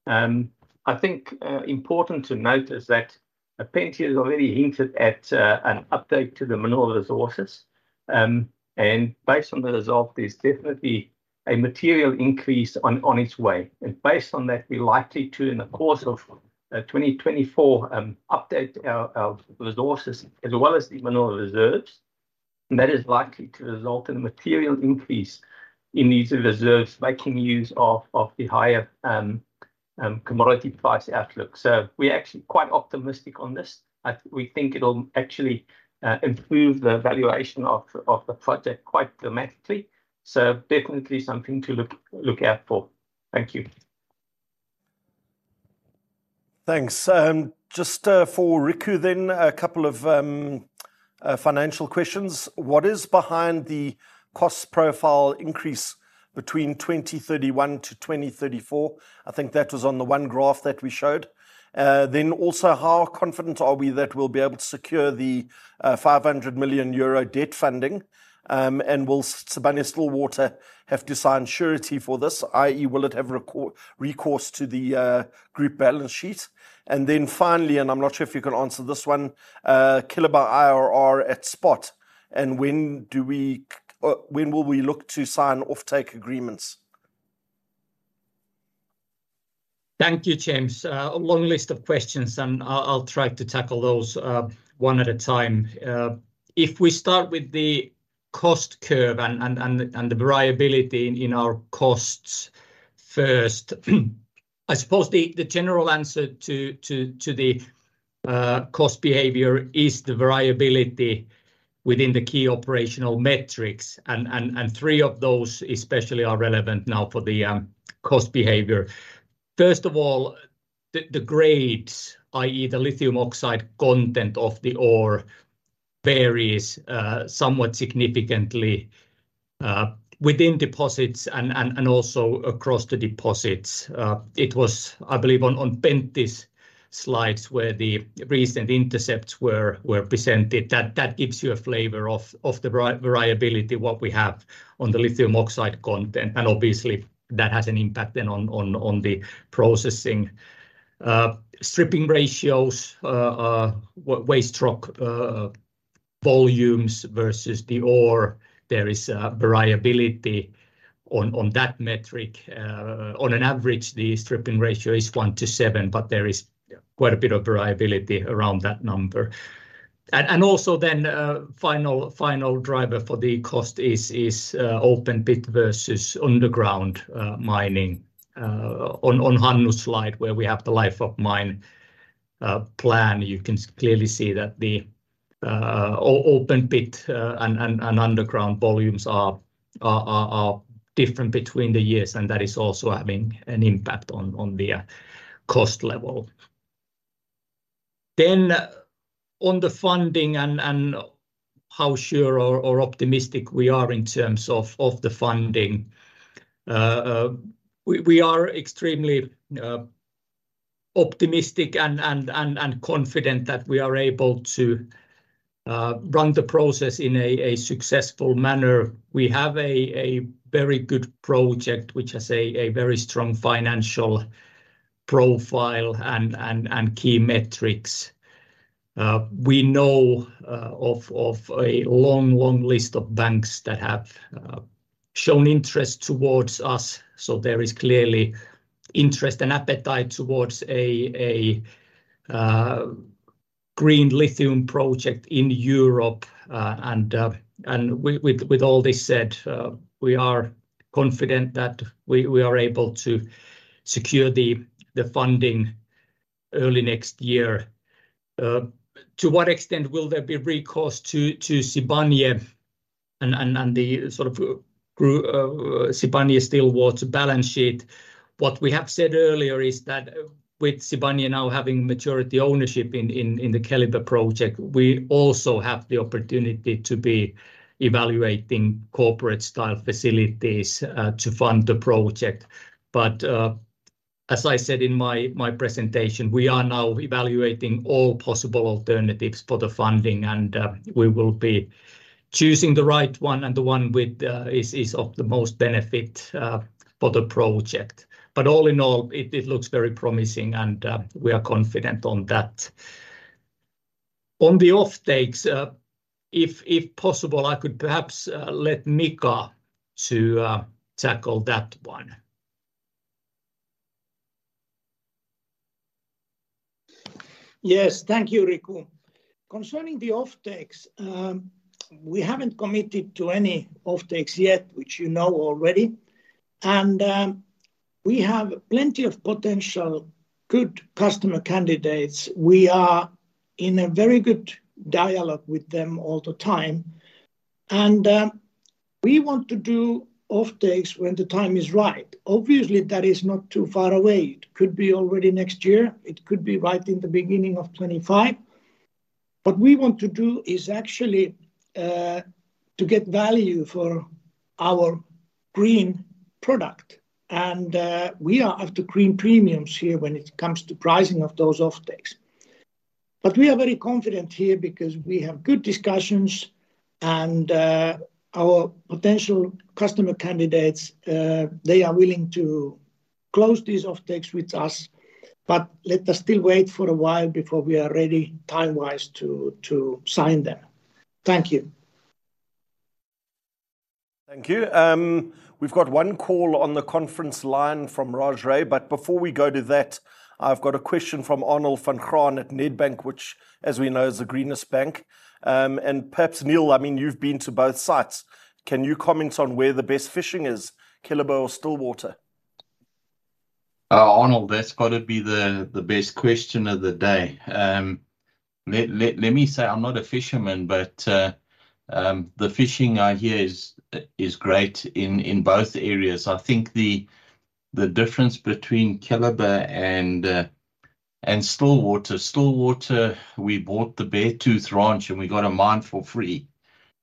i think important to note is that Pentti has already hinted at an update to the mineral resources. Based on the result, there's definitely a material increase on its way. Based on that, we're likely to, in the course of 2024, update our resources as well as the mineral reserves, and that is likely to result in a material increase in these reserves, making use of the higher commodity price outlook. So we're actually quite optimistic on this. We think it'll actually improve the valuation of the project quite dramatically. So definitely something to look out for. Thank you. Thanks. Just, for Riku then, a couple of financial questions. What is behind the cost profile increase between 2031 to 2034? I think that was on the one graph that we showed. Then also, how confident are we that we'll be able to secure the 500 million euro debt funding? And will Sibanye-Stillwater have to sign surety for this, i.e., will it have recourse to the group balance sheet? And then finally, and I'm not sure if you can answer this one, Keliber about IRR at spot, and when do we... When will we look to sign offtake agreements? Thank you, James. A long list of questions, and I'll try to tackle those one at a time. If we start with the cost curve and the variability in our costs first, I suppose the general answer to the cost behavior is the variability within the key operational metrics, and three of those, especially, are relevant now for the cost behavior. First of all, the grades, i.e., the lithium oxide content of the ore, varies somewhat significantly within deposits and also across the deposits. It was, I believe, on Pentti's slides, where the recent intercepts were presented, that gives you a flavor of the variability what we have on the lithium oxide content, and obviously, that has an impact then on the processing. Stripping ratios, waste rock volumes versus the ore, there is variability on that metric. On an average, the stripping ratio is 1 to 7, but there is quite a bit of variability around that number. And also then the final driver for the cost is open pit versus underground mining. On Hannu's slide, where we have the life of mine plan, you can clearly see that the open pit and underground volumes are different between the years, and that is also having an impact on the cost level. Then on the funding and how sure or optimistic we are in terms of the funding. We are extremely optimistic and confident that we are able to run the process in a successful manner. We have a very good project, which has a very strong financial... profile and key metrics. We know of a long list of banks that have shown interest towards us, so there is clearly interest and appetite towards a green lithium project in Europe. And with all this said, we are confident that we are able to secure the funding early next year. To what extent will there be recourse to Sibanye and the sort of Sibanye-Stillwater's balance sheet? What we have said earlier is that with Sibanye now having majority ownership in the Keliber project, we also have the opportunity to be evaluating corporate-style facilities to fund the project. But, as I said in my presentation, we are now evaluating all possible alternatives for the funding, and we will be choosing the right one, and the one with... is of the most benefit for the project. But all in all, it looks very promising, and we are confident on that. On the offtakes, if possible, I could perhaps let Mika to tackle that one. Yes, thank you, Riku. Concerning the offtakes, we haven't committed to any offtakes yet, which you know already, and we have plenty of potential good customer candidates. We are in a very good dialogue with them all the time, and we want to do offtakes when the time is right. Obviously, that is not too far away. It could be already next year. It could be right in the beginning of 2025. What we want to do is actually to get value for our green product, and we are after green premiums here when it comes to pricing of those offtakes. But we are very confident here because we have good discussions, and our potential customer candidates, they are willing to close these offtakes with us. But let us still wait for a while before we are ready time-wise to sign them. Thank you. Thank you. We've got one call on the conference line from Raj Ray, but before we go to that, I've got a question from Arnold Van Graan at Nedbank, which, as we know, is the greenest bank. And perhaps, Neal, I mean, you've been to both sites. Can you comment on where the best fishing is, Keliber or Stillwater? Arnold, that's got to be the best question of the day. Let me say I'm not a fisherman, but the fishing I hear is great in both areas. I think the difference between Keliber and Stillwater, we bought the Beartooth Ranch, and we got a mine for free.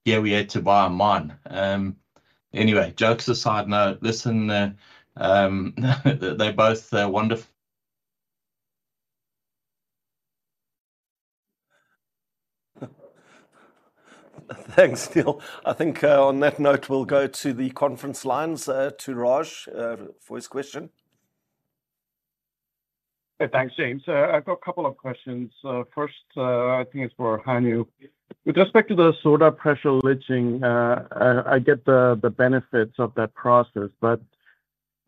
Here, we had to buy a mine. Anyway, jokes aside, no, listen, they're both wonderful. Thanks, Neal. I think, on that note, we'll go to the conference lines, to Raj, for his question. Thanks, James. I've got a couple of questions. First, I think it's for Hannu. With respect to the Soda Pressure Leaching, I get the benefits of that process, but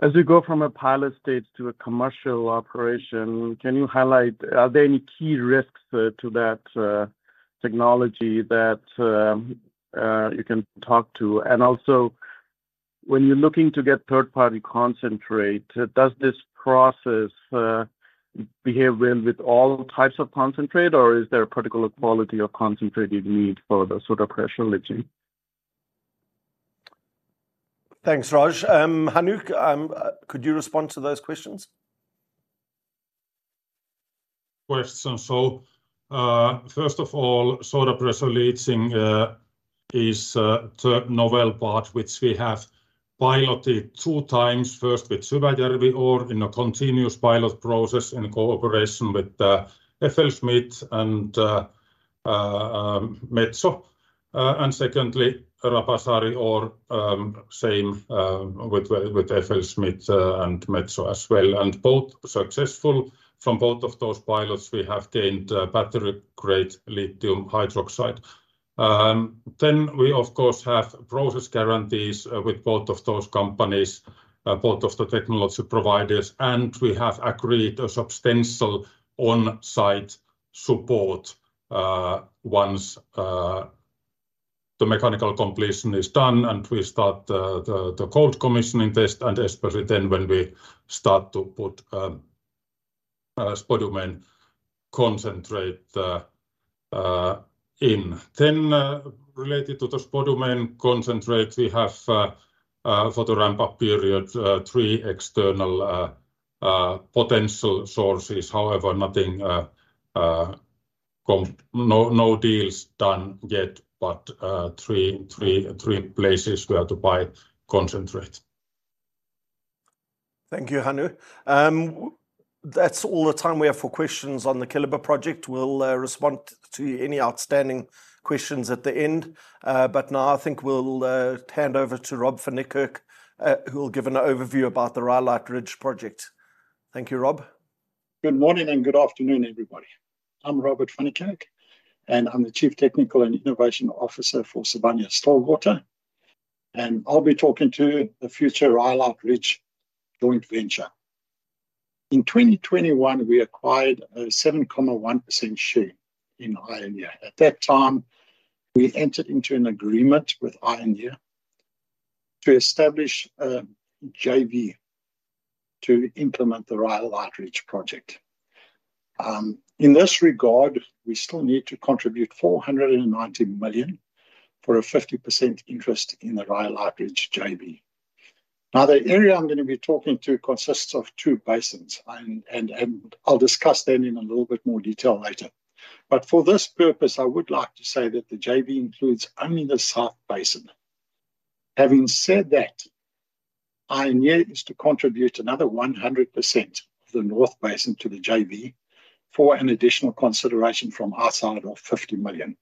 as you go from a pilot stage to a commercial operation, can you highlight are there any key risks to that technology that you can talk to? And also, when you're looking to get third-party concentrate, does this process behave well with all types of concentrate, or is there a particular quality of concentrate you'd need for the Soda Pressure Leaching? Thanks, Raj. Hannu, could you respond to those questions? Questions. So, first of all, soda pressure leaching is the novel part, which we have piloted 2 times, first with Syväjärvi ore in a continuous pilot process in cooperation with FLSmidth and Metso. And secondly, Rapasaari ore, same with FLSmidth and Metso as well, and both successful. From both of those pilots, we have gained lithium hydroxide. then we, of course, have process guarantees with both of those companies, both of the technology providers, and we have agreed a substantial on-site support once the mechanical completion is done, and we start the cold commissioning test, and especially then when we start to put spodumene concentrate in. Then, related to the spodumene concentrate, we have, for the ramp-up period, three external potential sources. However, nothing. No, no deals done yet, but three places where to buy concentrate. Thank you, Hannu. That's all the time we have for questions on the Keliber project. We'll respond to any outstanding questions at the end. Now I think we'll hand over to Rob van Niekerk, who will give an overview about the Rhyolite Ridge project. Thank you, Rob.... Good morning, and good afternoon, everybody. I'm Robert van Niekerk, and I'm the Chief Technical and Innovation Officer for Sibanye-Stillwater, and I'll be talking to you the future Rhyolite Ridge joint venture. In 2021, we acquired a 7.1% share in Ioneer. At that time, we entered into an agreement with Ioneer to establish a JV to implement the Rhyolite Ridge project. In this regard, we still need to contribute $490 million for a 50% interest in the Rhyolite Ridge JV. Now, the area I'm going to be talking to consists of two basins, and I'll discuss them in a little bit more detail later. But for this purpose, I would like to say that the JV includes only the South Basin. Having said that, Ioneer is to contribute another 100% of the North Basin to the JV for an additional consideration from our side of $50 million.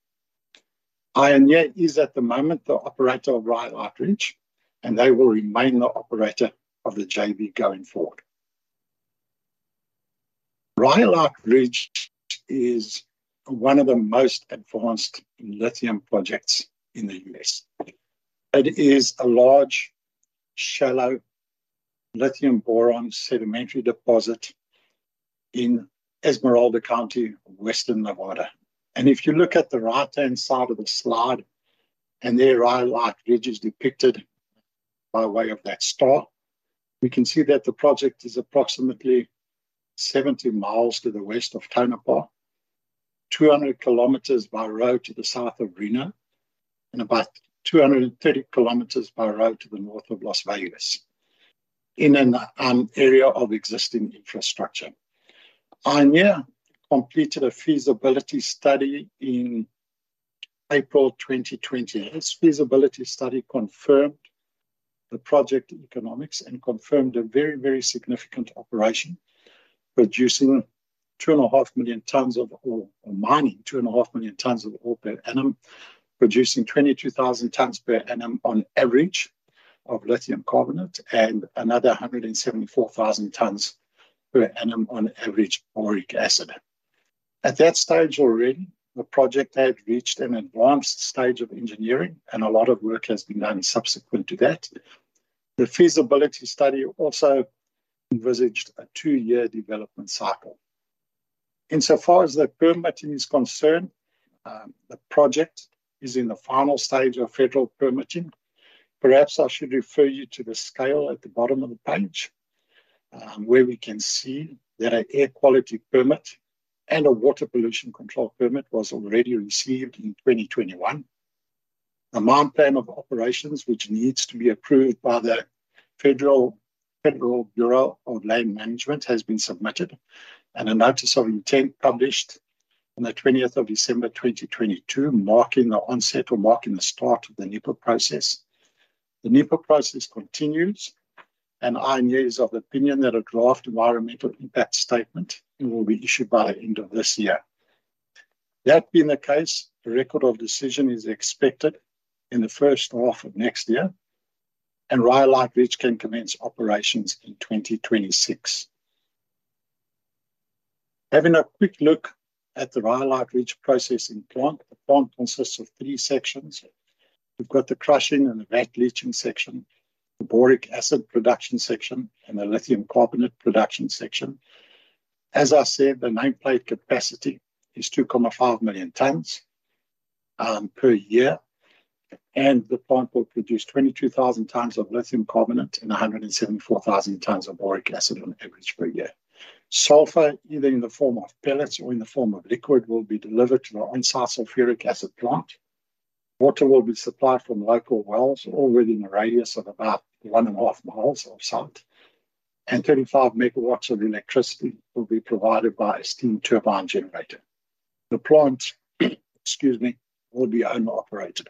Ioneer is, at the moment, the operator of Rhyolite Ridge, and they will remain the operator of the JV going forward. Rhyolite Ridge is one of the most advanced lithium projects in the U.S. It is a large, shallow lithium-boron sedimentary deposit in Esmeralda County, western Nevada. If you look at the right-hand side of the slide, and there Rhyolite Ridge is depicted by way of that star, we can see that the project is approximately 70 mi to the west of Tonopah, 200 km by road to the south of Reno, and about 230 km by road to the north of Las Vegas, in an area of existing infrastructure. Ioneer completed a feasibility study in April 2020. This feasibility study confirmed the project economics and confirmed a very, very significant operation, producing 2.5 million tons of-- or mining 2.5 million tons of ore per annum, producing 22,000 tons per annum on average of Lithium carbonate, and another 174,000 tons per annum on average boric acid. At that stage already, the project had reached an advanced stage of engineering, and a lot of work has been done subsequent to that. The feasibility study also envisaged a 2-year development cycle. Insofar as the permitting is concerned, the project is in the final stage of federal permitting. Perhaps I should refer you to the scale at the bottom of the page, where we can see that an air quality permit and a water pollution control permit was already received in 2021. A mine plan of operations, which needs to be approved by the Federal Bureau of Land Management, has been submitted, and a notice of intent published on December 20, 2022, marking the onset or marking the start of the NEPA process. The NEPA process continues, and Ioneer is of the opinion that a draft environmental impact statement will be issued by the end of this year. That being the case, the Record of Decision is expected in the first half of next year, and Rhyolite Ridge can commence operations in 2026. Having a quick look at the Rhyolite Ridge processing plant, the plant consists of three sections. We've got the crushing and the vat leaching section, the boric acid production section, and the Lithium carbonate production section. As I said, the nameplate capacity is 2.5 million tons per year, and the plant will produce 22,000 tons of Lithium carbonate and 174,000 tons of boric acid on average per year. Sulfur, either in the form of pellets or in the form of liquid, will be delivered to the on-site sulfuric acid plant. Water will be supplied from local wells or within a radius of about 1.5 miles or so, and 35 megawatts of electricity will be provided by a steam turbine generator. The plant, excuse me, will be owner-operated.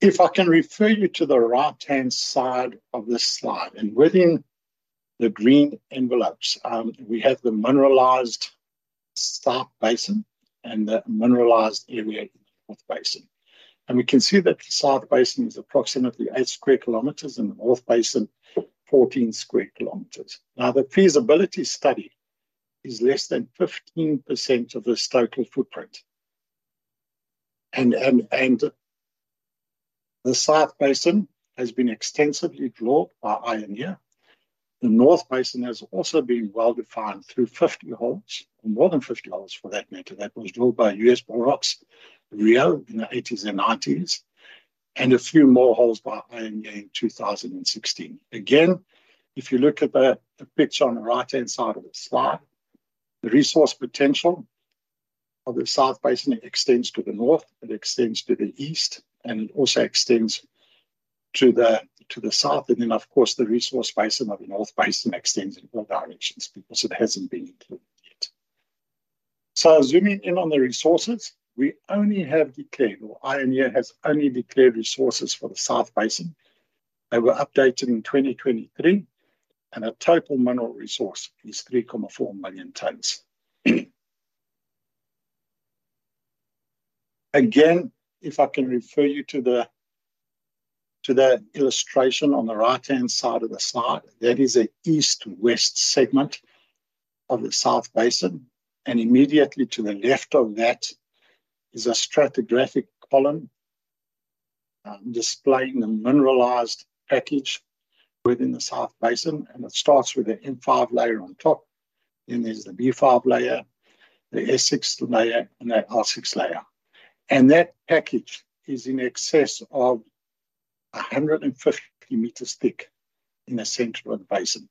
If I can refer you to the right-hand side of this slide, and within the green envelopes, we have the mineralized South Basin and the mineralized area North Basin. We can see that the South Basin is approximately 8 square kilometers, and the North Basin, 14 square kilometers. Now, the feasibility study is less than 15% of this total footprint, and the South Basin has been extensively drilled by Ioneer. The North Basin has also been well-defined through 50 holes, or more than 50 holes for that matter. That was drilled by US Borax, Rio in the 1980s and 1990s, and a few more holes by Ioneer in 2016. Again, if you look at the picture on the right-hand side of the slide, the resource potential of the South Basin extends to the north, it extends to the east, and it also extends to the south. And then, of course, the resource basin of the North Basin extends in all directions because it hasn't been included yet. So zooming in on the resources, we only have declared, or Ioneer has only declared resources for the South Basin. They were updated in 2023, and the total mineral resource is 3.4 million tons.... Again, if I can refer you to the, to the illustration on the right-hand side of the slide, that is an east-west segment of the South Basin, and immediately to the left of that is a stratigraphic column, displaying the mineralized package within the South Basin, and it starts with an M5 layer on top, then there's the B5 layer, the S6 layer, and the R6 layer. And that package is in excess of 150 meters thick in the center of the basin.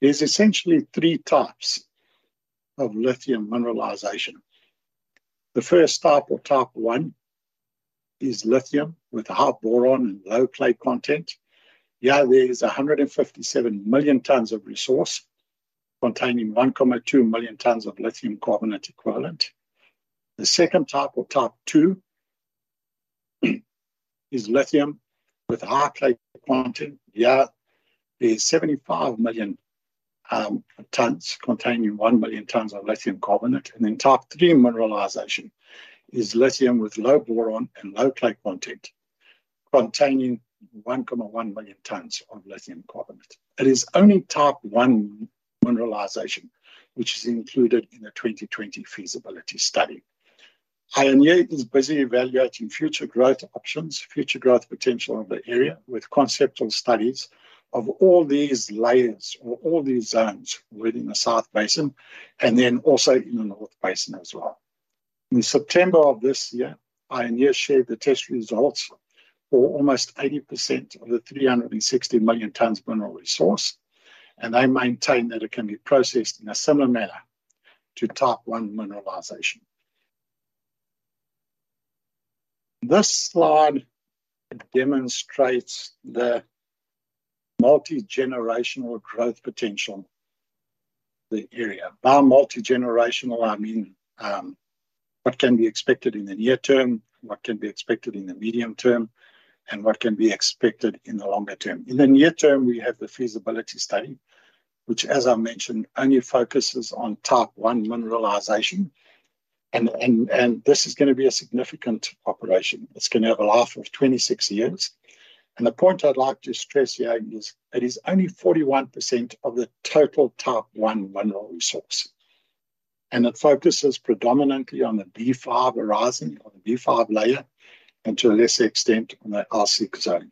There's essentially three types of lithium mineralization. The first type, or type one, is lithium with a high boron and low clay content. Here, there is 157 million tons of resource containing 1.2 million tons of Lithium carbonate equivalent. The second type, or type two, is lithium with high clay content. Here, there's 75 million tons containing 1 million tons of Lithium carbonate. Then type three mineralization is lithium with low boron and low clay content, containing 1.1 million tons of Lithium carbonate. It is only type one mineralization, which is included in the 2020 feasibility study. Ioneer is busy evaluating future growth options, future growth potential of the area, with conceptual studies of all these layers or all these zones within the South Basin, and then also in the North Basin as well. In September of this year, Ioneer shared the test results for almost 80% of the 360 million tons mineral resource, and they maintain that it can be processed in a similar manner to type one mineralization. This slide demonstrates the multi-generational growth potential of the area. By multi-generational, I mean what can be expected in the near term, what can be expected in the medium term, and what can be expected in the longer term. In the near term, we have the feasibility study, which, as I mentioned, only focuses on type one mineralization, and this is gonna be a significant operation. It's gonna have a life of 26 years. The point I'd like to stress here is, it is only 41% of the total type one mineral resource, and it focuses predominantly on the B5 horizon, or the B5 layer, and to a lesser extent, on the R6 zone.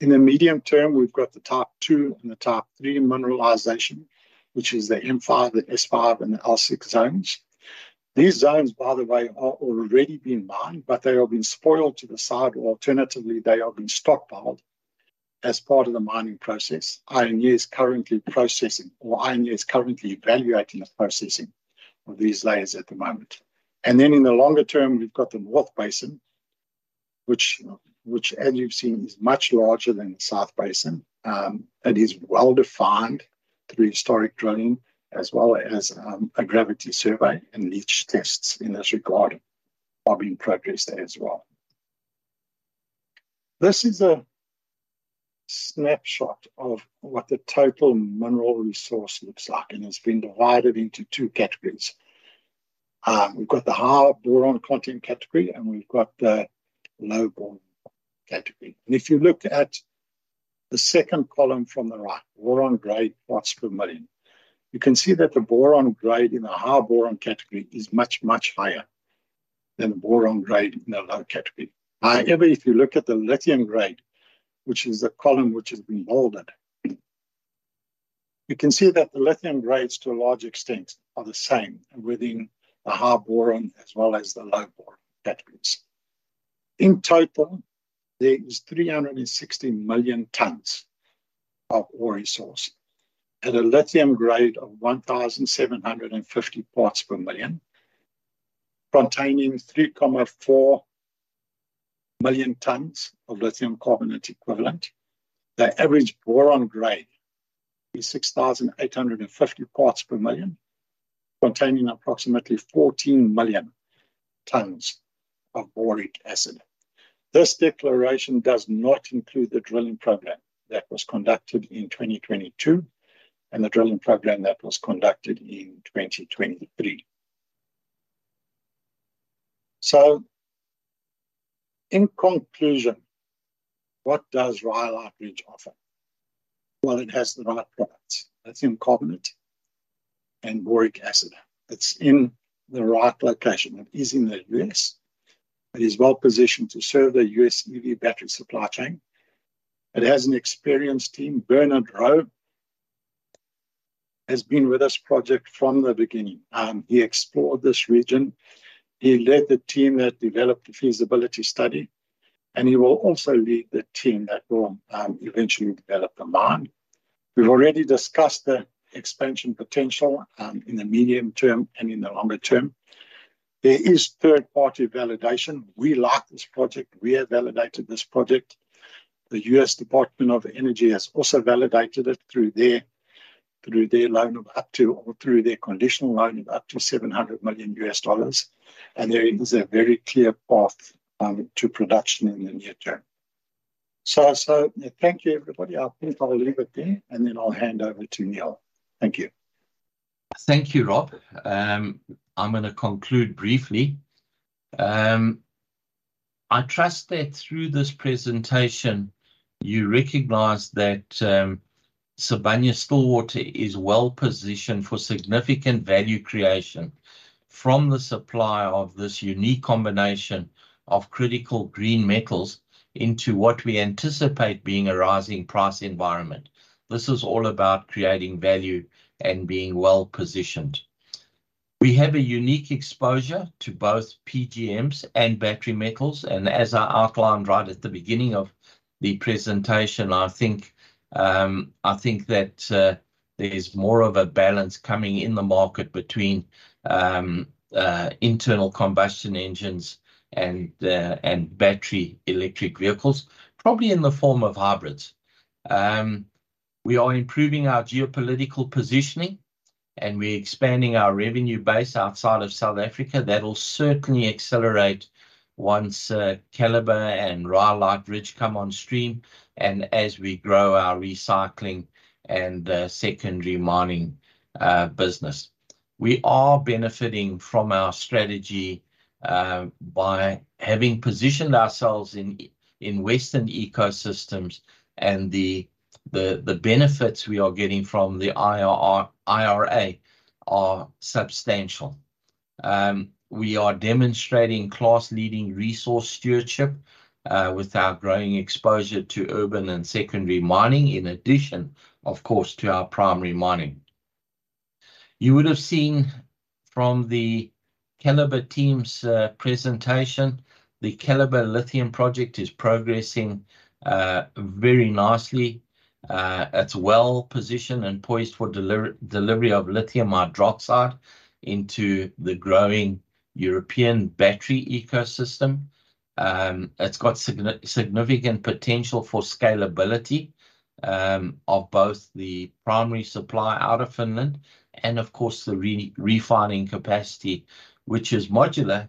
In the medium term, we've got the type two and the type three mineralization, which is the M5, the S5, and the R6 zones. These zones, by the way, are already being mined, but they have been spoiled to the side, or alternatively, they have been stockpiled as part of the mining process. Ioneer is currently processing, or Ioneer is currently evaluating the processing of these layers at the moment. And then in the longer term, we've got the North Basin, which, as you've seen, is much larger than the South Basin. It is well-defined through historic drilling, as well as a gravity survey and leach tests in this regard are being progressed as well. This is a snapshot of what the total mineral resource looks like, and it's been divided into two categories. We've got the high boron content category, and we've got the low boron category. If you look at the second column from the right, boron grade, parts per million, you can see that the boron grade in the high boron category is much, much higher than the boron grade in the low category. However, if you look at the lithium grade, which is the column which has been bolded, you can see that the lithium grades, to a large extent, are the same within the high boron as well as the low boron categories. In total, there is 360 million tons of ore resource at a lithium grade of 1,750 parts per million, containing 3.4 million tons of Lithium carbonate equivalent. The average boron grade is 6,850 parts per million, containing approximately 14 million tons of boric acid. This declaration does not include the drilling program that was conducted in 2022 and the drilling program that was conducted in 2023. So in conclusion, what does Rhyolite Ridge offer? Well, it has the right products. That's in carbonate and boric acid. It's in the right location. It is in the U.S. It is well-positioned to serve the U.S. EV battery supply chain. It has an experienced team. Bernard Rowe has been with this project from the beginning. He explored this region, he led the team that developed the feasibility study, and he will also lead the team that will eventually develop the mine. We've already discussed the expansion potential in the medium term and in the longer term. There is third-party validation. We like this project. We have validated this project. The US Department of Energy has also validated it through their conditional loan of up to $700 million, and there is a very clear path to production in the near term. So, thank you, everybody. I think I'll leave it there, and then I'll hand over to Neal. Thank you.... Thank you, Rob. I'm gonna conclude briefly. I trust that through this presentation, you recognize that Sibanye-Stillwater is well-positioned for significant value creation from the supply of this unique combination of critical green metals into what we anticipate being a rising price environment. This is all about creating value and being well-positioned. We have a unique exposure to both PGMs and battery metals, and as I outlined right at the beginning of the presentation, I think that there's more of a balance coming in the market between internal combustion engines and battery electric vehicles, probably in the form of hybrids. We are improving our geopolitical positioning, and we're expanding our revenue base outside of South Africa. That'll certainly accelerate once Keliber and Rhyolite Ridge come on stream and as we grow our recycling and secondary mining business. We are benefiting from our strategy by having positioned ourselves in Western ecosystems and the benefits we are getting from the IRA are substantial. We are demonstrating class-leading resource stewardship with our growing exposure to urban and secondary mining, in addition, of course, to our primary mining. You would have seen from the Keliber team's presentation, the Keliber lithium project is progressing very nicely. It's well-positioned and poised for delivery lithium hydroxide into the growing European battery ecosystem. It's got significant potential for scalability of both the primary supply out of Finland and, of course, the refining capacity, which is modular.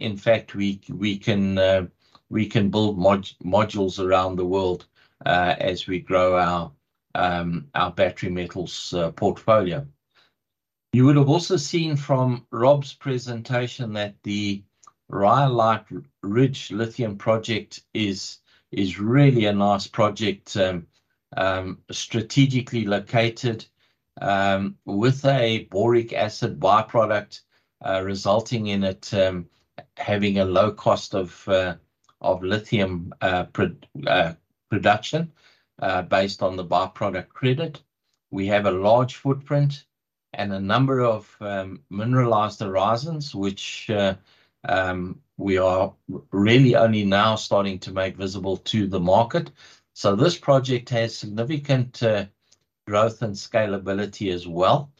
In fact, we can build modules around the world as we grow our battery metals portfolio. You would have also seen from Rob's presentation that the Rhyolite Ridge lithium project is really a nice project, strategically located, with a boric acid by-product, resulting in it having a low cost of lithium production, based on the by-product credit. We have a large footprint and a number of mineralized horizons, which we are really only now starting to make visible to the market. So this project has significant growth and scalability as well.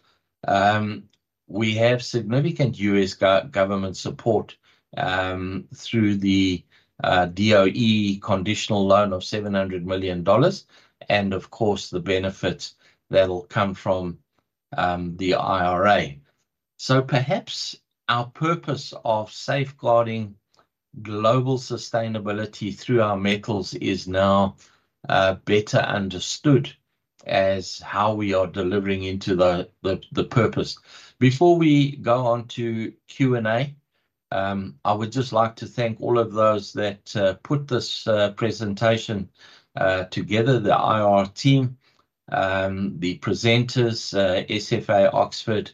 We have significant US government support through the DOE conditional loan of $700 million and, of course, the benefits that'll come from the IRA. So perhaps our purpose of safeguarding global sustainability through our metals is now better understood as how we are delivering into the purpose. Before we go on to Q&A, I would just like to thank all of those that put this presentation together: the IR team, the presenters, SFA Oxford,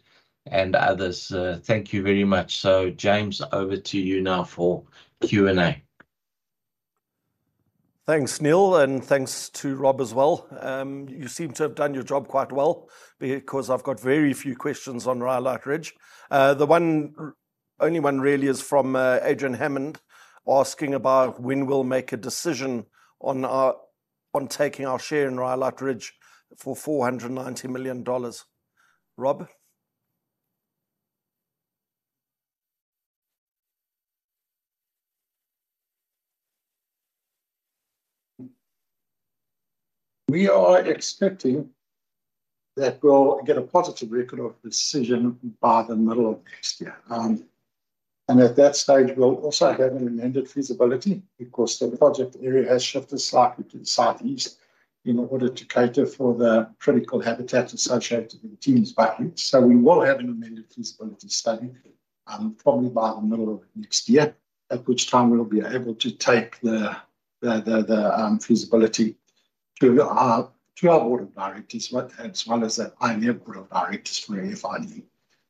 and others. Thank you very much. So, James, over to you now for Q&A. Thanks, Neal, and thanks to Rob as well. You seem to have done your job quite well because I've got very few questions on Rhyolite Ridge. The one, only one really is from Adrian Hammond, asking about when we'll make a decision on our, on taking our share in Rhyolite Ridge for $490 million. Rob? We are expecting that we'll get a positive Record of Decision by the middle of next year. And at that stage, we'll also have an amended feasibility, because the project area has shifted slightly to the southeast in order to cater for the critical habitat associated with Tiehm's buckwheat. So we will have an amended feasibility study, probably by the middle of next year, at which time we'll be able to take the feasibility to our board of directors, but as well as the ioneer board of directors for Rhyolite.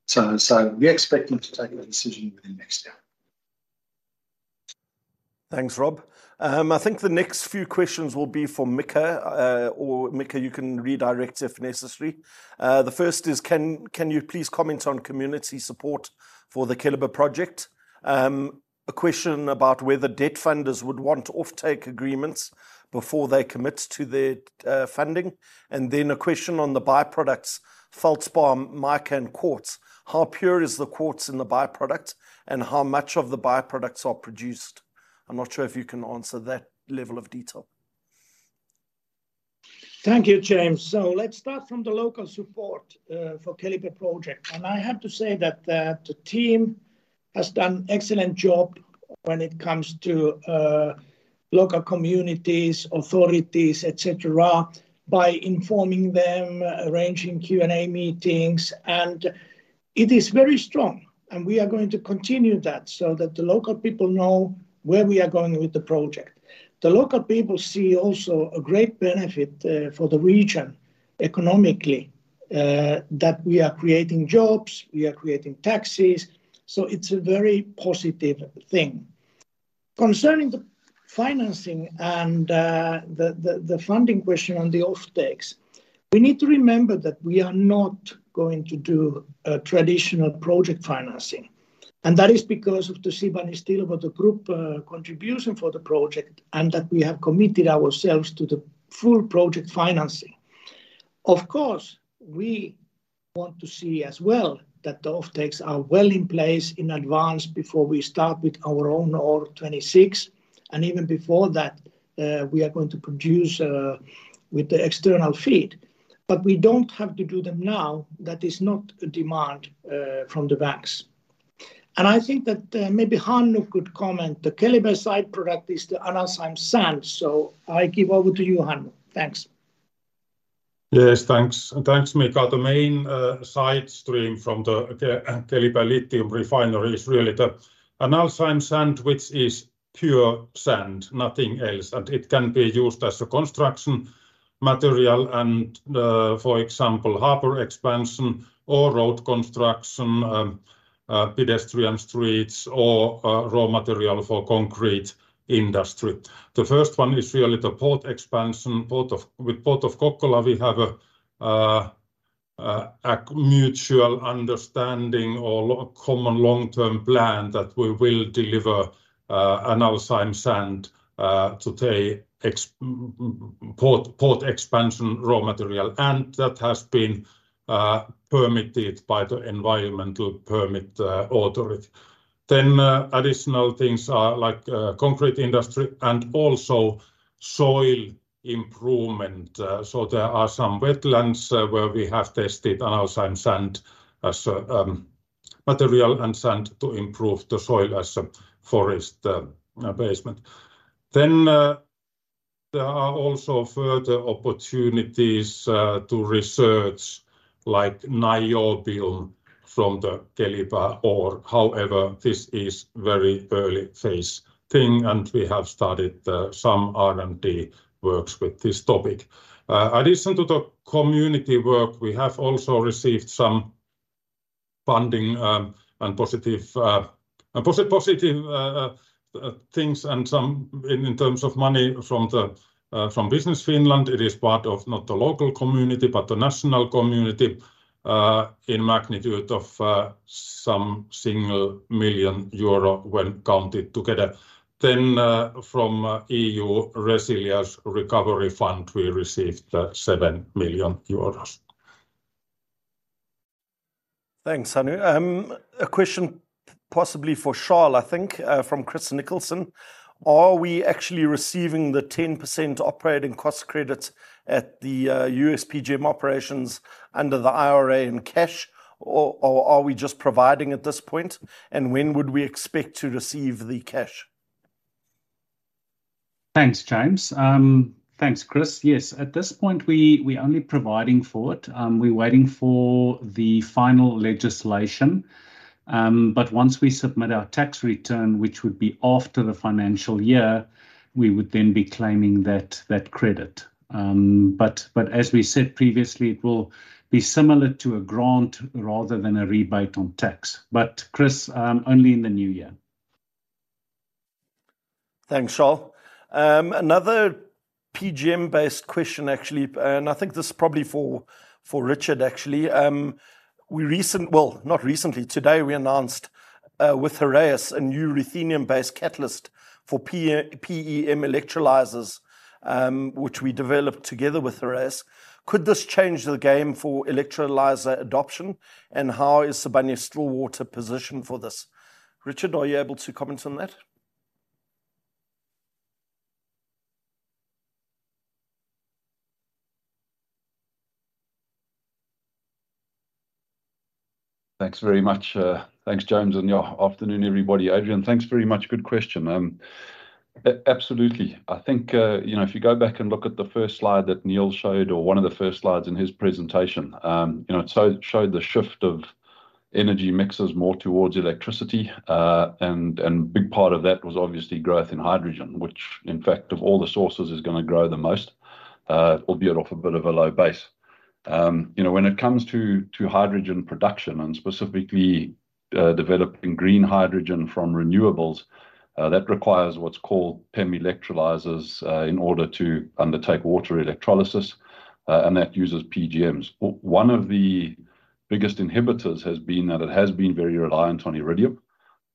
So we're expecting to take a decision within next year. Thanks, Rob. I think the next few questions will be for Mika. Or Mika, you can redirect if necessary. The first is, can you please comment on community support for the Keliber project? A question about whether debt funders would want offtake agreements before they commit to their funding. Then a question on the by-products feldspar, mica, and quartz. How pure is the quartz in the by-product, and how much of the by-products are produced? I'm not sure if you can answer that level of detail. Thank you, James. Let's start from the local support for Keliber project. I have to say that the team-... has done excellent job when it comes to local communities, authorities, et cetera, by informing them, arranging Q&A meetings, and it is very strong, and we are going to continue that so that the local people know where we are going with the project. The local people see also a great benefit for the region economically that we are creating jobs, we are creating taxes, so it's a very positive thing. Concerning the financing and the funding question on the offtakes, we need to remember that we are not going to do a traditional project financing, and that is because of the Sibanye-Stillwater group contribution for the project and that we have committed ourselves to the full project financing. Of course, we want to see as well that the offtakes are well in place in advance before we start with our own ore 2026, and even before that, we are going to produce with the external feed. But we don't have to do them now. That is not a demand from the banks. And I think that, maybe Hannu could comment. The Keliber side product is the analcime sand, so I give over to you, Hannu. Thanks. Yes, thanks. Thanks, Mika. The main side stream from the Keliber lithium refinery is really the analcime sand, which is pure sand, nothing else, and it can be used as a construction material and, for example, harbor expansion or road construction, pedestrian streets, or raw material for concrete industry. The first one is really the port expansion. With Port of Kokkola, we have a mutual understanding or a common long-term plan that we will deliver analcime sand to the port expansion raw material, and that has been permitted by the environmental permit authority. Then, additional things are like concrete industry and also soil improvement. So there are some wetlands, where we have tested Analcime Sand as material and sand to improve the soil as a forest basement. Then, there are also further opportunities to research, like niobium from the Keliber ore. However, this is very early-phase thing, and we have started some R&D works with this topic. In addition to the community work, we have also received some funding, and positive things and some in terms of money from Business Finland. It is part of not the local community, but the national community, in magnitude of some single million EUR when counted together. Then, from EU Resilience Recovery Fund, we received 7 million euros. Thanks, Hannu. A question possibly for Charles, I think, from Chris Nicholson. Are we actually receiving the 10% operating cost credits at the USPGM operations under the IRA in cash, or are we just providing at this point, and when would we expect to receive the cash? Thanks, James. Thanks, Chris. Yes, at this point, we, we're only providing for it. We're waiting for the final legislation, but once we submit our tax return, which would be after the financial year, we would then be claiming that, that credit. But, but as we said previously, it will be similar to a grant rather than a rebate on tax. But Chris, only in the new year. Thanks, Charles. Another PGM-based question, actually, and I think this is probably for Richard, actually. Well, not recently. Today, we announced with Heraeus a new ruthenium-based catalyst for PEM electrolyzers, which we developed together with Heraeus. Could this change the game for electrolyzer adoption, and how is Sibanye-Stillwater positioned for this? Richard, are you able to comment on that? Thanks very much. Thanks, James, and yeah, afternoon, everybody. Adrian, thanks very much. Good question. Absolutely. I think, you know, if you go back and look at the first slide that Neal showed or one of the first slides in his presentation, you know, it showed the shift of energy mixes more towards electricity. A big part of that was obviously growth in hydrogen, which in fact of all the sources is gonna grow the most, albeit off a bit of a low base. You know, when it comes to hydrogen production and specifically developing green hydrogen from renewables, that requires what's called PEM electrolyzers in order to undertake water electrolysis, and that uses PGMs. One of the biggest inhibitors has been that it has been very reliant on iridium.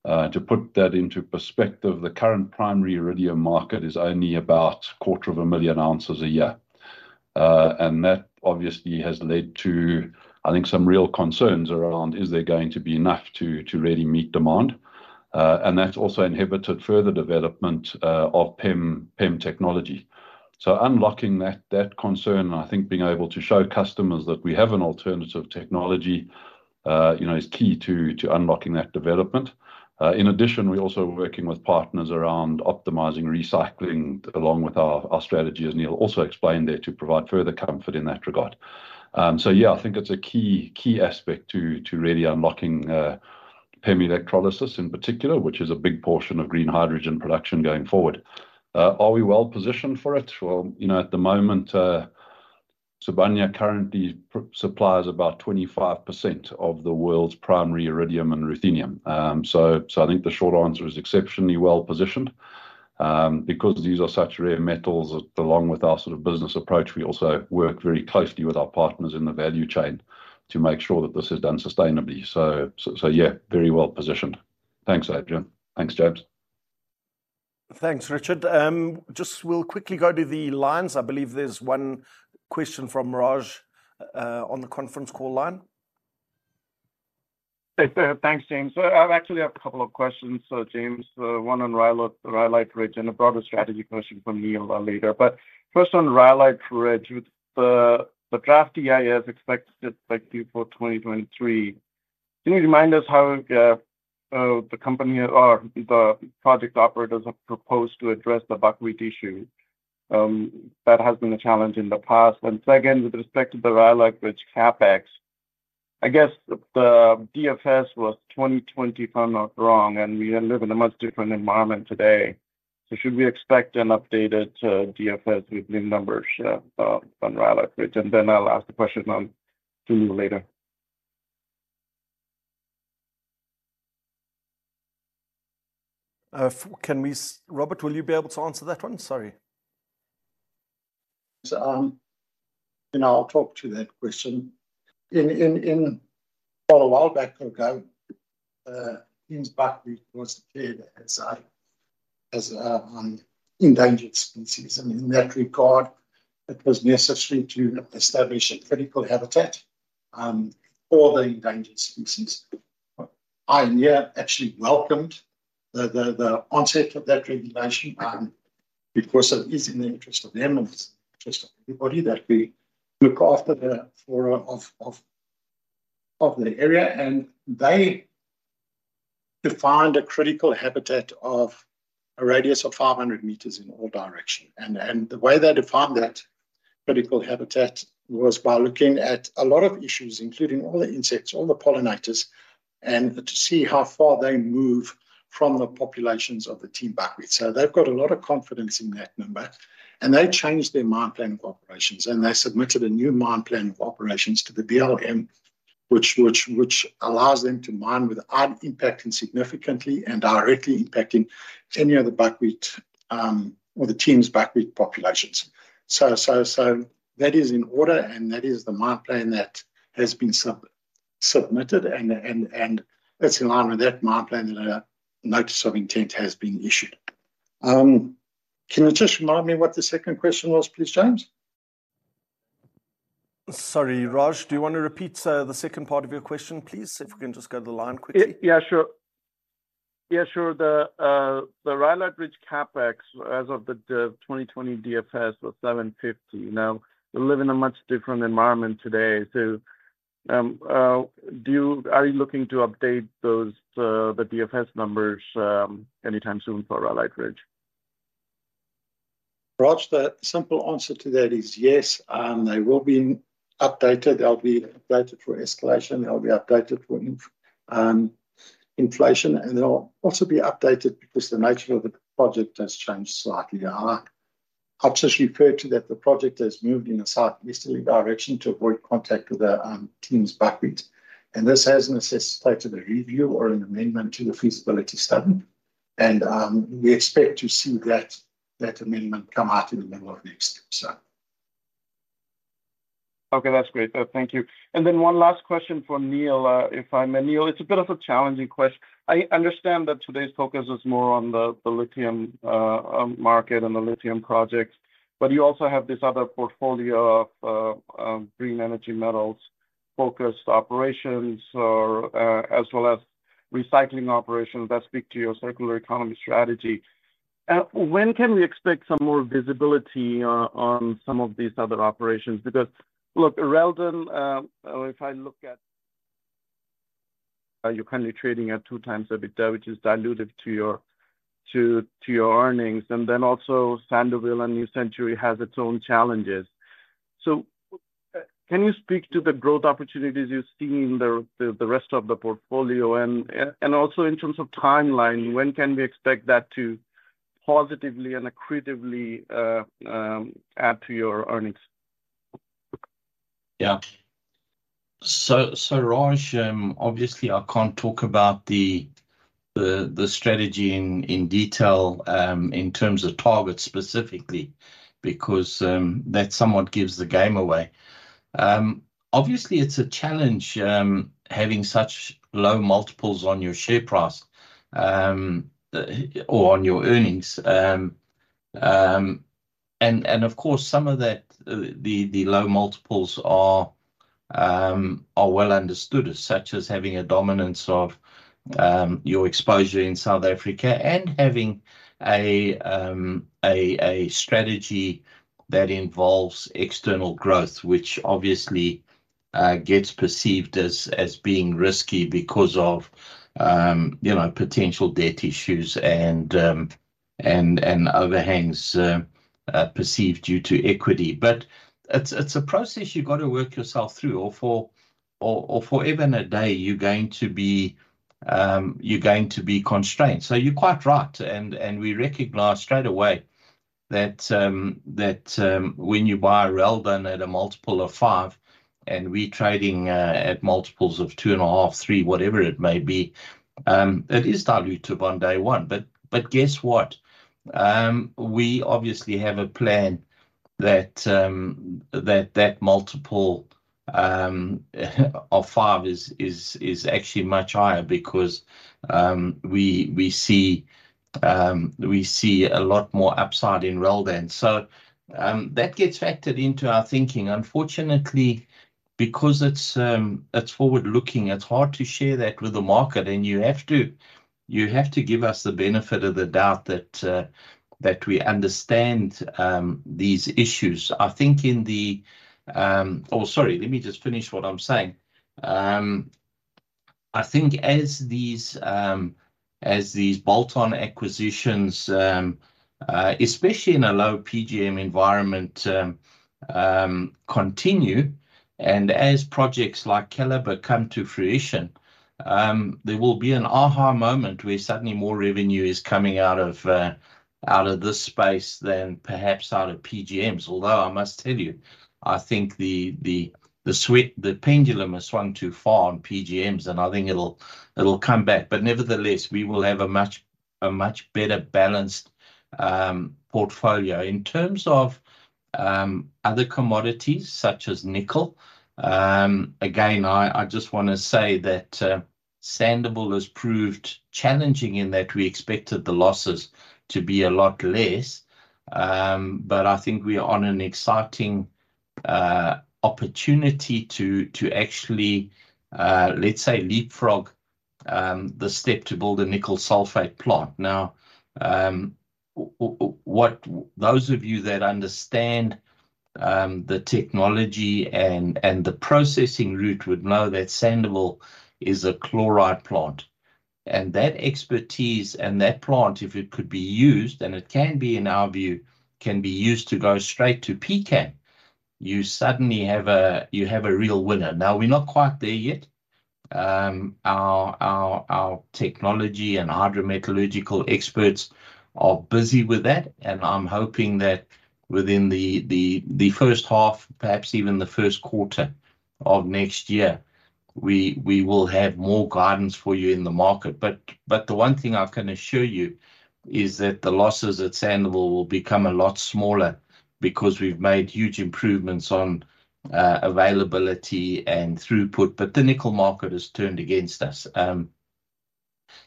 To put that into perspective, the current primary iridium market is only about 250,000 ounces a year. And that obviously has led to, I think, some real concerns around, is there going to be enough to really meet demand? And that's also inhibited further development of PEM, PEM technology. So unlocking that concern, I think being able to show customers that we have an alternative technology, you know, is key to unlocking that development. In addition, we're also working with partners around optimizing recycling, along with our strategy, as Neal also explained there, to provide further comfort in that regard. So yeah, I think it's a key aspect to really unlocking PEM electrolysis in particular, which is a big portion of green hydrogen production going forward. Are we well-positioned for it? Well, you know, at the moment, Sibanye currently supplies about 25% of the world's primary iridium and ruthenium. So, so I think the short answer is exceptionally well-positioned, because these are such rare metals. Along with our sort of business approach, we also work very closely with our partners in the value chain to make sure that this is done sustainably. So, so, so yeah, very well-positioned. Thanks, Adrian. Thanks, James. Thanks, Richard. Just we'll quickly go to the lines. I believe there's one question from Raj on the conference call line. Hey there. Thanks, James. So I actually have a couple of questions for James. One on Rhyolite Ridge, and a broader strategy question for Neal later. But first on Rhyolite Ridge, with the draft EIS expected likely for 2023. Can you remind us how the company or the project operators have proposed to address the buckwheat issue? That has been a challenge in the past. And second, with respect to the Rhyolite Ridge CapEx, I guess the DFS was 2020, if I'm not wrong, and we live in a much different environment today. So should we expect an updated DFS with new numbers on Rhyolite Ridge? And then I'll ask a question on to you later. Can we, Robert, will you be able to answer that one? Sorry. So, you know, I'll talk to that question. In quite a while back ago, Tiehm's buckwheat was declared as a endangered species. And in that regard, it was necessary to establish a critical habitat for the endangered species. But I, yeah, actually welcomed the onset of that regulation because it is in the interest of them and it's in the interest of everybody that we look after the flora of the area. And they defined a critical habitat of a radius of 500 meters in all direction. And the way they defined that critical habitat was by looking at a lot of issues, including all the insects, all the pollinators, and to see how far they move from the populations of the Tiehm's buckwheat. So they've got a lot of confidence in that number, and they changed their mine plan of operations, and they submitted a new mine plan of operations to the BLM, which allows them to mine without impacting significantly and directly impacting any of the Tiehm's buckwheat or the Tiehm's buckwheat populations. So that is in order, and that is the mine plan that has been submitted, and it's in line with that mine plan, and a notice of intent has been issued. Can you just remind me what the second question was, please, James? Sorry, Raj, do you want to repeat, the second part of your question, please? If we can just go to the line quickly. Yeah, sure. Yeah, sure. The Rhyolite Ridge CapEx, as of the 2020 DFS, was $750 million. Now, we live in a much different environment today, so, are you looking to update those, the DFS numbers, anytime soon for Rhyolite Ridge? Raj, the simple answer to that is yes, they will be updated. They'll be updated for escalation, they'll be updated for inflation, and they'll also be updated because the nature of the project has changed slightly. I just referred to that the project has moved in a south-easterly direction to avoid contact with the Tiehm's buckwheat, and this has necessitated a review or an amendment to the feasibility study. We expect to see that amendment come out in the middle of next year, so. Okay, that's great. Thank you. And then one last question for Neal, if I may. Neal, it's a bit of a challenging question. I understand that today's focus is more on the lithium market and the lithium projects, but you also have this other portfolio of green energy metals-focused operations, as well as recycling operations that speak to your circular economy strategy. When can we expect some more visibility on some of these other operations? Because, look, Reldan, if I look at... Are you currently trading at 2x EBITDA, which is dilutive to your earnings, and then also Sandouville and New Century has its own challenges. So, can you speak to the growth opportunities you see in the rest of the portfolio? Also in terms of timeline, when can we expect that to positively and accretively add to your earnings? Yeah. So, Raj, obviously, I can't talk about the strategy in detail in terms of targets specifically, because that somewhat gives the game away. Obviously, it's a challenge having such low multiples on your share price or on your earnings. And of course, some of that, the low multiples are-... are well understood, such as having a dominance of your exposure in South Africa and having a strategy that involves external growth, which obviously gets perceived as being risky because of, you know, potential debt issues and overhangs perceived due to equity. But it's a process you've got to work yourself through, or forever and a day, you're going to be constrained. So you're quite right, and we recognise straight away that when you buy Reldan at a multiple of 5, and we're trading at multiples of 2.5, 3, whatever it may be, it is dilutive on day one. But guess what? We obviously have a plan that that multiple of five is actually much higher because we see a lot more upside in Reldan. So, that gets factored into our thinking. Unfortunately, because it's forward-looking, it's hard to share that with the market, and you have to give us the benefit of the doubt that we understand these issues. Oh, sorry, let me just finish what I'm saying. I think as these bolt-on acquisitions, especially in a low PGM environment, continue, and as projects like Keliber come to fruition, there will be an aha moment where suddenly more revenue is coming out of this space than perhaps out of PGMs. Although I must tell you, I think the pendulum has swung too far on PGMs, and I think it'll come back. But nevertheless, we will have a much better-balanced portfolio. In terms of other commodities, such as nickel, again, I just wanna say that Sandouville has proved challenging in that we expected the losses to be a lot less. But I think we are on an exciting opportunity to actually leapfrog the step to build a nickel sulphate plant. Now, what those of you that understand the technology and the processing route would know that Sandouville is a chloride plant, and that expertise and that plant, if it could be used, and it can be, in our view, can be used to go straight to pCAM. You suddenly have a, you have a real winner. Now, we're not quite there yet. Our technology and hydrometallurgical experts are busy with that, and I'm hoping that within the first half, perhaps even the first quarter of next year, we will have more guidance for you in the market. But the one thing I can assure you is that the losses at Sandouville will become a lot smaller because we've made huge improvements on availability and throughput, but the nickel market has turned against us.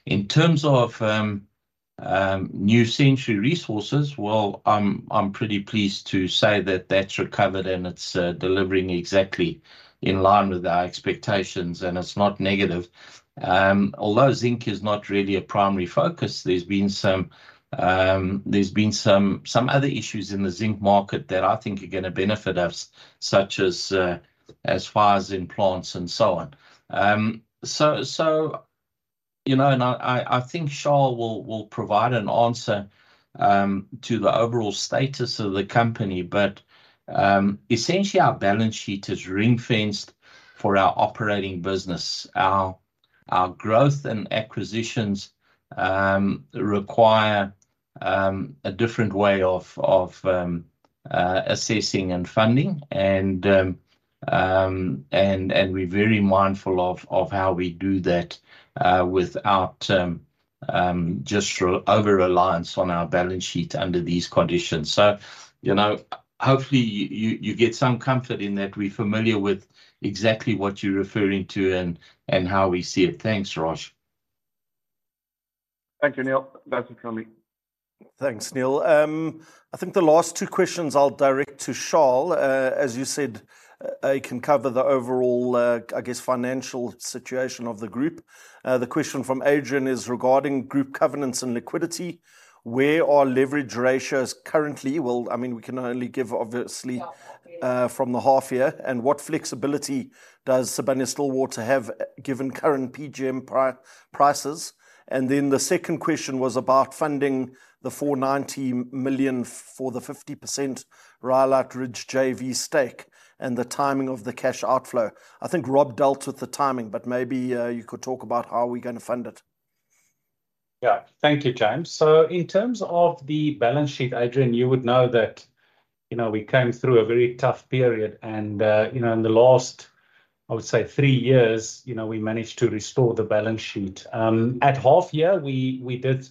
In terms of New Century Resources, well, I'm pretty pleased to say that that's recovered, and it's delivering exactly in line with our expectations, and it's not negative. Although zinc is not really a primary focus, there's been some other issues in the zinc market that I think are gonna benefit us, such as, as far as in plants and so on. You know, and I think Charles will provide an answer to the overall status of the company. But essentially, our balance sheet is ring-fenced for our operating business. Our growth and acquisitions require a different way of assessing and funding. And we're very mindful of how we do that, without just over-reliance on our balance sheet under these conditions. So, you know, hopefully, you get some comfort in that we're familiar with exactly what you're referring to and how we see it. Thanks, Raj. Thank you, Neal. Back to Charlie. Thanks, Neal. I think the last two questions I'll direct to Charles. As you said, he can cover the overall, I guess, financial situation of the group. The question from Adrian is regarding group covenants and liquidity. Where are leverage ratios currently? Well, I mean, we can only give obviously- Half year... from the half year. What flexibility does Sibanye-Stillwater have, given current PGM prices? And then the second question was about funding the $490 million for the 50% Rhyolite Ridge JV stake and the timing of the cash outflow. I think Rob dealt with the timing, but maybe you could talk about how are we gonna fund it. Yeah. Thank you, James. So in terms of the balance sheet, Adrian, you would know that, you know, we came through a very tough period and, you know, in the last, I would say, three years, you know, we managed to restore the balance sheet. At half year, we did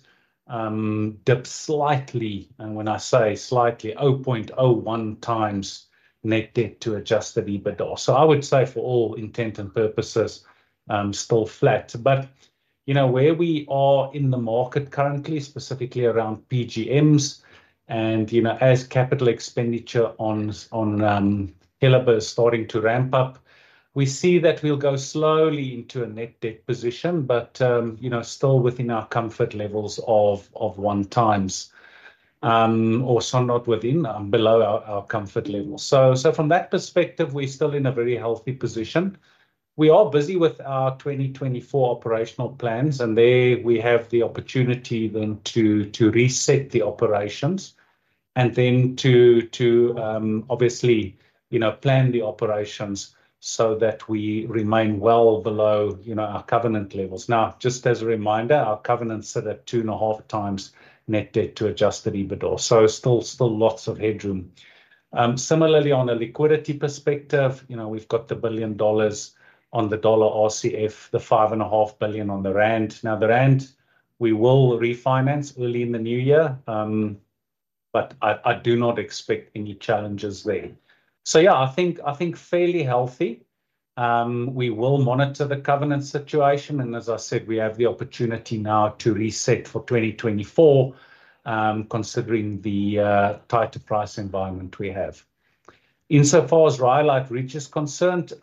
dip slightly, and when I say slightly, 0.01 times net debt to adjusted EBITDA. So I would say, for all intent and purposes, still flat. But, you know, where we are in the market currently, specifically around PGMs, and, you know, as capital expenditure on Keliber is starting to ramp up, we see that we'll go slowly into a net debt position, but, you know, still within our comfort levels of one times. Or so not within, below our comfort level. So from that perspective, we're still in a very healthy position. We are busy with our 2024 operational plans, and there we have the opportunity then to obviously, you know, plan the operations so that we remain well below, you know, our covenant levels. Now, just as a reminder, our covenants sit at 2.5 times net debt to adjusted EBITDA, so still lots of headroom. Similarly, on a liquidity perspective, you know, we've got $1 billion on the dollar RCF, 5.5 billion on the rand. Now, the rand, we will refinance early in the new year, but I do not expect any challenges there. So yeah, I think fairly healthy. We will monitor the covenant situation, and as I said, we have the opportunity now to reset for 2024, considering the tighter price environment we have. Insofar as Rhyolite Ridge is concerned,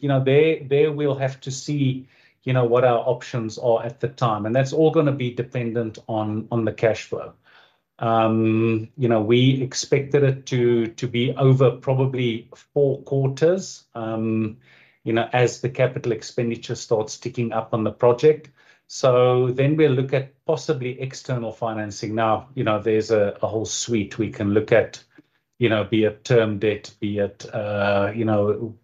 you know, there we'll have to see, you know, what our options are at the time, and that's all gonna be dependent on the cash flow. You know, we expected it to be over probably four quarters, you know, as the capital expenditure starts ticking up on the project. So then we'll look at possibly external financing. Now, you know, there's a whole suite we can look at, you know, be it term debt, be it, you know,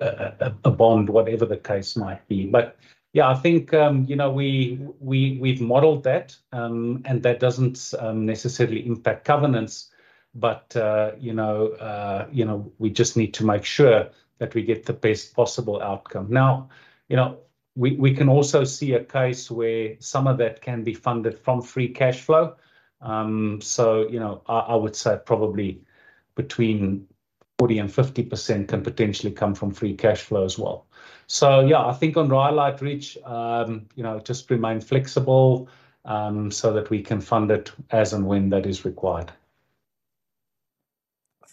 a bond, whatever the case might be. But yeah, I think, you know, we, we've modeled that, and that doesn't necessarily impact covenants, but, you know, you know, we just need to make sure that we get the best possible outcome. Now, you know, we, we can also see a case where some of that can be funded from free cashflow. So, you know, I, I would say probably between 40% and 50% can potentially come from free cashflow as well. So, yeah, I think on Rhyolite Ridge, you know, just remain flexible, so that we can fund it as and when that is required.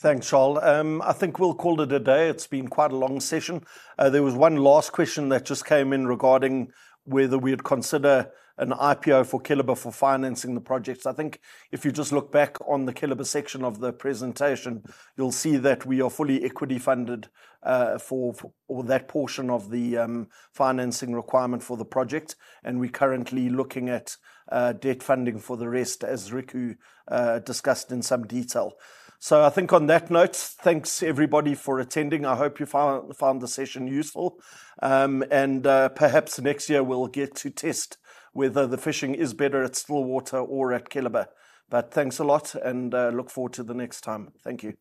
Thanks, Charles. I think we'll call it a day. It's been quite a long session. There was one last question that just came in regarding whether we would consider an IPO for Keliber for financing the projects. I think if you just look back on the Keliber section of the presentation, you'll see that we are fully equity-funded, for, for all that portion of the, financing requirement for the project, and we're currently looking at, debt funding for the rest, as Riku, discussed in some detail. So I think on that note, thanks everybody for attending. I hope you found, found the session useful. And, perhaps next year we'll get to test whether the fishing is better at Stillwater or at Keliber. But thanks a lot, and, look forward to the next time. Thank you.